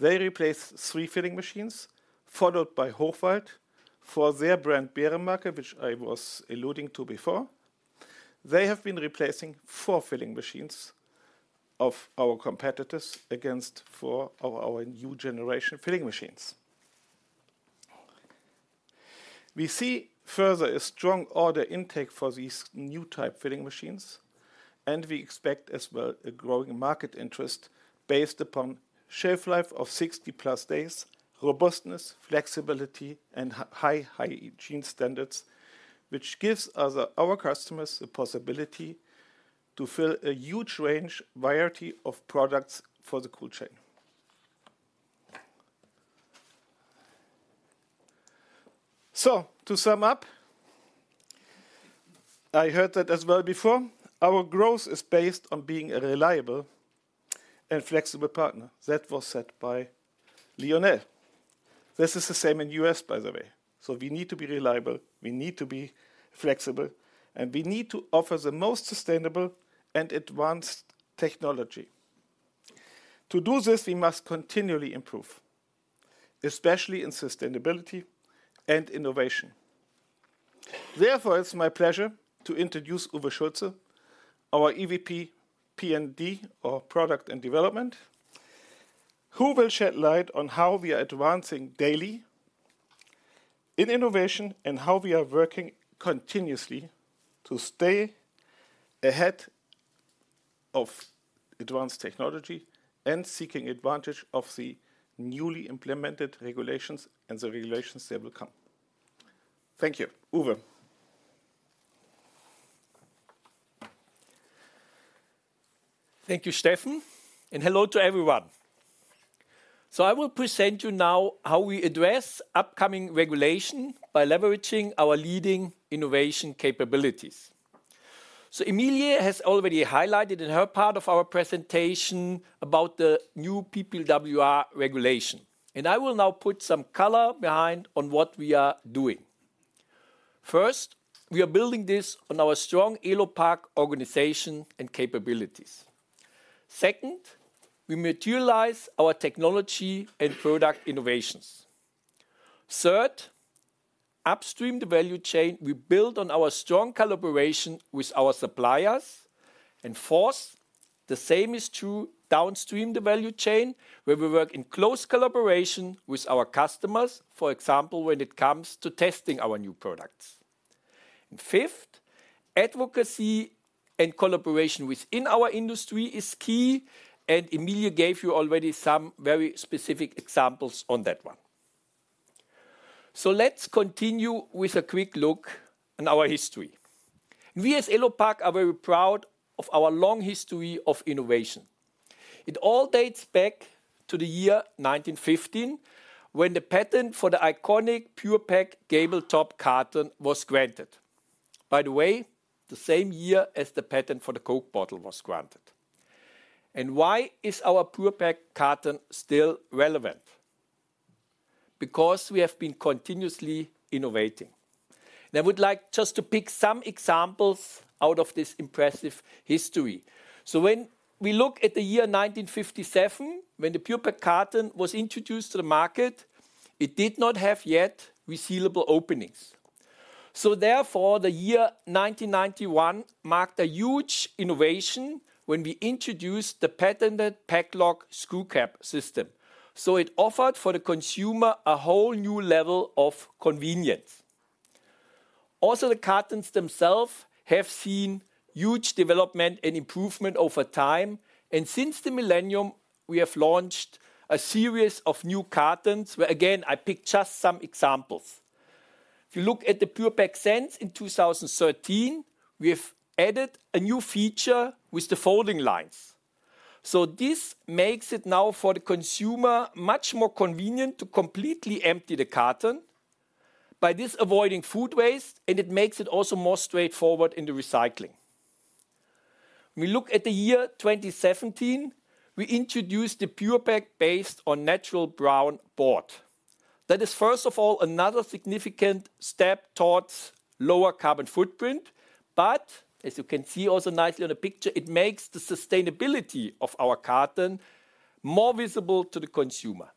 They replaced three filling machines, followed by Hofgut for their brand, Bärenmarke, which I was alluding to before. They have been replacing four filling machines of our competitors against four of our new generation filling machines. We see further a strong order intake for these new type filling machines, and we expect as well a growing market interest based upon shelf life of sixty-plus days, robustness, flexibility, and high hygiene standards, which gives us, our customers the possibility to fill a huge range, variety of products for the cold chain. So, to sum up, I heard that as well before, "Our growth is based on being a reliable and flexible partner." That was said by Lionel. This is the same in U.S., by the way. So we need to be reliable, we need to be flexible, and we need to offer the most sustainable and advanced technology. To do this, we must continually improve, especially in sustainability and innovation. Therefore, it's my pleasure to introduce Uwe Schulze, our EVP, P&D, or Product and Development, who will shed light on how we are advancing daily in innovation and how we are working continuously to stay ahead of advanced technology and seeking advantage of the newly implemented regulations and the regulations that will come. Thank you. Uwe? Thank you, Stephen, and hello to everyone. I will present you now how we address upcoming regulation by leveraging our leading innovation capabilities. Emilie has already highlighted in her part of our presentation about the new PPWR regulation, and I will now put some color behind on what we are doing. First, we are building this on our strong Elopak organization and capabilities. Second, we materialize our technology and product innovations. Third, upstream the value chain, we build on our strong collaboration with our suppliers. Fourth, the same is true downstream the value chain, where we work in close collaboration with our customers, for example, when it comes to testing our new products. Fifth, advocacy and collaboration within our industry is key, and Emilie gave you already some very specific examples on that one. Let's continue with a quick look in our history. We, as Elopak, are very proud of our long history of innovation. It all dates back to the year 1915, when the patent for the iconic Pure-Pak gable-top carton was granted. By the way, the same year as the patent for the Coke bottle was granted. And why is our Pure-Pak carton still relevant? Because we have been continuously innovating. And I would like just to pick some examples out of this impressive history. So when we look at the year 1957, when the Pure-Pak carton was introduced to the market, it did not have yet resealable openings. So therefore, the year 1991 marked a huge innovation when we introduced the patented PakLok screw cap system. So it offered for the consumer a whole new level of convenience. Also, the cartons themselves have seen huge development and improvement over time, and since the millennium, we have launched a series of new cartons, where again, I pick just some examples. If you look at the Pure-Pak Sense in 2013, we've added a new feature with the folding lines, so this makes it now for the consumer much more convenient to completely empty the carton, by this avoiding food waste, and it makes it also more straightforward in the recycling. We look at the year 2017, we introduced the Pure-Pak based on natural white board. That is, first of all, another significant step towards lower carbon footprint, but as you can see also nicely on the picture, it makes the sustainability of our carton more visible to the consumer,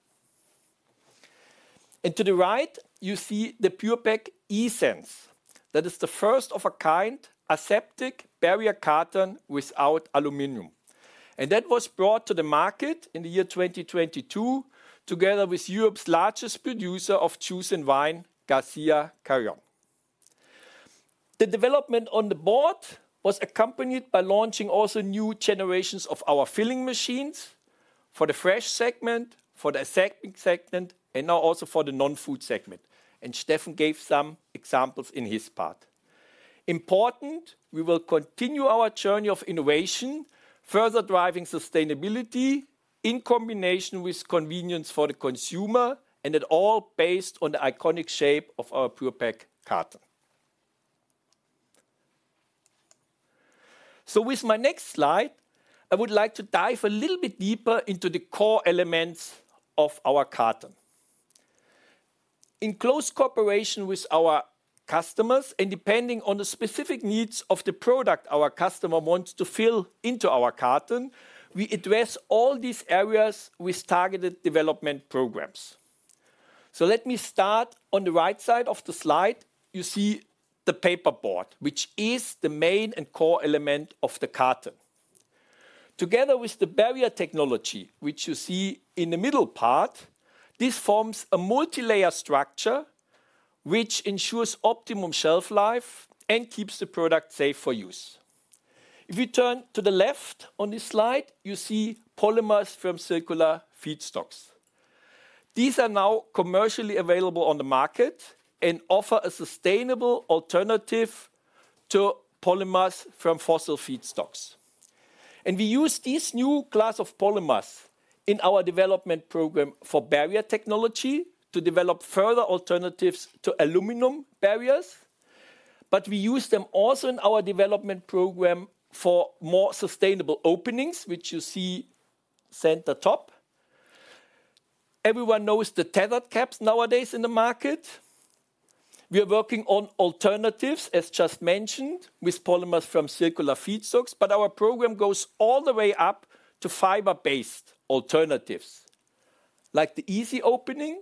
and to the right, you see the Pure-Pak e-Sense. That is the first of its kind, aseptic barrier carton without aluminum, and that was brought to the market in the year 2022, together with Europe's largest producer of juice and wine, García Carrión. The development of the board was accompanied by launching also new generations of our filling machines for the fresh segment, for the aseptic segment, and now also for the non-food segment, and Stephen gave some examples in his part. Important, we will continue our journey of innovation, further driving sustainability in combination with convenience for the consumer, and it all based on the iconic shape of our Pure-Pak carton. With my next slide, I would like to dive a little bit deeper into the core elements of our carton. In close cooperation with our customers, and depending on the specific needs of the product our customer wants to fill into our carton, we address all these areas with targeted development programs. So let me start. On the right side of the slide, you see the paper board, which is the main and core element of the carton. Together with the barrier technology, which you see in the middle part, this forms a multilayer structure, which ensures optimum shelf life and keeps the product safe for use. If you turn to the left on this slide, you see polymers from circular feedstocks. These are now commercially available on the market and offer a sustainable alternative to polymers from fossil feedstocks. And we use this new class of polymers in our development program for barrier technology to develop further alternatives to aluminum barriers, but we use them also in our development program for more sustainable openings, which you see center top. Everyone knows the tethered caps nowadays in the market. We are working on alternatives, as just mentioned, with polymers from circular feedstocks, but our program goes all the way up to fiber-based alternatives, like the Easy Opening,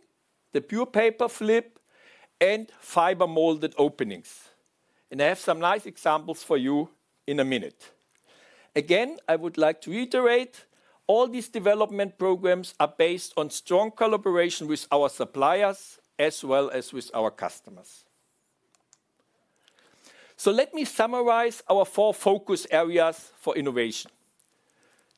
the PurePaper Flip, and fiber-molded openings, and I have some nice examples for you in a minute. Again, I would like to reiterate, all these development programs are based on strong collaboration with our suppliers as well as with our customers. So let me summarize our four focus areas for innovation.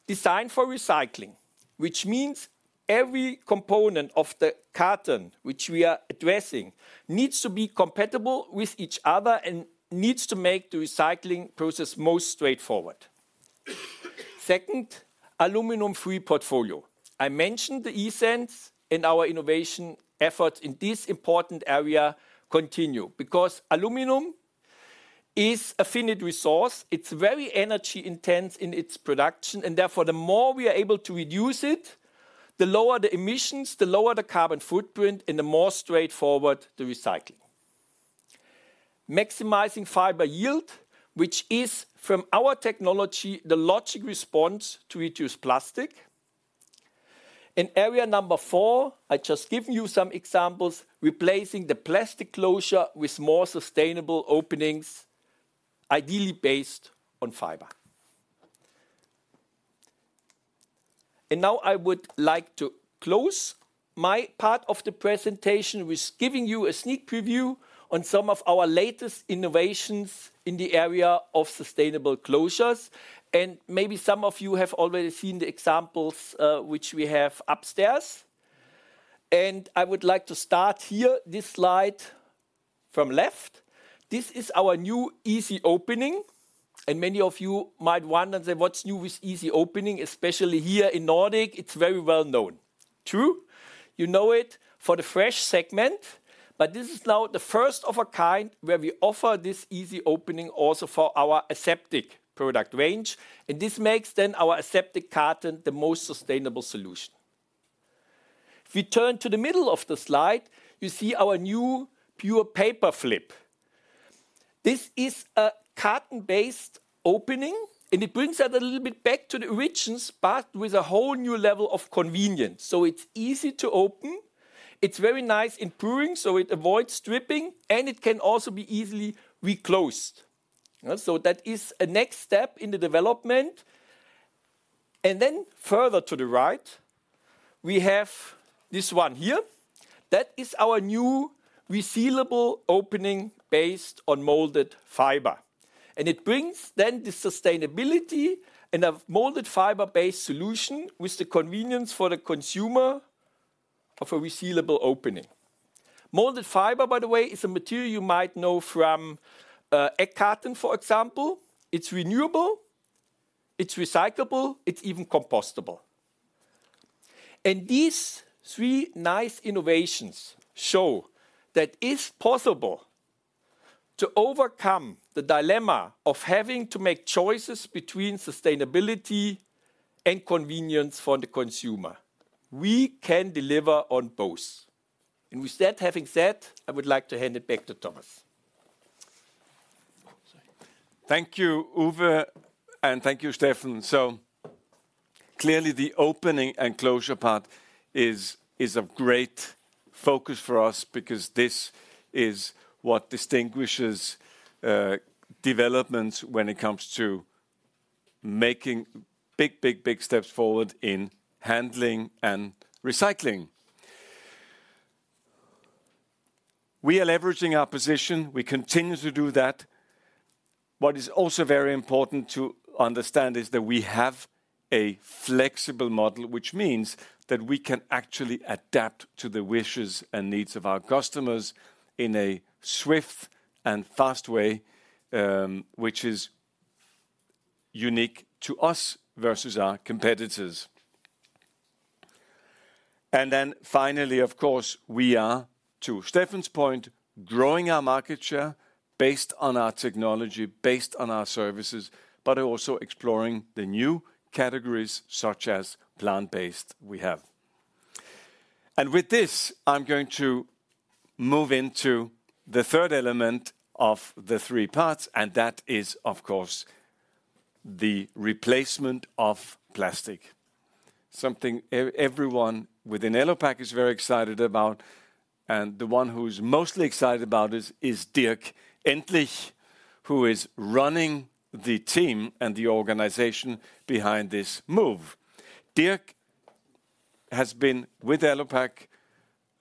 Design for Recycling, which means every component of the carton, which we are addressing, needs to be compatible with each other and needs to make the recycling process most straightforward. Second, aluminum-free portfolio. I mentioned the e-Sense, and our innovation efforts in this important area continue, because aluminum is a finite resource. It's very energy-intensive in its production, and therefore, the more we are able to reduce it, the lower the emissions, the lower the carbon footprint, and the more straightforward the recycling. Maximizing fiber yield, which is, from our technology, the logical response to reduce plastic. In area number four, I just give you some examples, replacing the plastic closure with more sustainable openings, ideally based on fiber. And now I would like to close my part of the presentation with giving you a sneak preview on some of our latest innovations in the area of sustainable closures, and maybe some of you have already seen the examples, which we have upstairs. And I would like to start here, this slide from left. This is our new Easy Opening, and many of you might wonder that what's new with Easy Opening, especially here in Nordic, it's very well known. True, you know it for the fresh segment, but this is now the first of a kind, where we offer this Easy Opening also for our aseptic product range, and this makes then our aseptic carton the most sustainable solution. If we turn to the middle of the slide, you see our new PurePaper Flip. This is a carton-based opening, and it brings us a little bit back to the origins, but with a whole new level of convenience. So it's easy to open, it's very nice in pouring, so it avoids dripping, and it can also be easily reclosed. So that is a next step in the development. And then further to the right, we have this one here. That is our new resealable opening based on molded fiber, and it brings then the sustainability and a molded fiber-based solution with the convenience for the consumer of a resealable opening. Molded fiber, by the way, is a material you might know from egg carton, for example. It's renewable, it's recyclable, it's even compostable. And these three nice innovations show that it's possible to overcome the dilemma of having to make choices between sustainability and convenience for the consumer. We can deliver on both, and with that having said, I would like to hand it back to Thomas. Sorry. Thank you, Uwe, and thank you, Stephen. Clearly, the opening and closure part is of great focus for us because this is what distinguishes developments when it comes to making big, big, big steps forward in handling and recycling. We are leveraging our position. We continue to do that. What is also very important to understand is that we have a flexible model, which means that we can actually adapt to the wishes and needs of our customers in a swift and fast way, which is unique to us versus our competitors. And then finally, of course, we are, to Stephen's point, growing our market share based on our technology, based on our services, but also exploring the new categories, such as plant-based we have. With this, I'm going to move into the third element of the three parts, and that is, of course, the replacement of plastic. Something everyone within Elopak is very excited about, and the one who's mostly excited about this is Dirk Endlich, who is running the team and the organization behind this move. Dirk has been with Elopak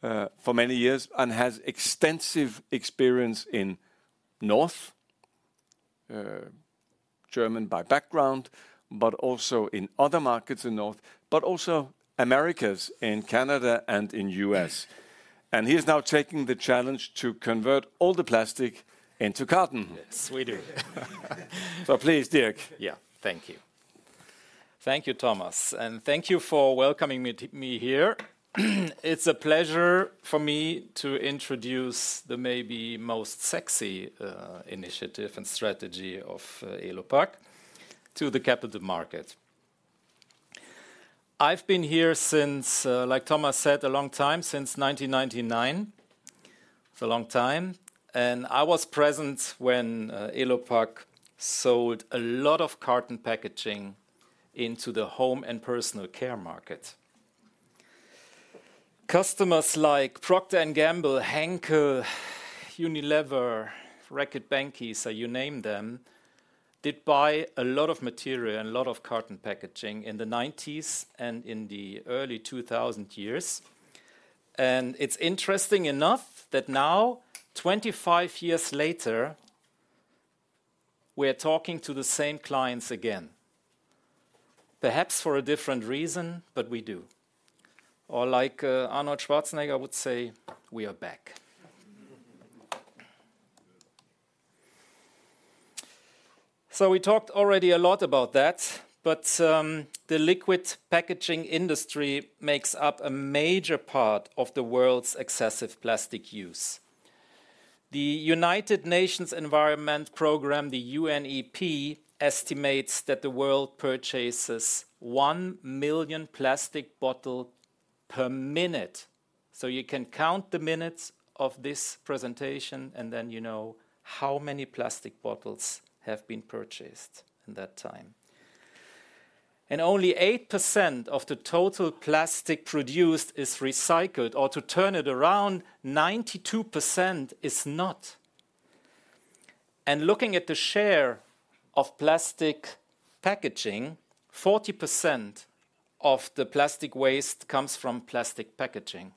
for many years and has extensive experience in North, German by background, but also in other markets in North, but also Americas, in Canada and in U.S., and he is now taking the challenge to convert all the plastic into carton. Yes, we do. So please, Dirk. Yeah. Thank you. Thank you, Thomas, and thank you for welcoming me here. It's a pleasure for me to introduce the maybe most sexy initiative and strategy of Elopak to the capital market. I've been here since, like Thomas said, a long time, since nineteen ninety-nine. It's a long time, and I was present when Elopak sold a lot of carton packaging into the home and personal care market. Customers like Procter & Gamble, Henkel, Unilever, Reckitt Benckiser, you name them, did buy a lot of material and a lot of carton packaging in the nineties and in the early two thousand years. And it's interesting enough that now, 25 years later, we're talking to the same clients again. Perhaps for a different reason, but we do. Or like Arnold Schwarzenegger would say, "We are back."... So we talked already a lot about that, but, the liquid packaging industry makes up a major part of the world's excessive plastic use. The United Nations Environment Program, the UNEP, estimates that the world purchases 1 million plastic bottle per minute. So you can count the minutes of this presentation, and then you know how many plastic bottles have been purchased in that time. And only 8% of the total plastic produced is recycled, or to turn it around, 92% is not. And looking at the share of plastic packaging, 40% of the plastic waste comes from plastic packaging.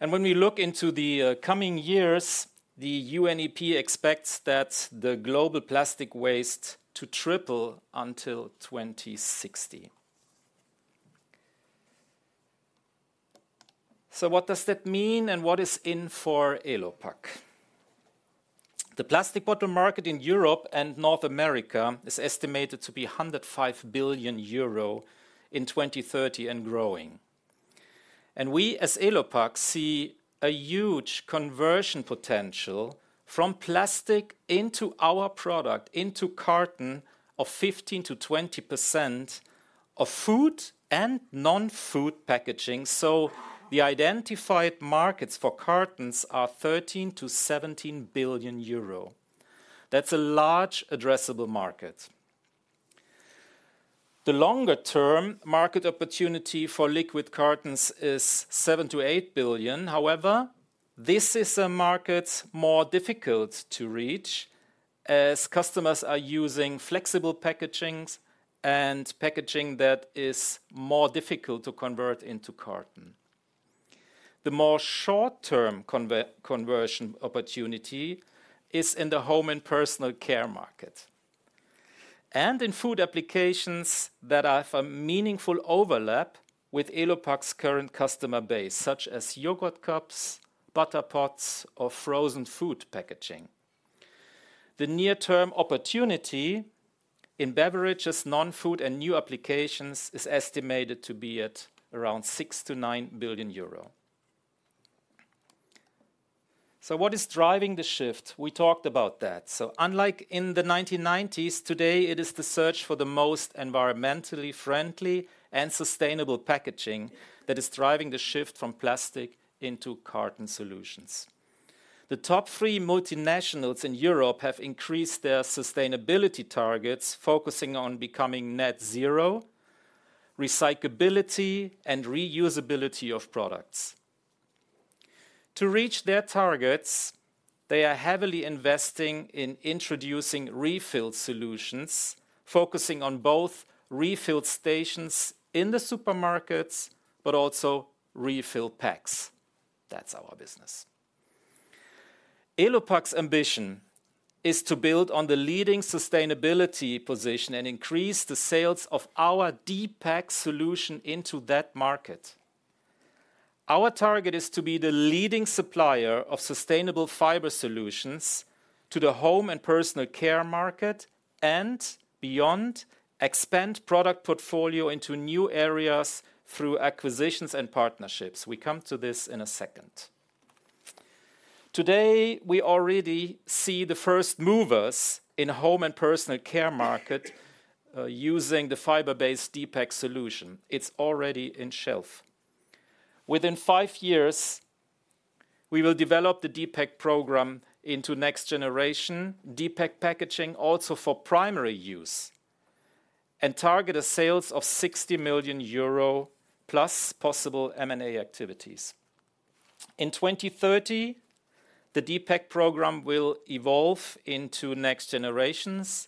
And when we look into the coming years, the UNEP expects that the global plastic waste to triple until 2060. So what does that mean, and what is in for Elopak? The plastic bottle market in Europe and North America is estimated to be 105 billion euro in 2030 and growing. And we, as Elopak, see a huge conversion potential from plastic into our product, into carton, of 15%-20% of food and non-food packaging. So the identified markets for cartons are 13 billion EUR-17 billion EUR. That's a large addressable market. The longer term market opportunity for liquid cartons is 7 billion-8 billion. However, this is a market more difficult to reach, as customers are using flexible packagings and packaging that is more difficult to convert into carton. The more short-term conversion opportunity is in the home and personal care market, and in food applications that have a meaningful overlap with Elopak's current customer base, such as yogurt cups, butter pots, or frozen food packaging. The near-term opportunity in beverages, non-food, and new applications is estimated to be at around 6 billion- 9 billion euro. So what is driving the shift? We talked about that. So unlike in the 1990s, today, it is the search for the most environmentally friendly and sustainable packaging that is driving the shift from plastic into carton solutions. The top three multinationals in Europe have increased their sustainability targets, focusing on becoming net zero, recyclability, and reusability of products. To reach their targets, they are heavily investing in introducing refill solutions, focusing on both refill stations in the supermarkets, but also refill packs. That's our business. Elopak's ambition is to build on the leading sustainability position and increase the sales of our D-PAK solution into that market. Our target is to be the leading supplier of sustainable fiber solutions to the home and personal care market, and beyond, expand product portfolio into new areas through acquisitions and partnerships. We come to this in a second. Today, we already see the first movers in home and personal care market using the fiber-based D-PAK solution. It's already on the shelf. Within five years, we will develop the D-PAK program into next-generation D-PAK packaging, also for primary use, and target sales of 60 million euro, plus possible M&A activities. In 2030, the D-PAK program will evolve into next generations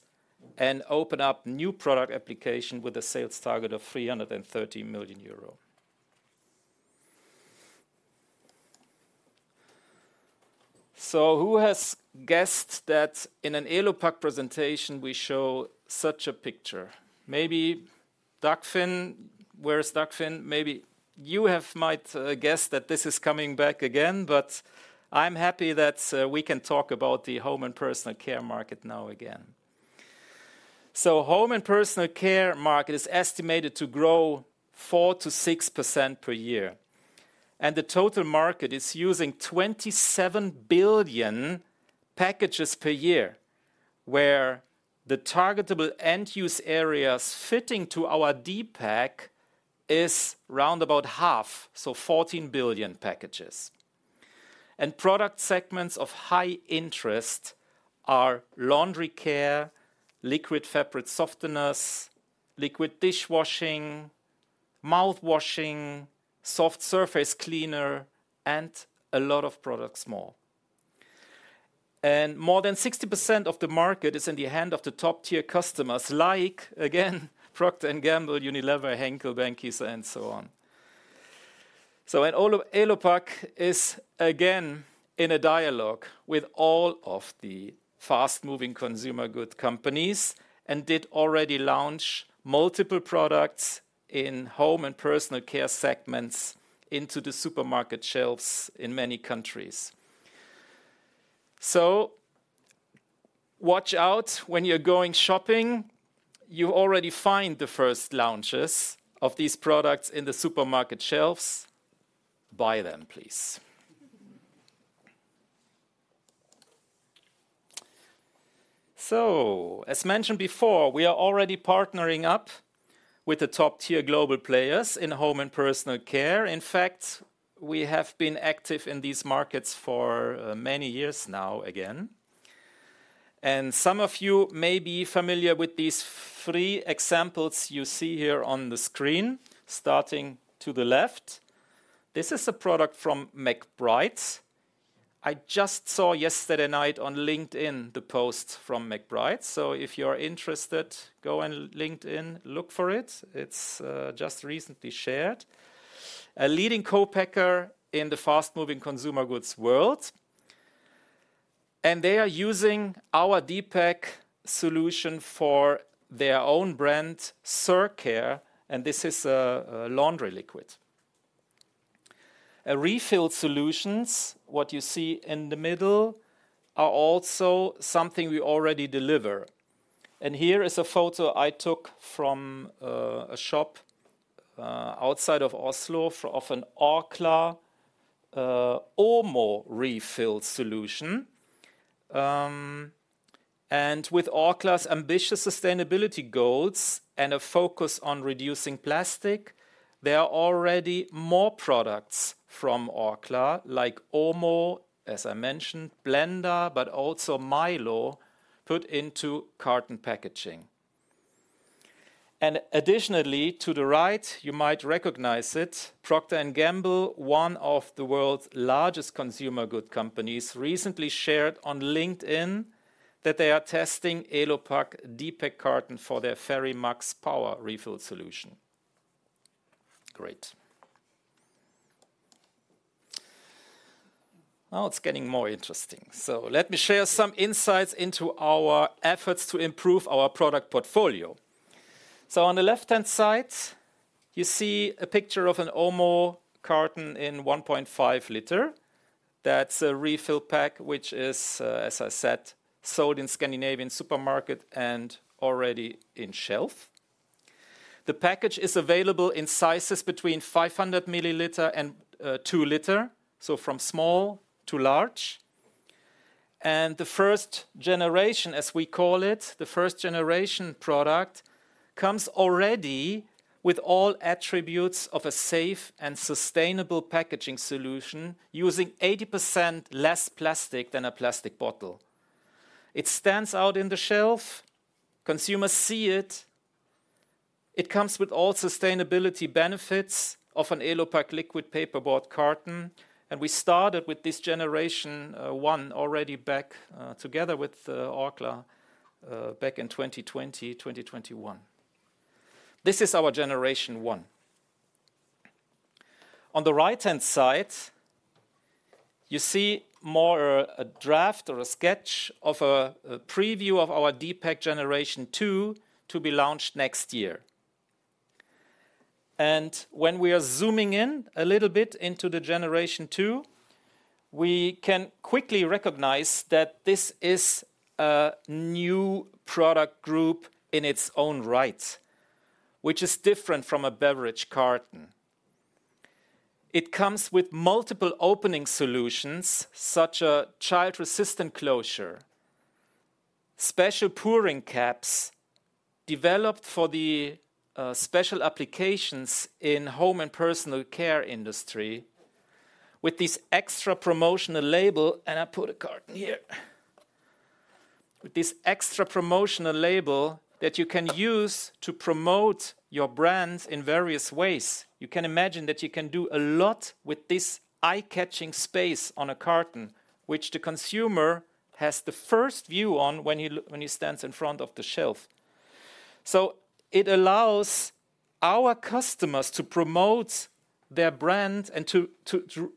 and open up new product applications with a sales target of 330 million euro. So who has guessed that in an Elopak presentation, we show such a picture? Maybe Dagfinn. Where is Dagfinn? Maybe you might have guessed that this is coming back again, but I'm happy that we can talk about the home and personal care market now again, so the home and personal care market is estimated to grow 4%-6% per year, and the total market is using 27 billion packages per year, where the targetable end-use areas fitting to our D-PAK is round about half, so 14 billion packages, and product segments of high interest are laundry care, liquid fabric softeners, liquid dishwashing, mouthwashing, soft surface cleaner, and a lot of products more, and more than 60% of the market is in the hand of the top-tier customers, like, again, Procter & Gamble, Unilever, Henkel, Beiersdorf, and so on. All of Elopak is again in a dialogue with all of the fast-moving consumer goods companies, and did already launch multiple products in home and personal care segments into the supermarket shelves in many countries. Watch out when you're going shopping. You already find the first launches of these products in the supermarket shelves. Buy them, please. As mentioned before, we are already partnering up with the top-tier global players in home and personal care. In fact, we have been active in these markets for many years now, again. Some of you may be familiar with these three examples you see here on the screen. Starting to the left, this is a product from McBride. I just saw yesterday night on LinkedIn, the post from McBride, so if you are interested, go on LinkedIn, look for it. It's just recently shared. A leading co-packer in the fast-moving consumer goods world, and they are using our D-PAKsolution for their own brand, Surcare, and this is a laundry liquid. A refill solutions, what you see in the middle, are also something we already deliver. And here is a photo I took from a shop outside of Oslo, of an Orkla OMO refill solution. And with Orkla's ambitious sustainability goals and a focus on reducing plastic, there are already more products from Orkla, like OMO, as I mentioned, Blenda, but also Milo, put into carton packaging. And additionally, to the right, you might recognize it, Procter & Gamble, one of the world's largest consumer goods companies, recently shared on LinkedIn that they are testing Elopak D-PAK carton for their Fairy Max Power refill solution. Great! Now it's getting more interesting. So let me share some insights into our efforts to improve our product portfolio. On the left-hand side, you see a picture of an OMO carton in 1.5-liter. That's a refill pack, which is, as I said, sold in Scandinavian supermarket and already on shelf. The package is available in sizes between 500 milliliter and 2 liter, so from small to large. The first generation, as we call it, the first generation product, comes already with all attributes of a safe and sustainable packaging solution, using 80% less plastic than a plastic bottle. It stands out on the shelf. Consumers see it. It comes with all sustainability benefits of an Elopak liquid paperboard carton, and we started with this generation one already back together with Orkla back in 2020, 2021. This is our generation one. On the right-hand side, you see more of a draft or a sketch of a preview of our D-PAK generation two, to be launched next year. When we are zooming in a little bit into the generation two, we can quickly recognize that this is a new product group in its own right, which is different from a beverage carton. It comes with multiple opening solutions, such a child-resistant closure, special pouring caps developed for the special applications in home and personal care industry. With this extra promotional label, and I put a carton here. With this extra promotional label that you can use to promote your brands in various ways. You can imagine that you can do a lot with this eye-catching space on a carton, which the consumer has the first view on when he stands in front of the shelf. So it allows our customers to promote their brand and to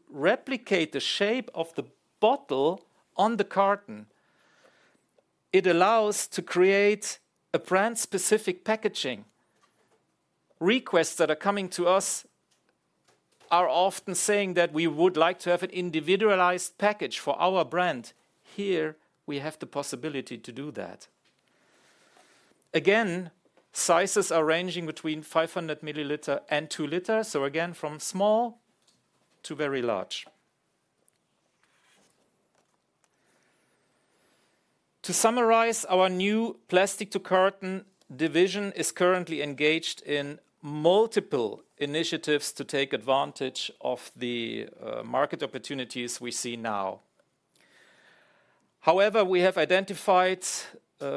replicate the shape of the bottle on the carton. It allows to create a brand-specific packaging. Requests that are coming to us are often saying that we would like to have an individualized package for our brand. Here, we have the possibility to do that. Again, sizes are ranging between 500 milliliters and 2 liters, so again, from small to very large. To summarize, our new Plastic to Carton division is currently engaged in multiple initiatives to take advantage of the market opportunities we see now. However, we have identified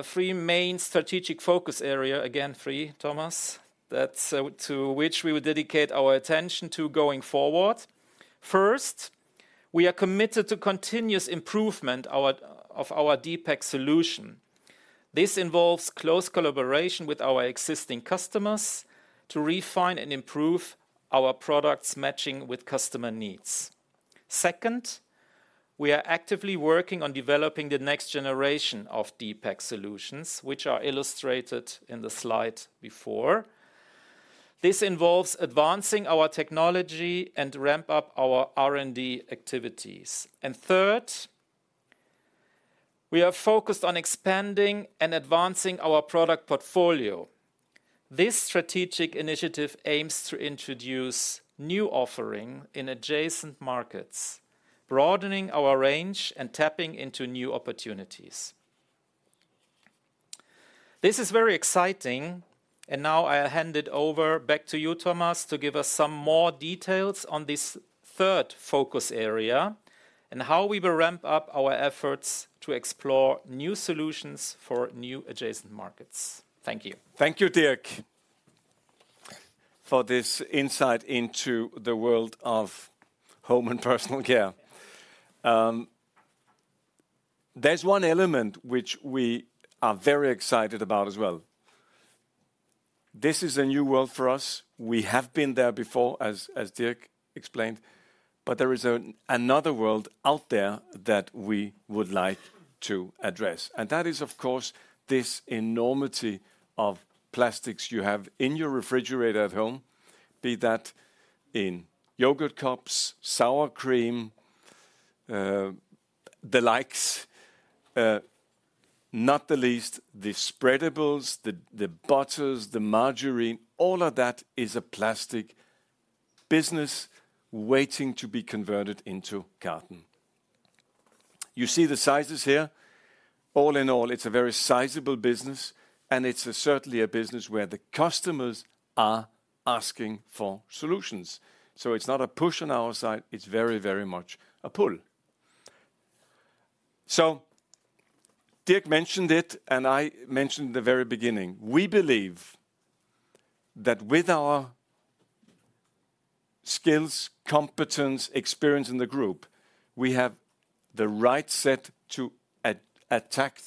three main strategic focus area, again, three, Thomas, that's to which we will dedicate our attention to going forward. First, we are committed to continuous improvement of our D-PAK solution. This involves close collaboration with our existing customers to refine and improve our products, matching with customer needs. Second, we are actively working on developing the next generation of D-PAK solutions, which are illustrated in the slide before. This involves advancing our technology and ramp up our R&D activities. And third, we are focused on expanding and advancing our product portfolio. This strategic initiative aims to introduce new offering in adjacent markets, broadening our range and tapping into new opportunities. This is very exciting, and now I hand it over back to you, Thomas, to give us some more details on this third focus area and how we will ramp up our efforts to explore new solutions for new adjacent markets. Thank you. Thank you, Dirk, for this insight into the world of home and personal care. There's one element which we are very excited about as well. This is a new world for us. We have been there before, as Dirk explained, but there is another world out there that we would like to address. And that is, of course, this enormity of plastics you have in your refrigerator at home, be that in yogurt cups, sour cream, the likes, not the least, the spreadables, the butters, the margarine, all of that is a plastic business waiting to be converted into carton. You see the sizes here. All in all, it's a very sizable business, and it's certainly a business where the customers are asking for solutions. So it's not a push on our side, it's very, very much a pull. Dirk mentioned it, and I mentioned at the very beginning, we believe that with our skills, competence, experience in the group, we have the right set to attack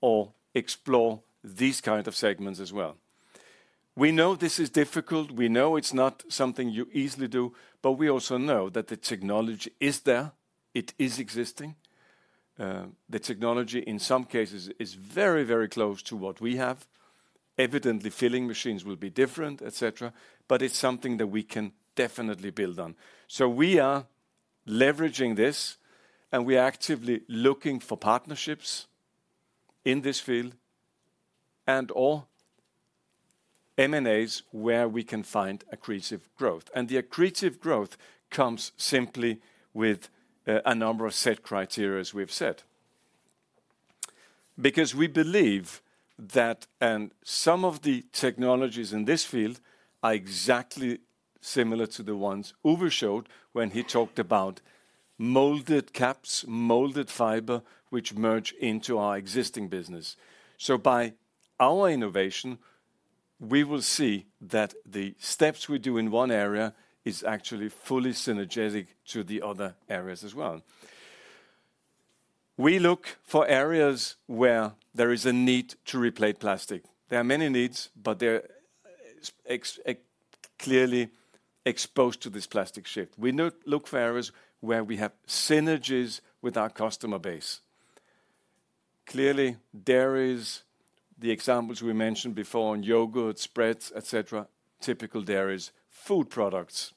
or explore these kind of segments as well. We know this is difficult, we know it's not something you easily do, but we also know that the technology is there, it is existing. The technology, in some cases, is very, very close to what we have. Evidently, filling machines will be different, et cetera, but it's something that we can definitely build on. So we are leveraging this, and we are actively looking for partnerships in this field and/or M&As where we can find accretive growth. And the accretive growth comes simply with a number of set criteria we've set. Because we believe that, and some of the technologies in this field are exactly similar to the ones Uwe showed when he talked about molded caps, molded fiber, which merge into our existing business. So by our innovation, we will see that the steps we do in one area is actually fully synergetic to the other areas as well. We look for areas where there is a need to replace plastic. There are many needs, but they're clearly exposed to this plastic shift. We look for areas where we have synergies with our customer base. Clearly, dairies, the examples we mentioned before on yogurt, spreads, et cetera, typical dairies, food products.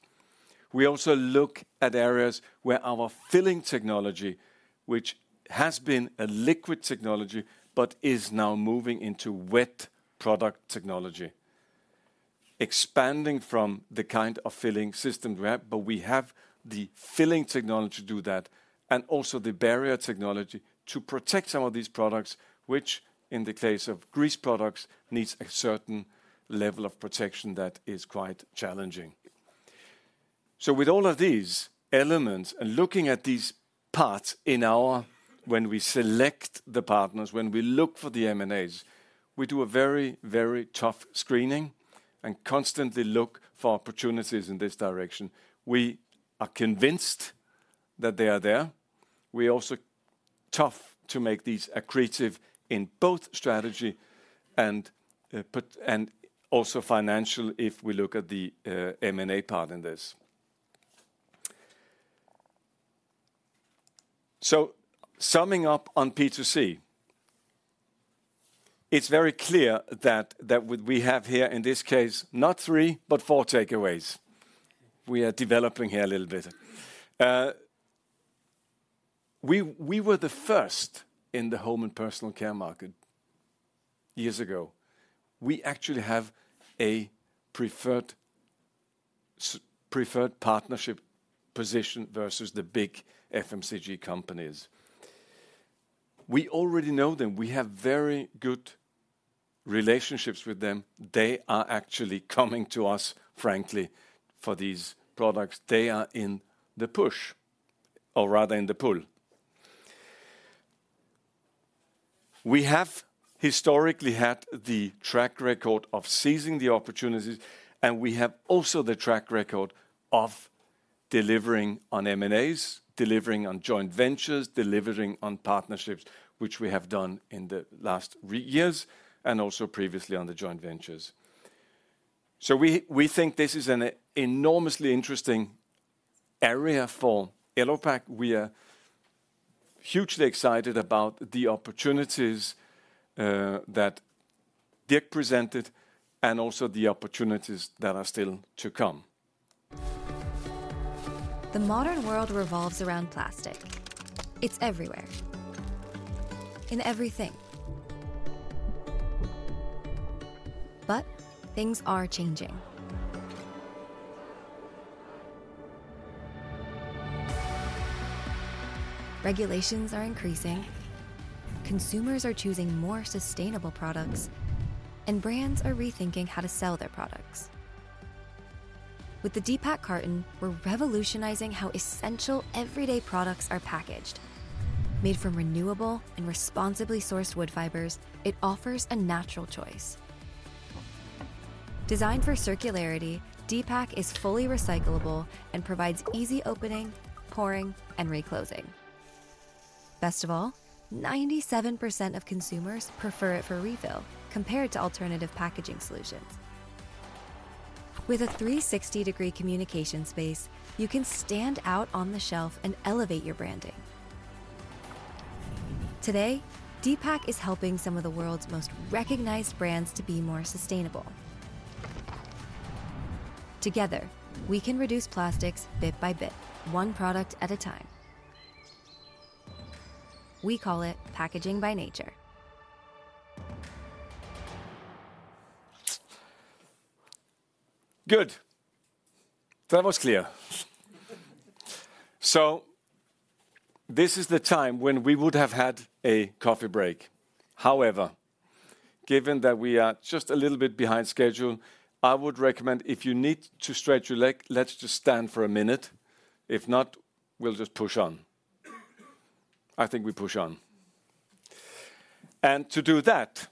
We also look at areas where our filling technology, which has been a liquid technology, but is now moving into wet product technology, expanding from the kind of filling system we have, but we have the filling technology to do that, and also the barrier technology to protect some of these products, which, in the case of grease products, needs a certain level of protection that is quite challenging. With all of these elements, and looking at these parts in our... When we select the partners, when we look for the M&As, we do a very, very tough screening and constantly look for opportunities in this direction. We are convinced that they are there. We also try to make these accretive in both strategy and but also financial, if we look at the M&A part in this. So summing up on P2C, it's very clear that what we have here, in this case, not three, but four takeaways. We are developing here a little bit. We were the first in the home and personal care market years ago. We actually have a preferred partnership position versus the big FMCG companies. We already know them. We have very good relationships with them. They are actually coming to us, frankly, for these products. They are in the push, or rather in the pull. We have historically had the track record of seizing the opportunities, and we have also the track record of delivering on M&As, delivering on joint ventures, delivering on partnerships, which we have done in the last recent years, and also previously on the joint ventures. So we think this is an enormously interesting area for Elopak. We are hugely excited about the opportunities that get presented and also the opportunities that are still to come. The modern world revolves around plastic. It's everywhere, in everything. But things are changing. Regulations are increasing, consumers are choosing more sustainable products, and brands are rethinking how to sell their products. With the D-PAK carton, we're revolutionizing how essential everyday products are packaged. Made from renewable and responsibly sourced wood fibers, it offers a natural choice. Designed for circularity, D-PAK is fully recyclable and provides easy opening, pouring, and reclosing. Best of all, 97% of consumers prefer it for refill compared to alternative packaging solutions. With a 360-degree communication space, you can stand out on the shelf and elevate your branding. Today, D-PAK is helping some of the world's most recognized brands to be more sustainable. Together, we can reduce plastics bit by bit, one product at a time. We call it packaging by nature. Good. That was clear. So this is the time when we would have had a coffee break. However, given that we are just a little bit behind schedule, I would recommend, if you need to stretch your leg, let's just stand for a minute. If not, we'll just push on. I think we push on. And to do that,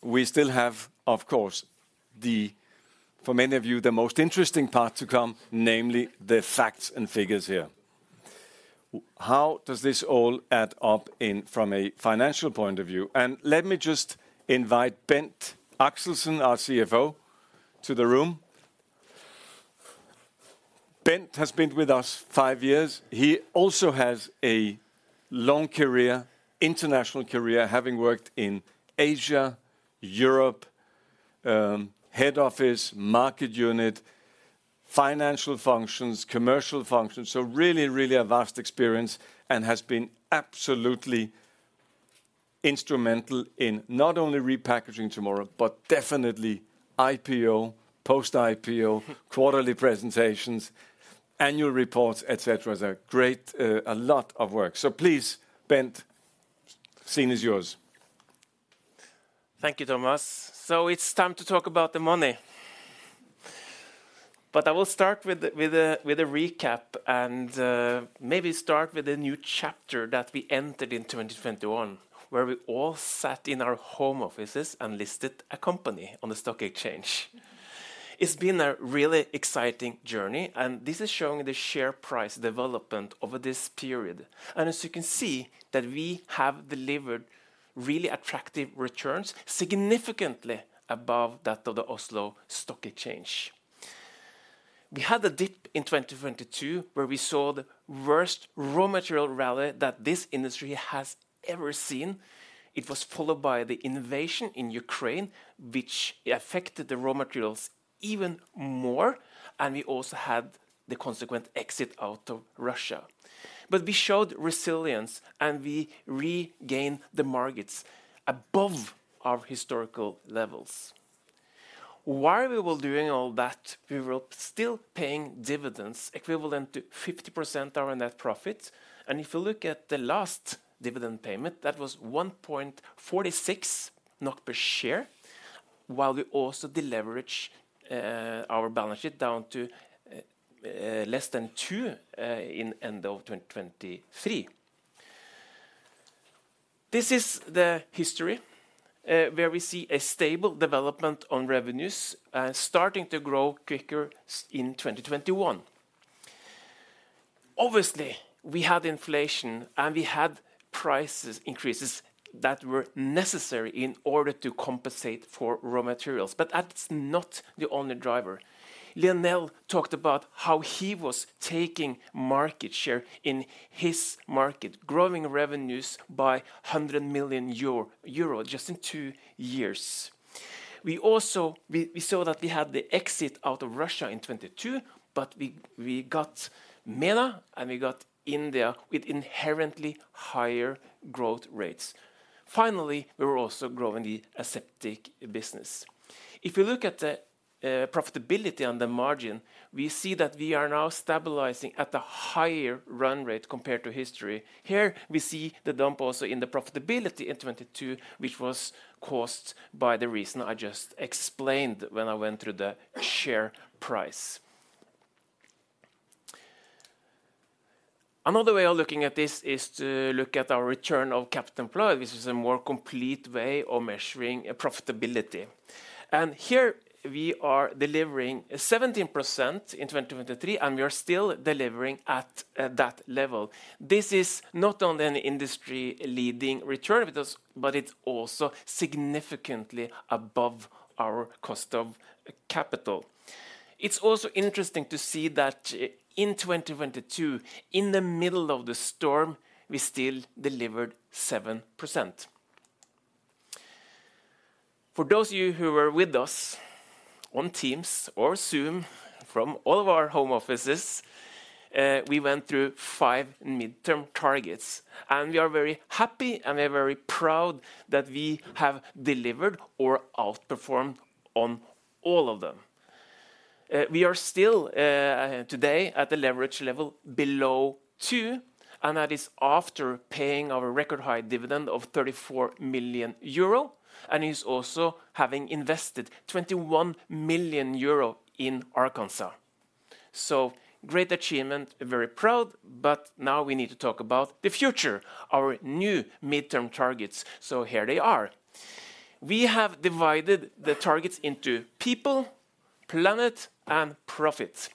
we still have, of course, the, for many of you, the most interesting part to come, namely the facts and figures here. How does this all add up in from a financial point of view? And let me just invite Bent Axelsen, our CFO, to the room. Bent has been with us five years. He also has a long career, international career, having worked in Asia, Europe, head office, market unit, financial functions, commercial functions. So really, really a vast experience and has been absolutely instrumental in not only repackaging tomorrow, but definitely IPO, post-IPO, quarterly presentations, annual reports, et cetera. So great, a lot of work. So please, Bent, stage is yours. Thank you, Thomas. It's time to talk about the money. But I will start with a recap and maybe start with a new chapter that we entered in 2021, where we all sat in our home offices and listed a company on the stock exchange. It's been a really exciting journey, and this is showing the share price development over this period. And as you can see, we have delivered really attractive returns, significantly above that of the Oslo Stock Exchange. We had a dip in 2022, where we saw the worst raw material rally that this industry has ever seen. It was followed by the invasion in Ukraine, which affected the raw materials even more, and we also had the consequent exit out of Russia. But we showed resilience, and we regained the markets above our historical levels. While we were doing all that, we were still paying dividends equivalent to 50% our net profit. If you look at the last dividend payment, that was 1.46 NOK per share, while we also deleverage our balance sheet down to less than two in end of 2023. This is the history where we see a stable development on revenues starting to grow quicker in 2021. Obviously, we had inflation, and we had price increases that were necessary in order to compensate for raw materials, but that's not the only driver. Lionel talked about how he was taking market share in his market, growing revenues by 100 million euro just in two years. We also saw that we had the exit out of Russia in 2022, but we got MENA, and we got India with inherently higher growth rates. Finally, we were also growing the aseptic business. If you look at the profitability on the margin, we see that we are now stabilizing at a higher run rate compared to history. Here, we see the dip also in the profitability in 2022, which was caused by the reason I just explained when I went through the share price. Another way of looking at this is to look at our return on capital employed, which is a more complete way of measuring profitability. Here we are delivering 17% in 2023, and we are still delivering at that level. This is not only an industry-leading return with us, but it's also significantly above our cost of capital.... It's also interesting to see that, in 2022, in the middle of the storm, we still delivered 7%. For those of you who were with us on Teams or Zoom from all of our home offices, we went through five midterm targets, and we are very happy, and we are very proud that we have delivered or outperformed on all of them. We are still, today, at the leverage level below two, and that is after paying our record-high dividend of 34 million euro, and it's also having invested 21 million euro in Arkansas. Great achievement, very proud, but now we need to talk about the future, our new midterm targets. Here they are. We have divided the targets into people, planet, and profit.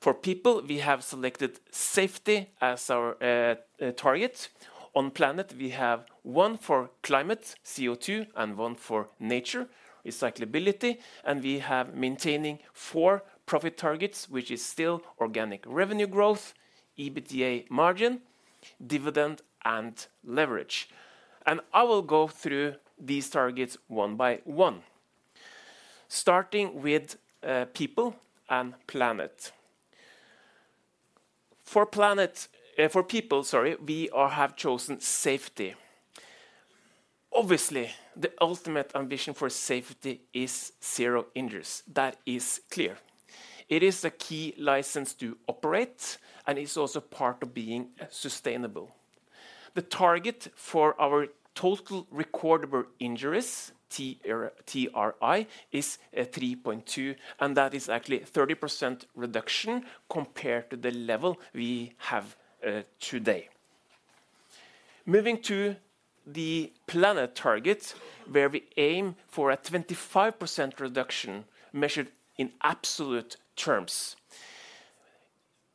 For people, we have selected safety as our target. On planet, we have one for climate, CO2, and one for nature, recyclability, and we have maintaining four profit targets, which is still organic revenue growth, EBITDA margin, dividend, and leverage. I will go through these targets one by one, starting with people and planet. For planet, for people, sorry, we have chosen safety. Obviously, the ultimate ambition for safety is zero injuries. That is clear. It is a key license to operate, and it's also part of being sustainable. The target for our total recordable injuries, TRI, is 3.2, and that is actually a 30% reduction compared to the level we have today. Moving to the planet target, where we aim for a 25% reduction, measured in absolute terms.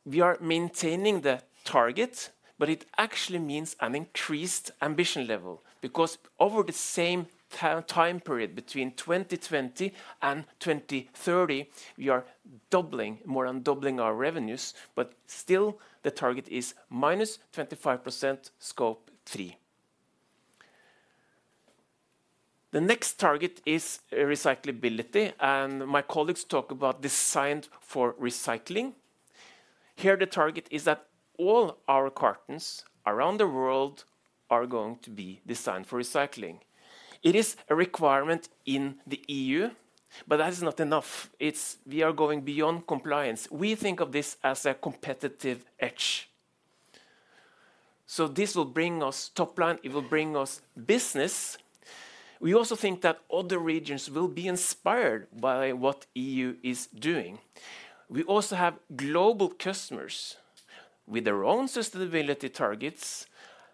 We are maintaining the target, but it actually means an increased ambition level, because over the same time period, between 2020 and 2030, we are doubling, more than doubling our revenues, but still, the target is -25%, Scope 3. The next target is recyclability, and my colleagues talk about designed for recycling. Here, the target is that all our cartons around the world are going to be designed for recycling. It is a requirement in the EU, but that is not enough. It's. We are going beyond compliance. We think of this as a competitive edge. So this will bring us top line, it will bring us business. We also think that other regions will be inspired by what EU is doing. We also have global customers with their own sustainability targets.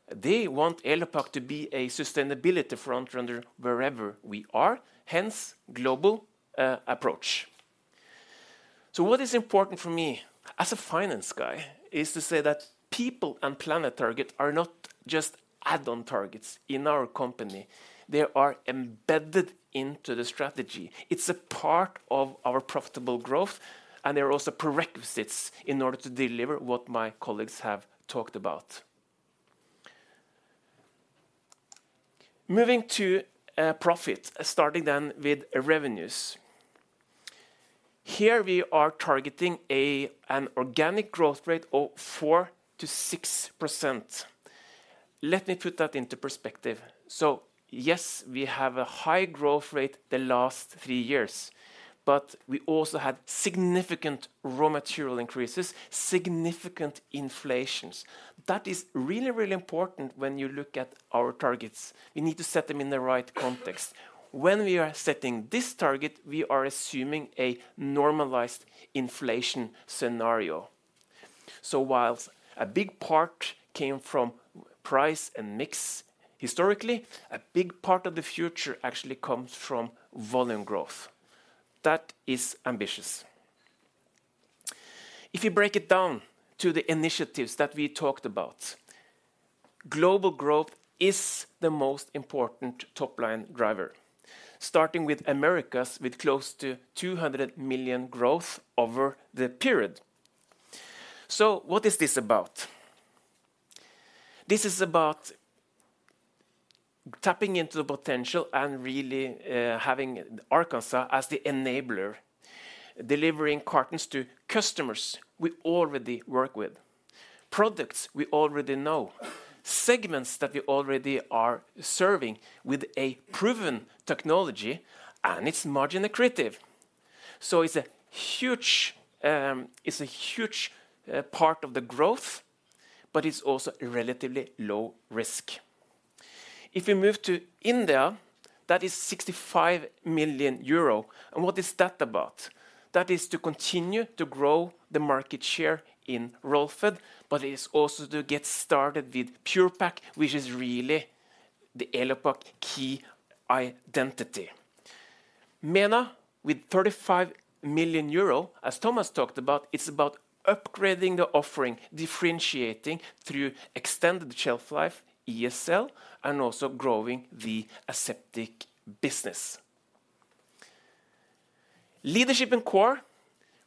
They want Elopak to be a sustainability frontrunner wherever we are, hence, global approach. So what is important for me, as a finance guy, is to say that people and planet target are not just add-on targets in our company. They are embedded into the strategy. It's a part of our profitable growth, and they are also prerequisites in order to deliver what my colleagues have talked about. Moving to profit, starting then with revenues. Here, we are targeting an organic growth rate of 4%-6%. Let me put that into perspective. So yes, we have a high growth rate the last three years, but we also had significant raw material increases, significant inflations. That is really, really important when you look at our targets. We need to set them in the right context. When we are setting this target, we are assuming a normalized inflation scenario. So while a big part came from price and mix, historically, a big part of the future actually comes from volume growth. That is ambitious. If you break it down to the initiatives that we talked about, global growth is the most important top-line driver, starting with Americas, with close to 200 million growth over the period. So what is this about? This is about tapping into the potential and really having Arkansas as the enabler, delivering cartons to customers we already work with, products we already know, segments that we already are serving with a proven technology, and it's margin accretive. So it's a huge part of the growth, but it's also relatively low risk. If we move to India, that is 65 million euro, and what is that about? That is to continue to grow the market share in roll-fed, but it is also to get started with Pure-Pak, which is really the Elopak key identity. MENA, with 35 million euro, as Thomas talked about, it's about upgrading the offering, differentiating through extended shelf life, ESL, and also growing the aseptic business. Leadership and Core,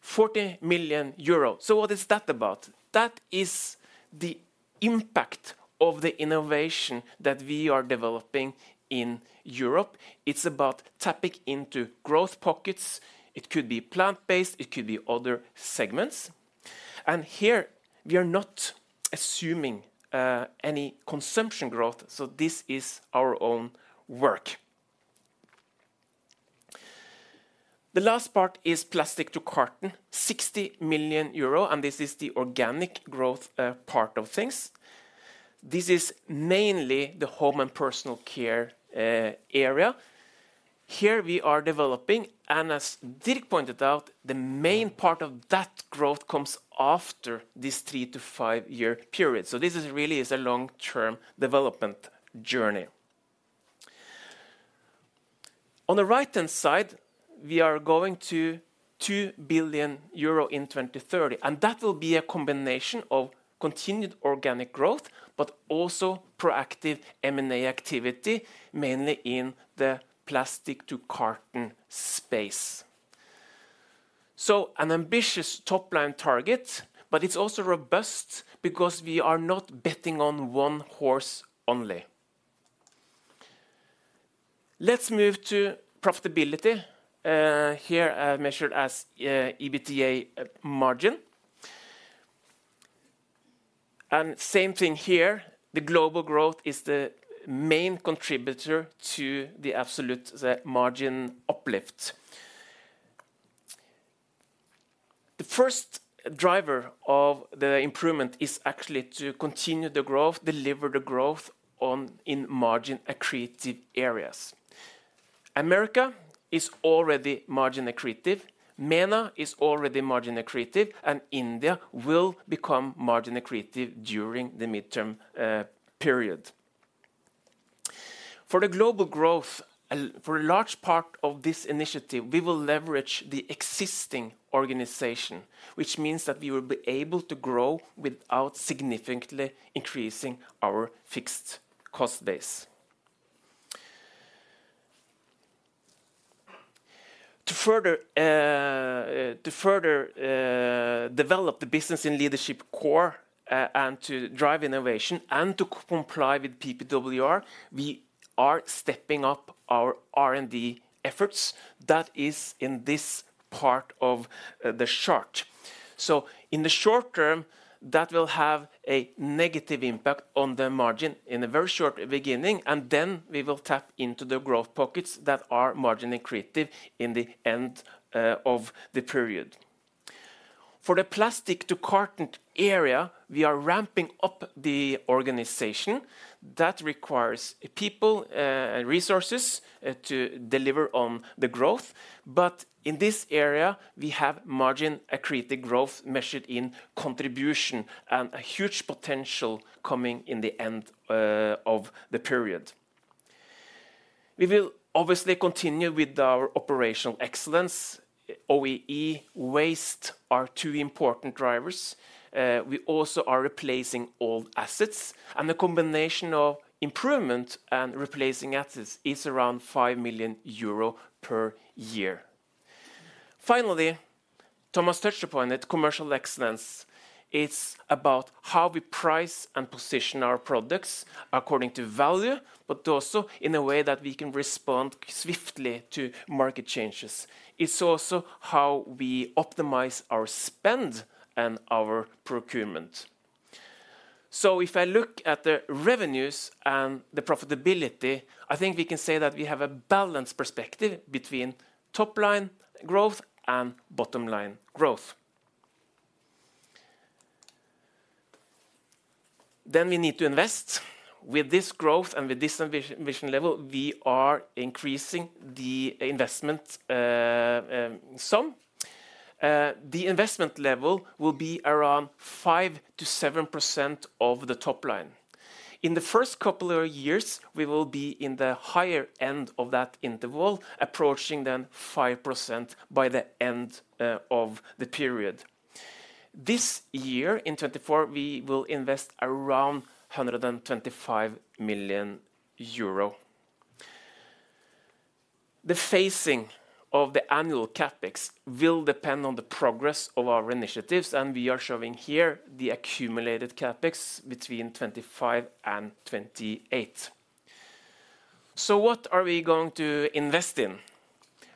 40 million euros. So what is that about? That is the impact of the innovation that we are developing in Europe. It's about tapping into growth pockets. It could be plant-based, it could be other segments. And here, we are not assuming any consumption growth, so this is our own work. The last part is Plastic to Carton, 60 million euro, and this is the organic growth part of things. This is mainly the home and personal care area. Here we are developing, and as Dirk pointed out, the main part of that growth comes after this three- to five-year period. This really is a long-term development journey. On the right-hand side, we are going to 2 billion euro in 2030, and that will be a combination of continued organic growth, but also proactive M&A activity, mainly in the PlPlastic to Carton space. It is an ambitious top-line target, but it's also robust because we are not betting on one horse only. Let's move to profitability here, measured as EBITDA margin. And same thing here, the global growth is the main contributor to the absolute, the margin uplift. The first driver of the improvement is actually to continue the growth, deliver the growth on, in margin accretive areas. Americas is already margin accretive, MENA is already margin accretive, and India will become margin accretive during the midterm period. For the global growth, for a large part of this initiative, we will leverage the existing organization, which means that we will be able to grow without significantly increasing our fixed cost base. To further develop the business in Leadership Core and to drive innovation and to comply with PPWR, we are stepping up our R&D efforts. That is in this part of the chart. So in the short term, that will have a negative impact on the margin in the very short beginning, and then we will tap into the growth pockets that are margin accretive in the end of the period. For the Plastic to Carton area, we are ramping up the organization. That requires people, resources, to deliver on the growth. But in this area, we have margin accretive growth measured in contribution and a huge potential coming in the end, of the period. We will obviously continue with our operational excellence. OEE, waste are two important drivers. We also are replacing all assets, and the combination of improvement and replacing assets is around 5 million euro per year. Finally, Thomas touched upon it, commercial excellence. It's about how we price and position our products according to value, but also in a way that we can respond swiftly to market changes. It's also how we optimize our spend and our procurement. So if I look at the revenues and the profitability, I think we can say that we have a balanced perspective between top-line growth and bottom-line growth. Then we need to invest. With this growth and with this ambition level, we are increasing the investment sum. The investment level will be around 5%-7% of the top line. In the first couple of years, we will be in the higher end of that interval, approaching then 5% by the end of the period. This year, in 2024, we will invest around 125 million euro. The phasing of the annual CapEx will depend on the progress of our initiatives, and we are showing here the accumulated CapEx between 2025 and 2028. So what are we going to invest in?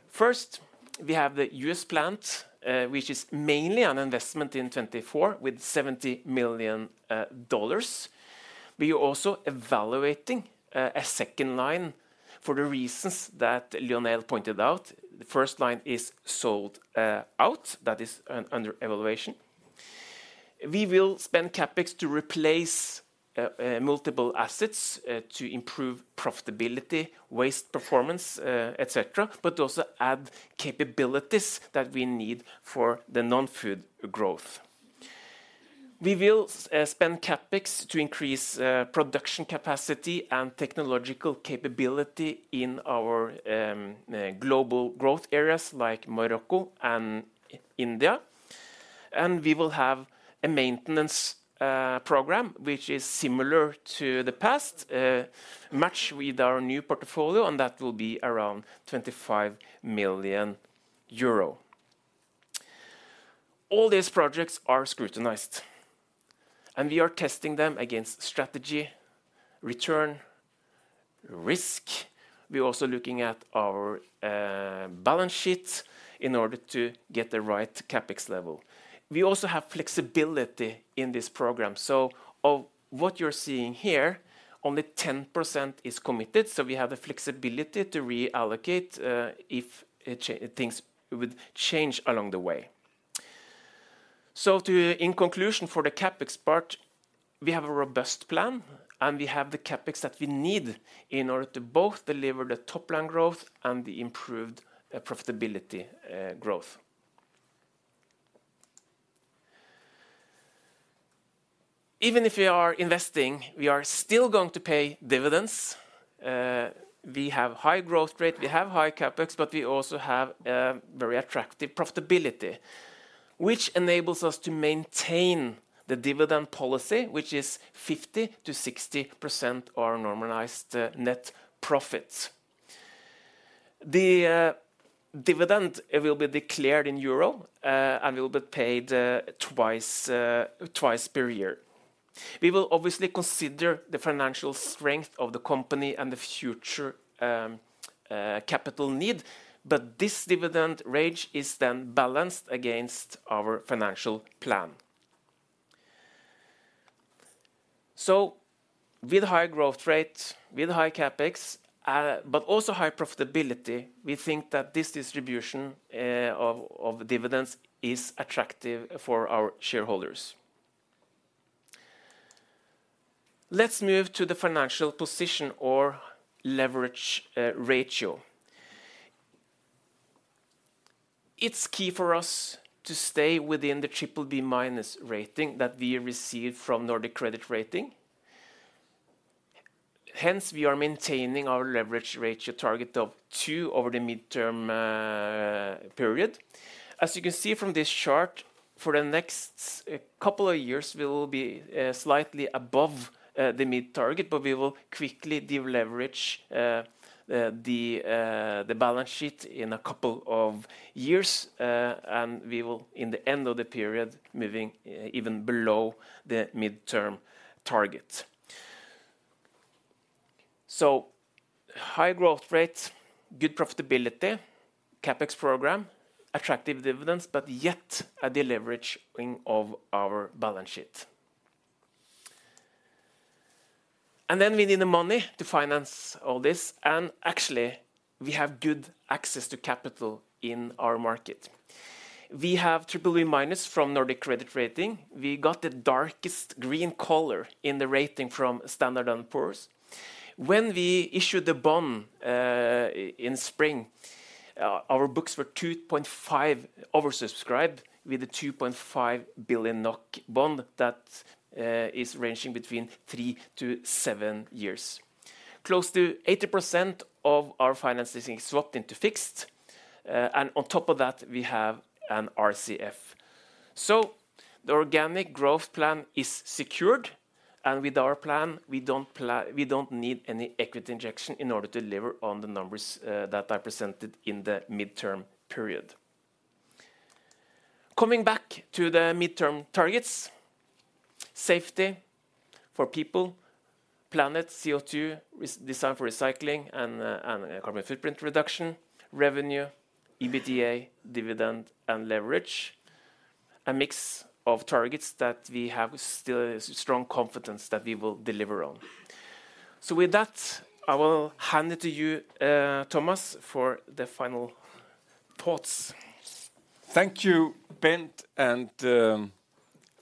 First, we have the US plant, which is mainly an investment in 2024, with $70 million. We are also evaluating a second line for the reasons that Lionel pointed out. The first line is sold out. That is under evaluation. We will spend CapEx to replace multiple assets to improve profitability, waste performance, et cetera, but also add capabilities that we need for the non-food growth. We will spend CapEx to increase production capacity and technological capability in our global growth areas like Morocco and India, and we will have a maintenance program which is similar to the past, matched with our new portfolio, and that will be around 25 million euro. All these projects are scrutinized, and we are testing them against strategy, return, risk. We're also looking at our balance sheet in order to get the right CapEx level. We also have flexibility in this program. So of what you're seeing here, only 10% is committed, so we have the flexibility to reallocate if things would change along the way. So to, in conclusion, for the CapEx part, we have a robust plan, and we have the CapEx that we need in order to both deliver the top-line growth and the improved profitability growth. Even if we are investing, we are still going to pay dividends. We have high growth rate, we have high CapEx, but we also have a very attractive profitability, which enables us to maintain the dividend policy, which is 50%-60% our normalized net profits. The dividend will be declared in euro and will be paid twice twice per year. We will obviously consider the financial strength of the company and the future capital need, but this dividend range is then balanced against our financial plan, so with high growth rate, with high CapEx, but also high profitability, we think that this distribution of dividends is attractive for our shareholders. Let's move to the financial position or leverage ratio. It's key for us to stay within the BBB minus rating that we received from Nordic Credit Rating. Hence, we are maintaining our leverage ratio target of two over the midterm period. As you can see from this chart, for the next couple of years, we will be slightly above the mid-target, but we will quickly deleverage the balance sheet in a couple of years, and we will, in the end of the period, moving even below the midterm target. So high growth rate, good profitability, CapEx program, attractive dividends, but yet a deleveraging of our balance sheet. And then we need the money to finance all this, and actually, we have good access to capital in our market. We have BBB minus from Nordic Credit Rating. We got the darkest green color in the rating from Standard & Poor's. When we issued the bond in spring, our books were 2.5 oversubscribed with a 2.5 billion NOK bond that is ranging between 3-7 years. Close to 80% of our finances is swapped into fixed, and on top of that, we have an RCF. So the organic growth plan is secured, and with our plan, we don't need any equity injection in order to deliver on the numbers that are presented in the midterm period. Coming back to the midterm targets: safety for people; planet, CO2, designed for recycling, and carbon footprint reduction; revenue; EBITDA; dividend; and leverage. A mix of targets that we have still strong confidence that we will deliver on. So with that, I will hand it to you, Thomas, for the final thoughts. Thank you, Bent, and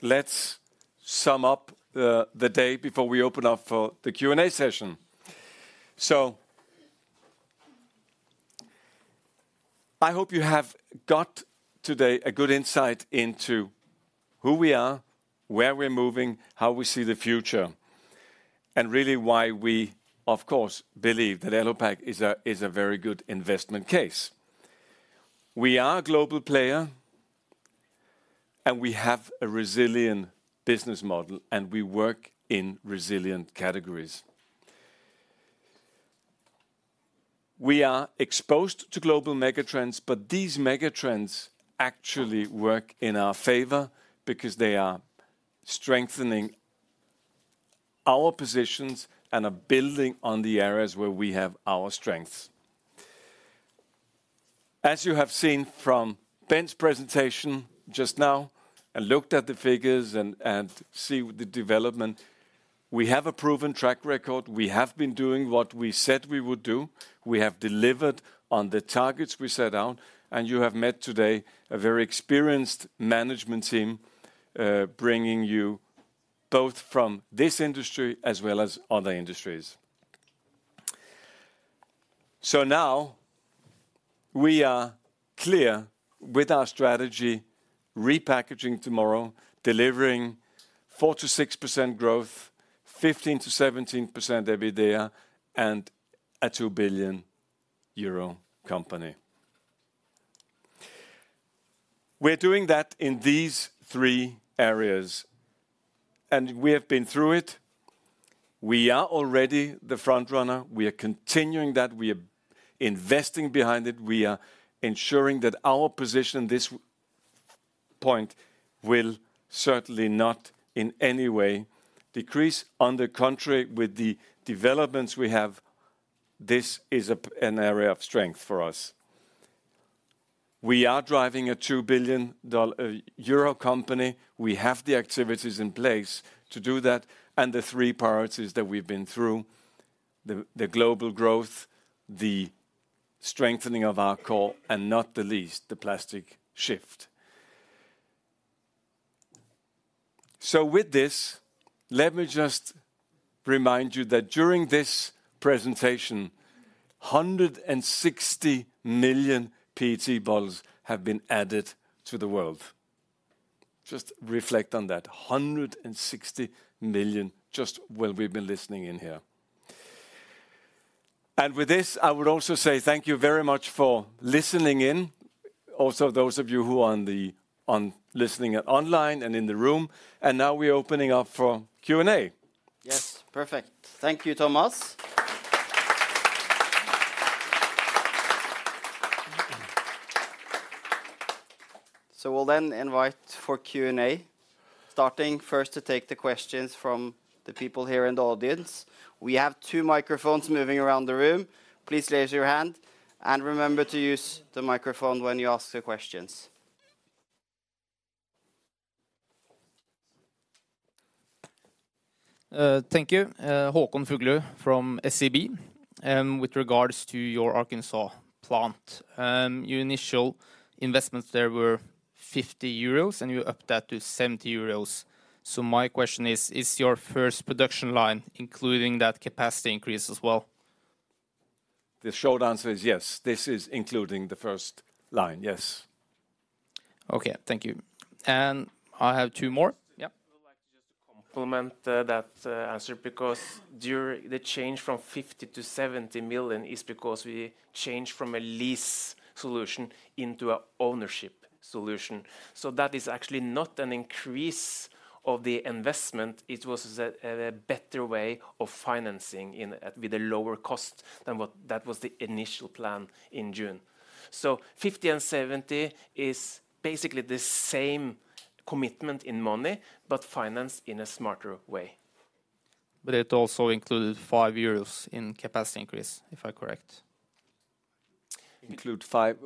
let's sum up the day before we open up for the Q&A session. So I hope you have got today a good insight into who we are, where we're moving, how we see the future, and really why we, of course, believe that Elopak is a very good investment case. We are a global player, and we have a resilient business model, and we work in resilient categories. We are exposed to global megatrends, but these megatrends actually work in our favor because they are strengthening our positions and are building on the areas where we have our strengths. As you have seen from Bent's presentation just now, and looked at the figures and see the development, we have a proven track record. We have been doing what we said we would do. We have delivered on the targets we set out, and you have met today a very experienced management team, bringing you both from this industry as well as other industries. So now, we are clear with our strategy, Repackaging Tomorrow, delivering 4%-6% growth, 15%-17% EBITDA, and a EUR 2 billion company. We're doing that in these three areas, and we have been through it. We are already the front runner. We are continuing that. We are investing behind it. We are ensuring that our position, this point, will certainly not in any way decrease. On the contrary, with the developments we have, this is an area of strength for us. We are driving a 2 billion euro company. We have the activities in place to do that, and the three priorities that we've been through: the global growth, the strengthening of our core, and not the least, the plastic shift. So with this, let me just remind you that during this presentation, 160 million PET bottles have been added to the world. Just reflect on that, 160 million, just while we've been listening in here. And with this, I would also say thank you very much for listening in. Also, those of you who are on listening online and in the room, and now we're opening up for Q&A. Yes, perfect. Thank you, Thomas. So we'll then invite for Q&A, starting first to take the questions from the people here in the audience. We have two microphones moving around the room. Please raise your hand, and remember to use the microphone when you ask the questions. Thank you. Håkon Fuglu from SEB. With regards to your Arkansas plant, your initial investments there were 50 million euros, and you upped that to 70 million euros. So my question is: Is your first production line including that capacity increase as well? The short answer is yes. This is including the first line, yes. Okay, thank you. And I have two more. Yeah? I would like just to complement that answer, because during the change from 50 million to 70 million is because we changed from a lease solution into a ownership solution. So that is actually not an increase of the investment, it was a better way of financing with a lower cost than what that was the initial plan in June. So 50 million and 70 million is basically the same commitment in money, but financed in a smarter way. But it also included 5 euros in capacity increase, if I'm correct? Include five-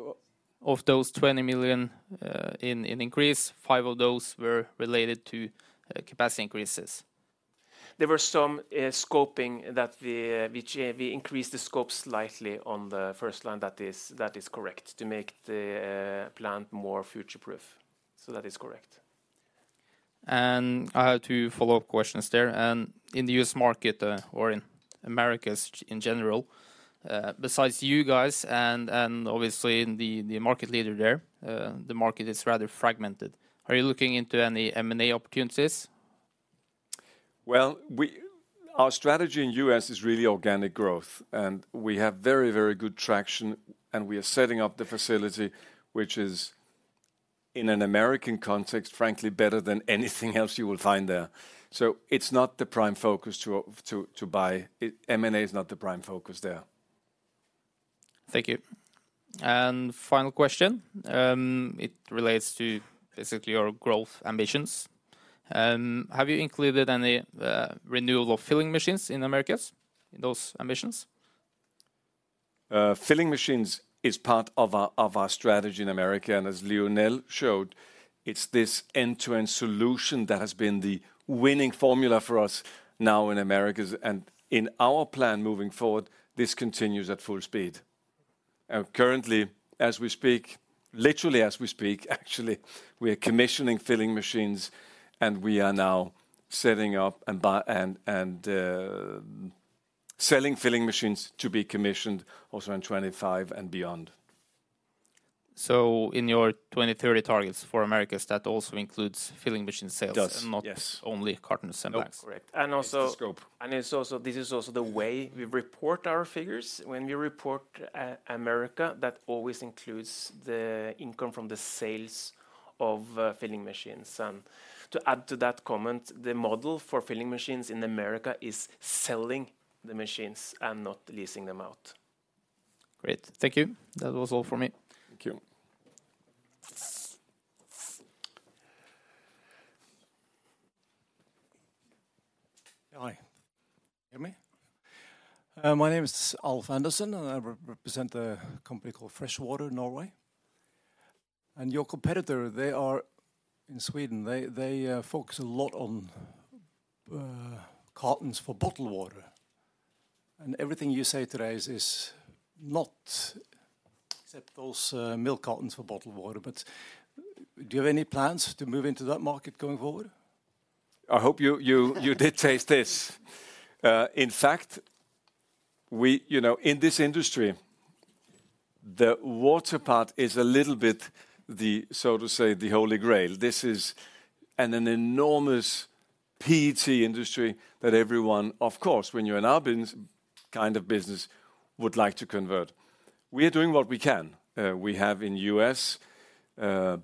Of those 20 million in increase, five of those were related to capacity increases. There were some scoping that we increased the scope slightly on the first line, that is, that is correct, to make the plant more future-proof. So that is correct. I have two follow-up questions there. In the U.S. market, or in Americas in general, besides you guys and obviously in the market leader there, the market is rather fragmented. Are you looking into any M&A opportunities? Our strategy in the U.S. is really organic growth, and we have very, very good traction, and we are setting up the facility, which is, in an American context, frankly, better than anything else you will find there. So it's not the prime focus to buy. It, M&A is not the prime focus there. Thank you. And final question, it relates to basically your growth ambitions. Have you included any renewal of filling machines in Americas, in those ambitions? Filling machines is part of our strategy in America, and as Lionel showed, it's this end-to-end solution that has been the winning formula for us now in Americas, and in our plan moving forward, this continues at full speed. Currently, as we speak, literally as we speak, actually, we are commissioning filling machines, and we are now setting up and buying, and selling filling machines to be commissioned also in 2025 and beyond. So in your 2030 targets for Americas, that also includes filling machine sales- It does, yes.... not only cartons and bags. Nope, correct. It's the scope. It's also the way we report our figures. When we report Americas, that always includes the income from the sales of filling machines. To add to that comment, the model for filling machines in Americas is selling the machines and not leasing them out. Great. Thank you. That was all for me. Thank you. Hi. Can you hear me? My name is Alf Andersen, and I represent a company called Fresh Water Norway. And your competitor, they are in Sweden, they focus a lot on cartons for bottled water. And everything you say today is not, except those milk cartons for bottled water, but do you have any plans to move into that market going forward? I hope you did taste this. In fact, you know, in this industry, the water part is a little bit, so to say, the Holy Grail. This is an enormous PET industry that everyone, of course, when you're in our business, would like to convert. We are doing what we can. We have in U.S.,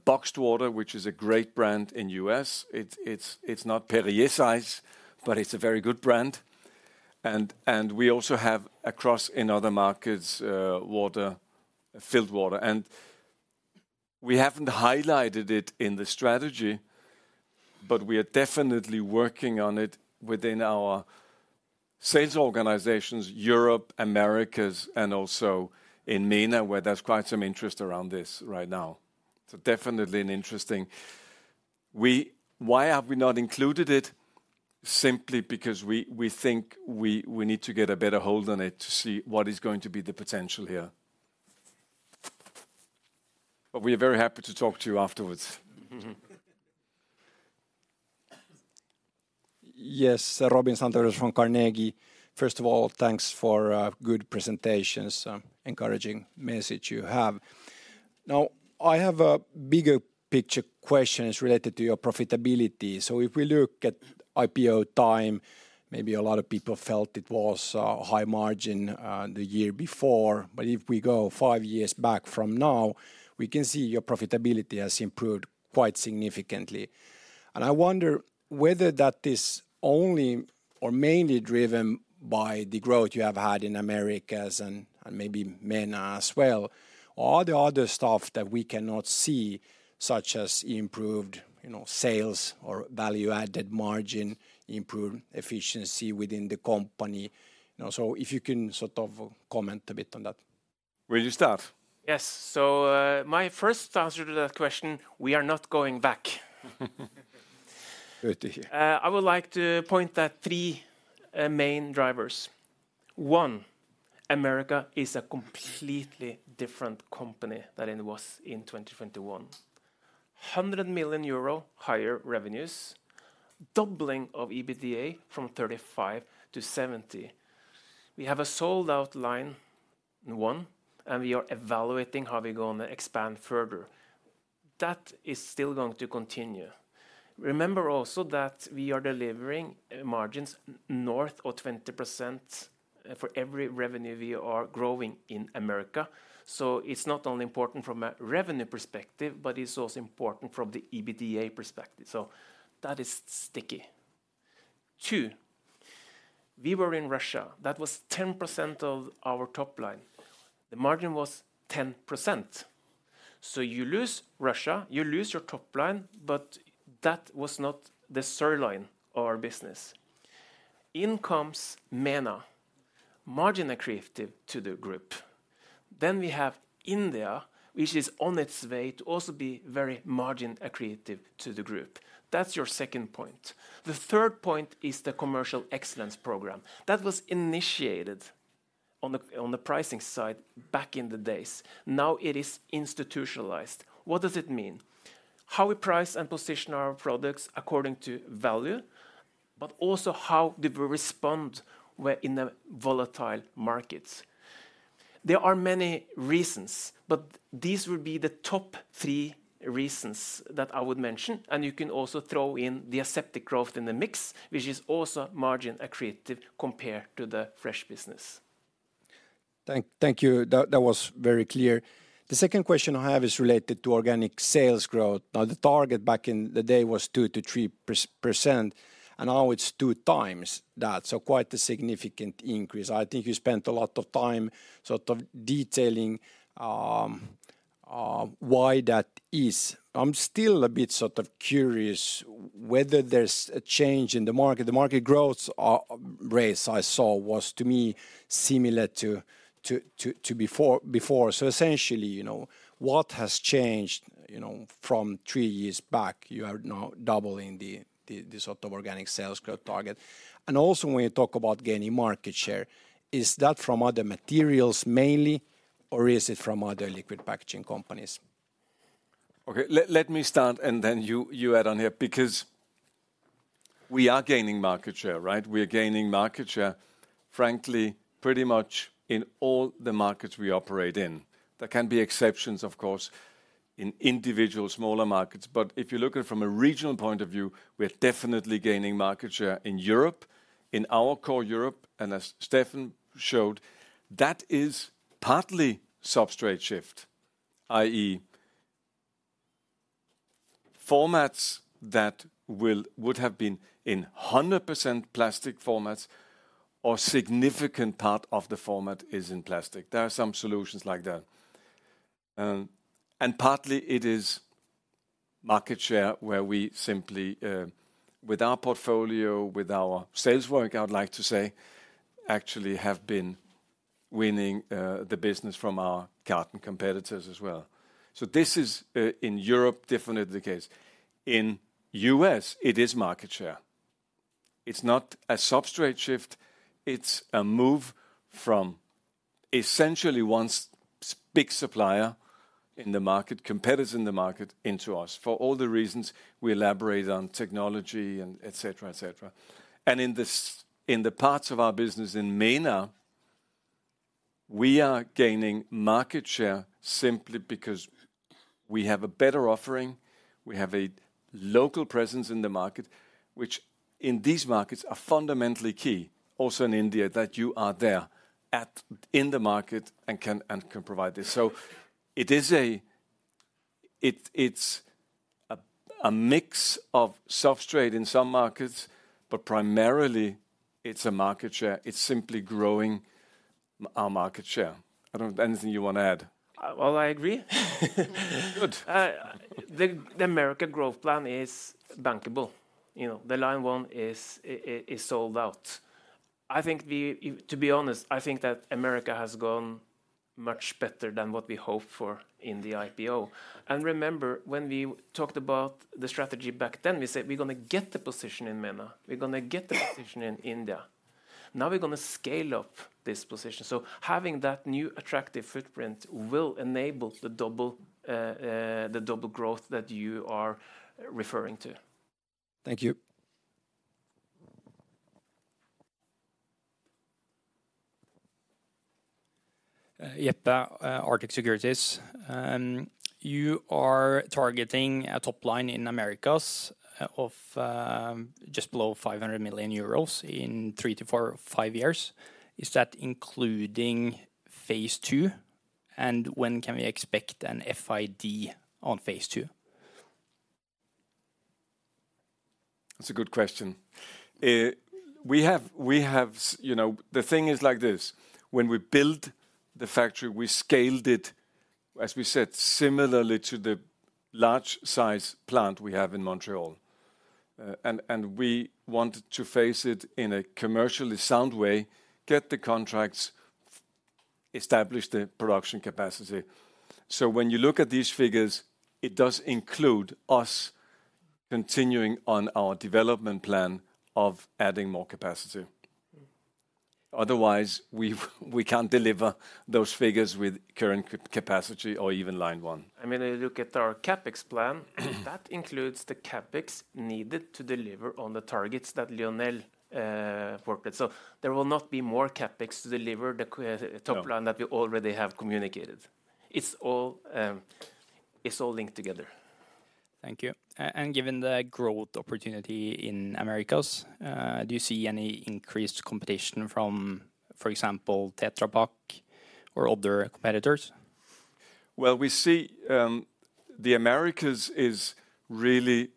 Boxed Water, which is a great brand in U.S. It's not Perrier size, but it's a very good brand. And we also have across in other markets, water-filled water. And we haven't highlighted it in the strategy, but we are definitely working on it within our sales organizations, Europe, Americas, and also in MENA, where there's quite some interest around this right now. So definitely an interesting. Why have we not included it? Simply because we think we need to get a better hold on it to see what is going to be the potential here. But we are very happy to talk to you afterwards. Yes, Robin Santavirta from Carnegie. First of all, thanks for good presentations, encouraging message you have. Now, I have a bigger picture questions related to your profitability. So if we look at IPO time, maybe a lot of people felt it was a high margin, the year before, but if we go five years back from now, we can see your profitability has improved quite significantly. And I wonder whether that is only or mainly driven by the growth you have had in Americas and, and maybe MENA as well, or the other stuff that we cannot see, such as improved, you know, sales or value-added margin, improved efficiency within the company. You know, so if you can sort of comment a bit on that. Will you start? Yes. So, my first answer to that question, we are not going back. Good to hear. I would like to point out three main drivers. One, America is a completely different company than it was in 2021. 100 million euro higher revenues, doubling of EBITDA from 35 to 70. We have a sold-out line one, and we are evaluating how we're gonna expand further. That is still going to continue. Remember also that we are delivering margins north of 20%, for every revenue we are growing in America. So it's not only important from a revenue perspective, but it's also important from the EBITDA perspective. So that is sticky. Two, we were in Russia. That was 10% of our top line. The margin was 10%. So you lose Russia, you lose your top line, but that was not the sirloin of our business. In comes Mena, margin accretive to the group. Then we have India, which is on its way to also be very margin accretive to the group. That's your second point. The third point is the Commercial Excellence program. That was initiated on the pricing side back in the days. Now it is institutionalized. What does it mean? How we price and position our products according to value, but also how do we respond where in the volatile markets? There are many reasons, but these would be the top three reasons that I would mention, and you can also throw in the Aseptic growth in the mix, which is also margin accretive compared to the fresh business. Thank you. That was very clear. The second question I have is related to organic sales growth. Now, the target back in the day was 2%-3%, and now it's two times that, so quite a significant increase. I think you spent a lot of time sort of detailing why that is. I'm still a bit sort of curious whether there's a change in the market. The market growth rate I saw was, to me, similar to before. So essentially, you know, what has changed, you know, from three years back? You are now doubling the sort of organic sales growth target. And also, when you talk about gaining market share, is that from other materials mainly, or is it from other liquid packaging companies? Okay, let me start, and then you add on here, because we are gaining market share, right? We are gaining market share, frankly, pretty much in all the markets we operate in. There can be exceptions, of course, in individual smaller markets, but if you look at it from a regional point of view, we're definitely gaining market share in Europe, in our core Europe, and as Stepen showed, that is partly substrate shift, i.e., formats that would have been in 100% plastic formats or significant part of the format is in plastic. There are some solutions like that. And partly it is market share, where we simply, with our portfolio, with our sales work, I would like to say, actually have been winning, the business from our carton competitors as well. So this is, in Europe, definitely the case. In the U.S., it is market share. It's not a substrate shift. It's a move from essentially one big supplier in the market, competitors in the market into us, for all the reasons we elaborate on technology and et cetera, et cetera. And in the parts of our business in MENA, we are gaining market share simply because we have a better offering, we have a local presence in the market, which in these markets are fundamentally key, also in India, that you are there in the market and can provide this. So it is a mix of self-trade in some markets, but primarily it's a market share. It's simply growing our market share. I don't know, anything you want to add? I agree. Good. The Americas growth plan is bankable. You know, the line one is sold out. To be honest, I think that Americas has gone much better than what we hoped for in the IPO. Remember, when we talked about the strategy back then, we said, "We're gonna get the position in MENA. We're gonna get the position in India." Now, we're gonna scale up this position. So having that new attractive footprint will enable the double growth that you are referring to. Thank you. Jeppe, Arctic Securities. You are targeting a top line in Americas of just below 500 million euros in three to four, five years. Is that including phase two? And when can we expect an FID on phase two? That's a good question. We have, you know, the thing is like this: when we built the factory, we scaled it, as we said, similarly to the large size plant we have in Montreal. And we wanted to phase it in a commercially sound way, get the contracts, establish the production capacity. So when you look at these figures, it does include us continuing on our development plan of adding more capacity. Mm. Otherwise, we can't deliver those figures with current capacity or even line one. I mean, if you look at our CapEx plan, that includes the CapEx needed to deliver on the targets that Lionel worked at. So there will not be more CapEx to deliver the top line- No... that we already have communicated. It's all linked together. Thank you, and given the growth opportunity in Americas, do you see any increased competition from, for example, Tetra Pak or other competitors? We see the Americas is really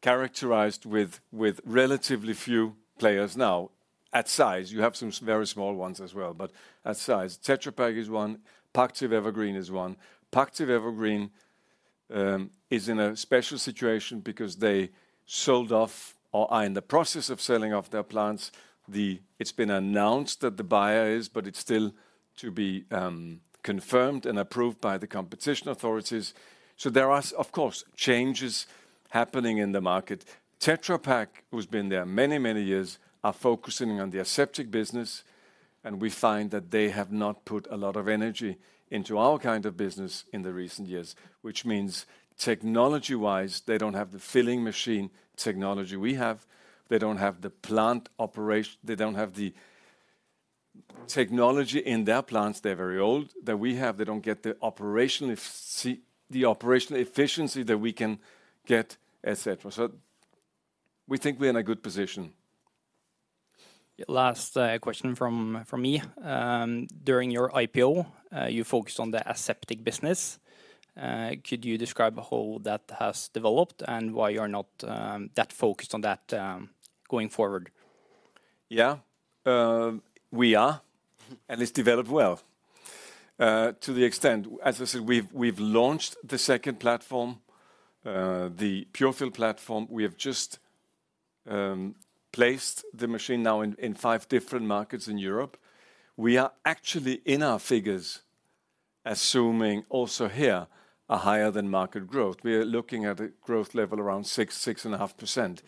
characterized with relatively few players now. At size, you have some very small ones as well, but at size, Tetra Pak is one, Pactiv Evergreen is one. Pactiv Evergreen is in a special situation because they sold off or are in the process of selling off their plants. It's been announced that the buyer is, but it's still to be confirmed and approved by the competition authorities. So there are, of course, changes happening in the market. Tetra Pak, who's been there many, many years, are focusing on their aseptic business, and we find that they have not put a lot of energy into our kind of business in the recent years, which means technology-wise, they don't have the filling machine technology we have. They don't have the technology in their plants, they're very old that we have. They don't get the operational efficiency that we can get, et cetera. So we think we're in a good position. Last question from me. During your IPO, you focused on the aseptic business. Could you describe how that has developed and why you are not that focused on that going forward? Yeah. We are, and it's developed well, to the extent. As I said, we've launched the second platform, the Pure-Fill platform. We have just placed the machine now in five different markets in Europe. We are actually in our figures, assuming also here, a higher-than-market growth. We are looking at a growth level around 6%-6.5%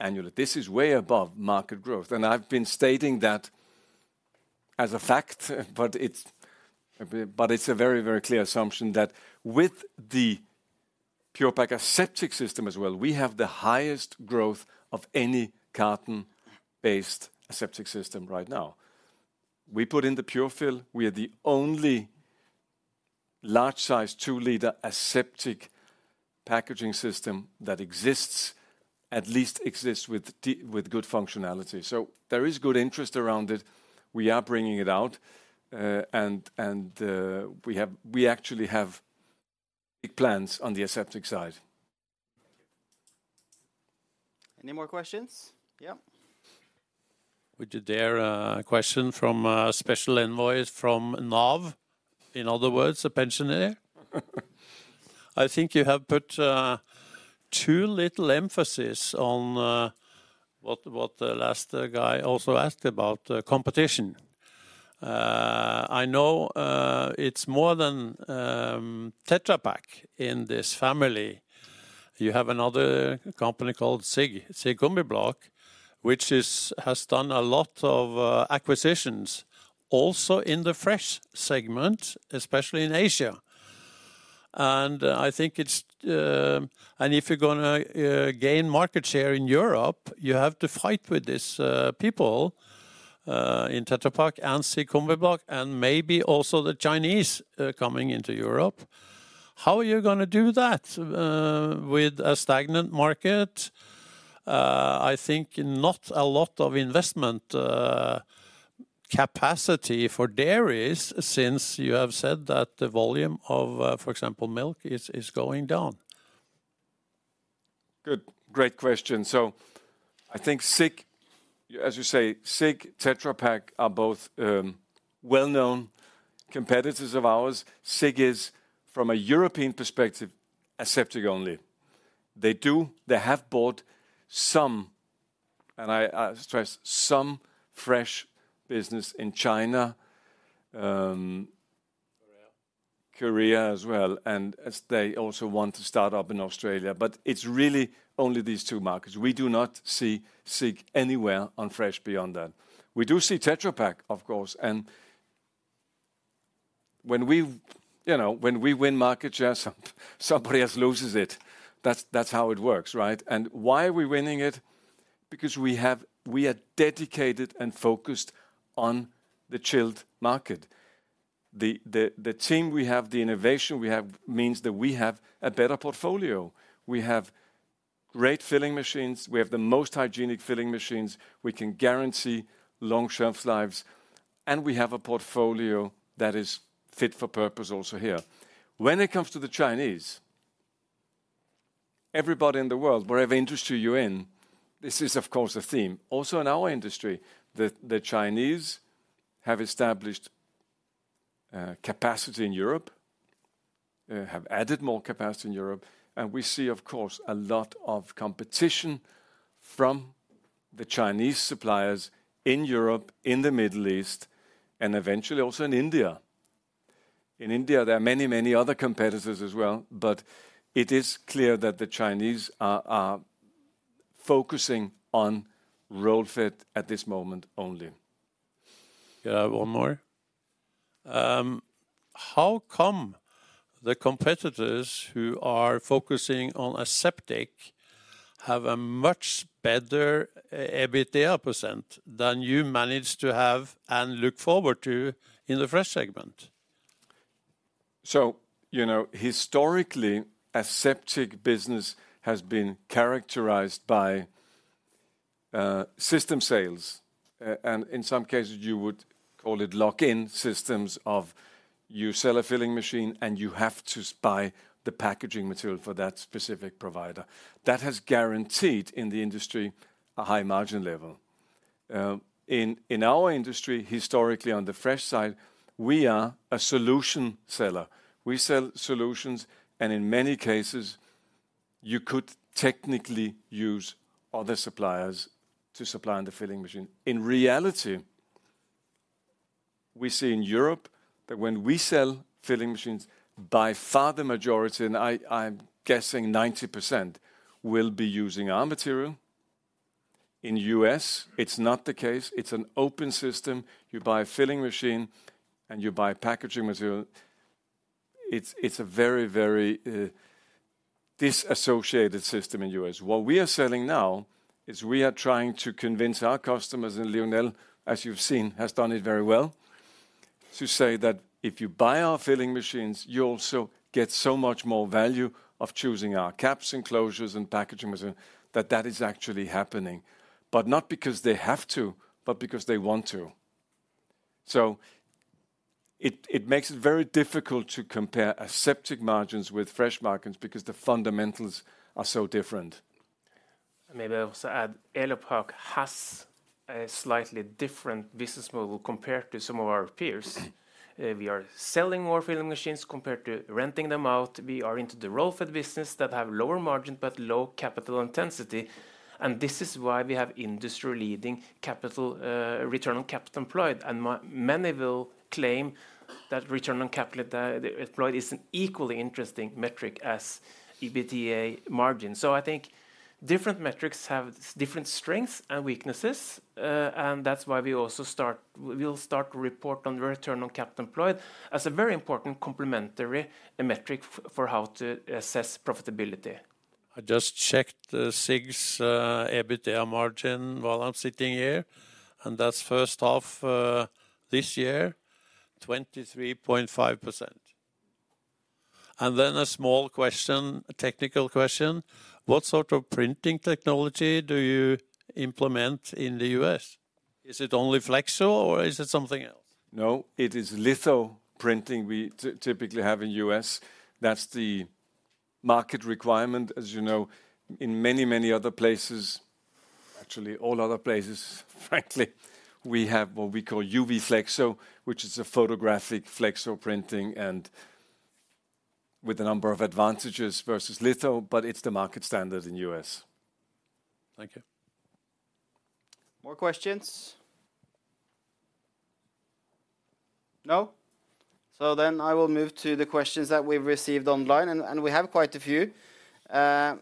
annually. This is way above market growth, and I've been stating that as a fact, but it's a very, very clear assumption that with the Pure-Pak aseptic system as well, we have the highest growth of any carton-based aseptic system right now. We put in the Pure-Fill. We are the only large size two-liter aseptic packaging system that exists, at least with good functionality. So there is good interest around it. We are bringing it out, and we actually have big plans on the aseptic side. Any more questions? Yeah. Would you dare a question from a special envoy from NAV, in other words, a pensioner? I think you have put too little emphasis on what the last guy also asked about, competition. I know it's more than Tetra Pak in this family. You have another company called SIG, SIG Combibloc, which has done a lot of acquisitions, also in the fresh segment, especially in Asia. And I think it's and if you're gonna gain market share in Europe, you have to fight with these people in Tetra Pak and SIG Combibloc, and maybe also the Chinese coming into Europe. How are you gonna do that with a stagnant market? I think not a lot of investment capacity for dairies, since you have said that the volume of, for example, milk, is going down. Good, great question. So I think SIG, as you say, SIG, Tetra Pak are both well-known competitors of ours. SIG is, from a European perspective, aseptic only. They have bought some, and I stress, some fresh business in China. Korea. Korea as well, and as they also want to start up in Australia. But it's really only these two markets. We do not see SIG anywhere on fresh beyond that. We do see Tetra Pak, of course, and when we, you know, win market share, somebody else loses it. That's how it works, right? And why are we winning it? Because we are dedicated and focused on the chilled market. The team we have, the innovation we have, means that we have a better portfolio. We have great filling machines. We have the most hygienic filling machines. We can guarantee long shelf lives, and we have a portfolio that is fit for purpose also here. When it comes to the Chinese, everybody in the world, whatever industry you're in, this is, of course, a theme. Also in our industry, the Chinese have established capacity in Europe, have added more capacity in Europe, and we see, of course, a lot of competition from the Chinese suppliers in Europe, in the Middle East, and eventually also in India. In India, there are many, many other competitors as well, but it is clear that the Chinese are focusing on roll-fed at this moment only. Yeah, one more. How come the competitors who are focusing on aseptic have a much better EBITDA % than you manage to have and look forward to in the fresh segment? So, you know, historically, aseptic business has been characterized by system sales, and in some cases you would call it lock-in systems of you sell a filling machine, and you have to buy the packaging material for that specific provider. That has guaranteed, in the industry, a high margin level. In our industry, historically, on the fresh side, we are a solution seller. We sell solutions, and in many cases, you could technically use other suppliers to supply in the filling machine. In reality, we see in Europe that when we sell filling machines, by far the majority, and I'm guessing 90%, will be using our material. In U.S., it's not the case. It's an open system. You buy a filling machine, and you buy packaging material. It's a very disassociated system in U.S. What we are selling now is we are trying to convince our customers, and Lionel, as you've seen, has done it very well, to say that, "If you buy our filling machines, you also get so much more value of choosing our caps, and closures, and packaging material," that that is actually happening, but not because they have to, but because they want to. So it makes it very difficult to compare aseptic margins with fresh margins because the fundamentals are so different. Maybe I'll also add, Elopak has a slightly different business model compared to some of our peers. We are selling more filling machines compared to renting them out. We are into the roll-fed business that have lower margins, but low capital intensity, and this is why we have industry-leading capital return on capital employed. Many will claim that return on capital employed is an equally interesting metric as EBITDA margin. So I think different metrics have different strengths and weaknesses, and that's why we also start. We will start to report on return on capital employed as a very important complementary metric for how to assess profitability. I just checked the SIG's EBITDA margin while I'm sitting here, and that's first half this year, 23.5%. Then a small question, a technical question: What sort of printing technology do you implement in the U.S.? Is it only flexo, or is it something else? No, it is litho printing we typically have in U.S. That's the market requirement. As you know, in many, many other places, actually all other places, frankly, we have what we call UV flexo, which is a flexographic flexo printing, and with a number of advantages versus litho, but it's the market standard in U.S. Thank you. More questions?... No? So then I will move to the questions that we've received online, and we have quite a few.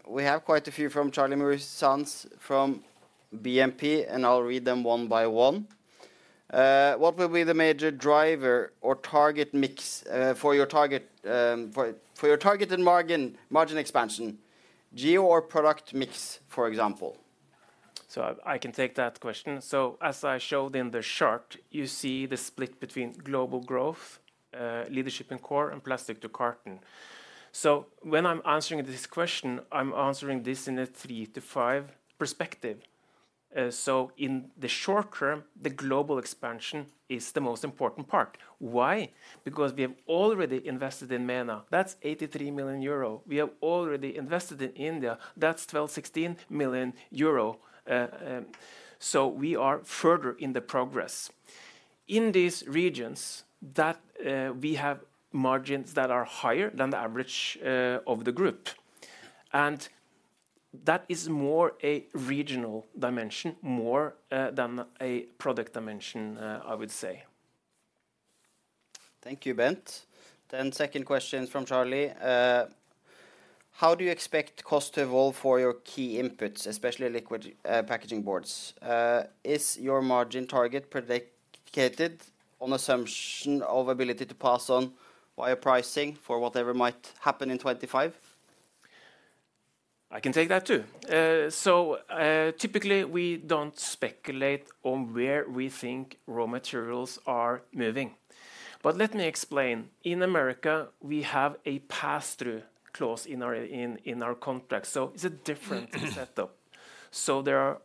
We have quite a few from Charlie Muir-Sands from BNP Paribas, and I'll read them one by one. What will be the major driver or target mix for your target for your targeted margin, margin expansion, geo or product mix, for example? I can take that question. As I showed in the chart, you see the split between global growth, leadership and core, and plastic to carton. When I'm answering this question, I'm answering this in a 3-5 perspective. In the short term, the global expansion is the most important part. Why? Because we have already invested in MENA, that's 83 million euro. We have already invested in India, that's 12-16 million euro. So we are further in the progress. In these regions, that we have margins that are higher than the average of the group, and that is more a regional dimension, more than a product dimension, I would say. Thank you, Bent. Then second question from Charlie. "How do you expect cost to evolve for your key inputs, especially liquid packaging boards? Is your margin target predicated on assumption of ability to pass on via pricing for whatever might happen in 2025? I can take that too. So, typically we don't speculate on where we think raw materials are moving. But let me explain. In Americas, we have a pass-through clause in our contract, so it's a different setup. So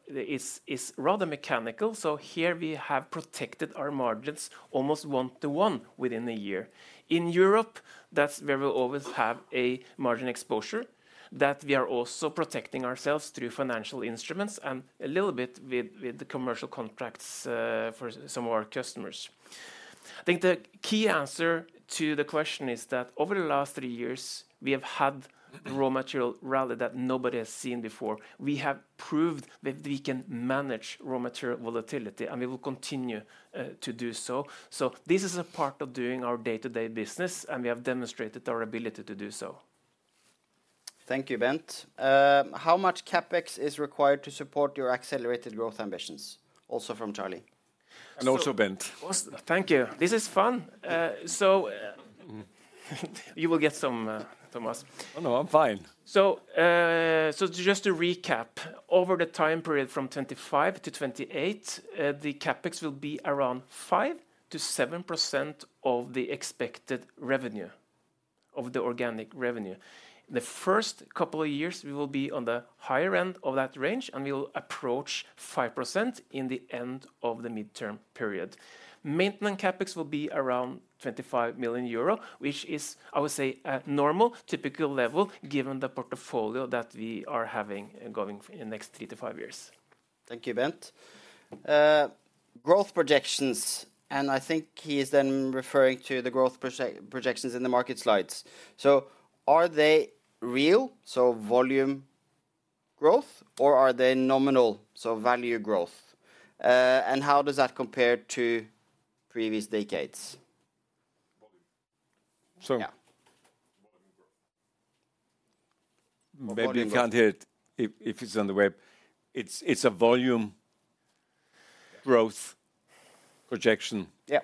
it's rather mechanical, so here we have protected our margins almost one to one within a year. In Europe, that's where we'll always have a margin exposure, that we are also protecting ourselves through financial instruments and a little bit with the commercial contracts for some of our customers. I think the key answer to the question is that over the last three years, we have had raw material rally that nobody has seen before. We have proved that we can manage raw material volatility, and we will continue to do so. This is a part of doing our day-to-day business, and we have demonstrated our ability to do so. Thank you, Bent. How much CapEx is required to support your accelerated growth ambitions? Also from Charlie. And also, Bent. Thank you. This is fun. So you will get some, Thomas. Oh, no, I'm fine. Just to recap, over the time period from 2025 to 2028, the CapEx will be around 5%-7% of the expected revenue, of the organic revenue. The first couple of years we will be on the higher end of that range, and we will approach 5% in the end of the midterm period. Maintenance CapEx will be around 25 million euro, which is, I would say, a normal, typical level, given the portfolio that we are having going in the next three to five years. Thank you, Bent. Growth projections, and I think he is then referring to the growth projections in the market slides. So are they real, so volume growth, or are they nominal, so value growth? And how does that compare to previous decades? Volume. Yeah. Volume growth. Maybe you can't hear it- Volume... if it's on the web. It's a volume growth projection. Yeah.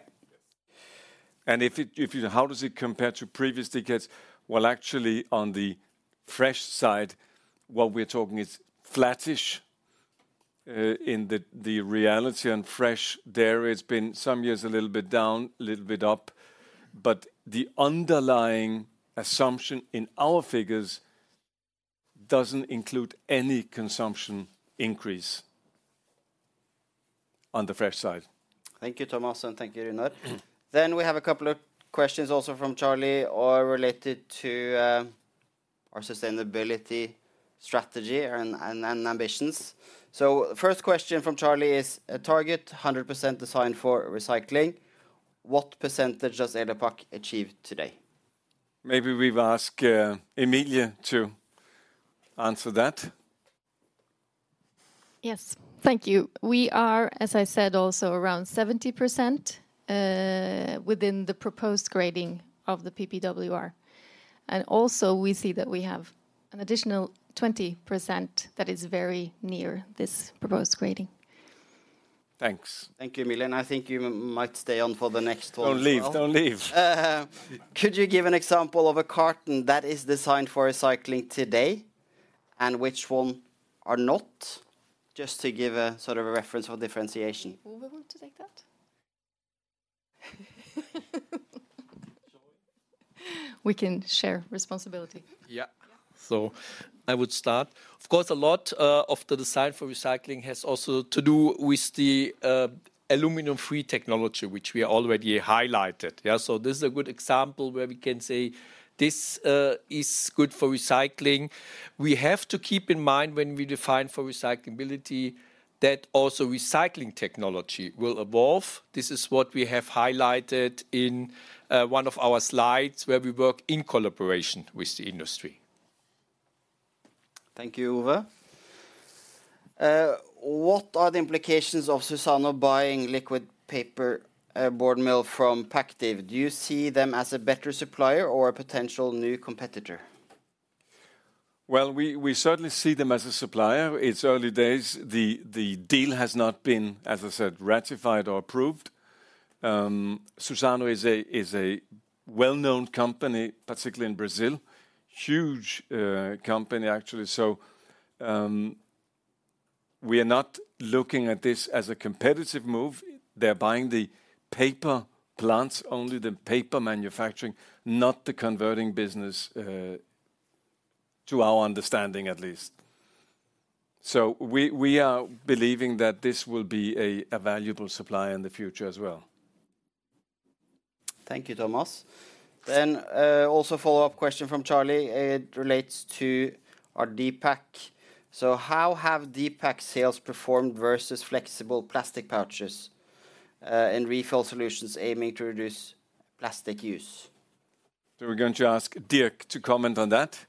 How does it compare to previous decades? Actually, on the fresh side, what we're talking is flattish in reality. On fresh, there has been some years a little bit down, a little bit up, but the underlying assumption in our figures doesn't include any consumption increase on the fresh side. Thank you, Thomas, and thank you, Runar. Then we have a couple of questions also from Charlie, all related to our sustainability strategy and ambitions. So first question from Charlie is, "A target 100% designed for recycling. What percentage has Elopak achieved today? Maybe we've asked Emilie to answer that. Yes. Thank you. We are, as I said, also around 70% within the proposed grading of the PPWR. And also, we see that we have an additional 20% that is very near this proposed grading. Thanks. Thank you, Emilie, and I think you might stay on for the next one as well. Don't leave, don't leave. Could you give an example of a carton that is designed for recycling today, and which one are not? Just to give a sort of a reference for differentiation. Who will want to take that? Shall we? We can share responsibility. Yeah. Yeah. So I would start. Of course, a lot of the design for recycling has also to do with the aluminum-free technology, which we already highlighted. Yeah, so this is a good example where we can say, "This is good for recycling." We have to keep in mind when we define for recyclability, that also recycling technology will evolve. This is what we have highlighted in one of our slides, where we work in collaboration with the industry. Thank you, Uwe. What are the implications of Suzano buying liquid paperboard mill from Pactiv Evergreen? Do you see them as a better supplier or a potential new competitor? We certainly see them as a supplier. It's early days. The deal has not been, as I said, ratified or approved. Suzano is a well-known company, particularly in Brazil. Huge company, actually. So, we are not looking at this as a competitive move. They're buying the paper plants, only the paper manufacturing, not the converting business, to our understanding at least. So we are believing that this will be a valuable supplier in the future as well. Thank you, Thomas. Then, also a follow-up question from Charlie. It relates to our D-PAK. So how have D-PAK's sales performed versus flexible plastic pouches, in refill solutions aiming to reduce plastic use? So we're going to ask Dirk to comment on that.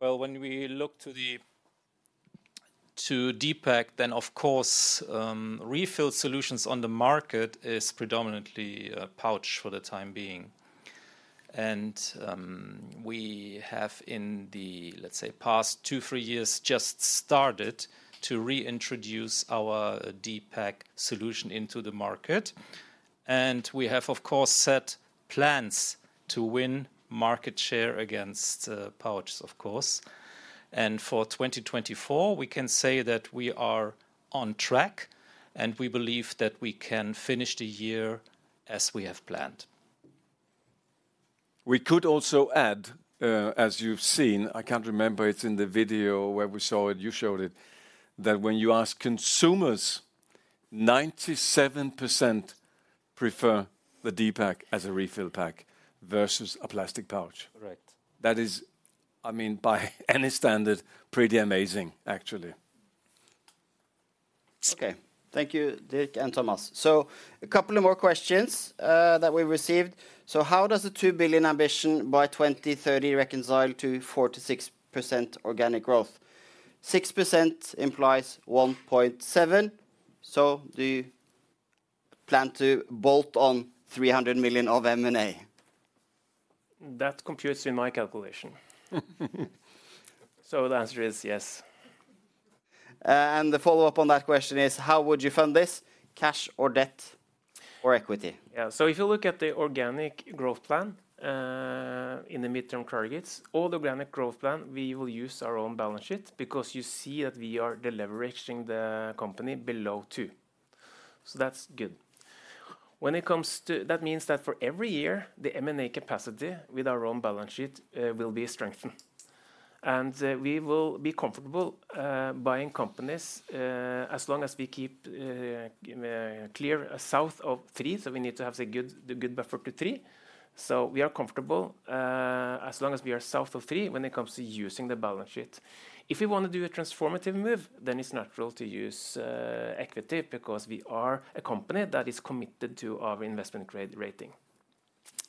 When we look to the D-PAK, then of course refill solutions on the market is predominantly pouch for the time being. And we have in the, let's say, past two, three years, just started to reintroduce our D-PAK solution into the market, and we have of course set plans to win market share against pouches, of course. And for 2024, we can say that we are on track, and we believe that we can finish the year as we have planned. We could also add, as you've seen, I can't remember, it's in the video where we saw it, you showed it, that when you ask consumers, 97% prefer the D-PAK as a refill pack versus a plastic pouch. Correct. That is, I mean, by any standard, pretty amazing, actually. Okay. Thank you, Dirk and Thomas. So a couple of more questions that we received. So how does the two billion ambition by 2030 reconcile to 4%-6% organic growth? 6% implies 1.7, so do you plan to bolt on 300 million of M&A? That computes in my calculation. So the answer is yes. And the follow-up on that question is: How would you fund this, cash or debt or equity? Yeah, so if you look at the organic growth plan, in the midterm targets, all the organic growth plan, we will use our own balance sheet, because you see that we are deleveraging the company below two. So that's good. When it comes to... That means that for every year, the M&A capacity with our own balance sheet, will be strengthened, and, we will be comfortable, buying companies, as long as we keep, clear south of three. So we need to have a good, the good buffer to three. So we are comfortable, as long as we are south of three when it comes to using the balance sheet. If we wanna do a transformative move, then it's natural to use, equity, because we are a company that is committed to our investment grade rating.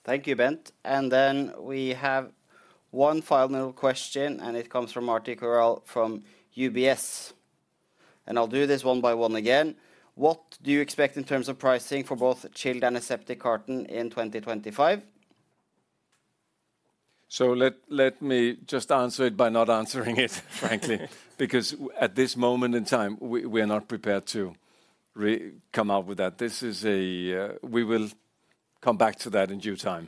Thank you, Bent. And then we have one final question, and it comes from Mikael Gurell So let me just answer it by not answering it, frankly, because at this moment in time, we are not prepared to come out with that. This is a... We will come back to that in due time.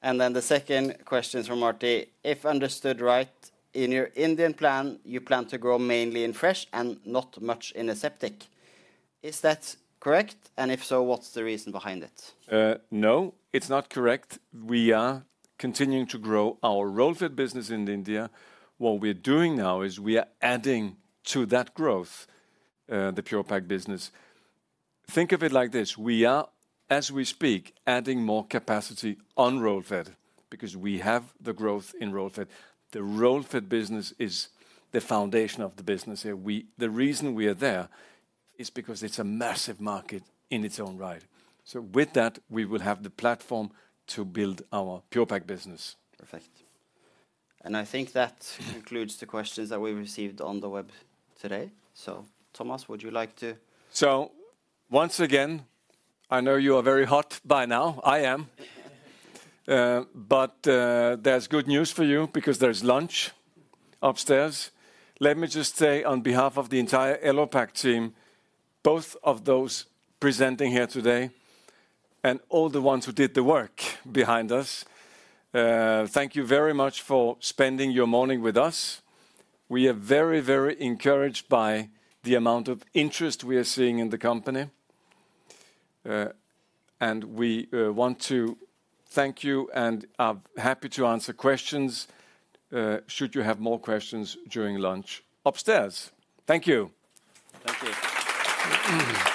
And then the second question from Marty: If I understood right, in your Indian plan, you plan to grow mainly in fresh and not much in aseptic. Is that correct? And if so, what's the reason behind it? No, it's not correct. We are continuing to grow our roll feed business in India. What we're doing now is we are adding to that growth, the Pure-Pak business. Think of it like this: we are, as we speak, adding more capacity on roll feed because we have the growth in roll feed. The roll feed business is the foundation of the business here. The reason we are there is because it's a massive market in its own right. So with that, we will have the platform to build our Pure-Pak business. Perfect. I think that concludes the questions that we received on the web today. Thomas, would you like to? So once again, I know you are very hot by now. I am. But there's good news for you because there's lunch upstairs. Let me just say, on behalf of the entire Elopak team, both of those presenting here today and all the ones who did the work behind us, thank you very much for spending your morning with us. We are very, very encouraged by the amount of interest we are seeing in the company, and we want to thank you and are happy to answer questions, should you have more questions during lunch upstairs. Thank you. Thank you.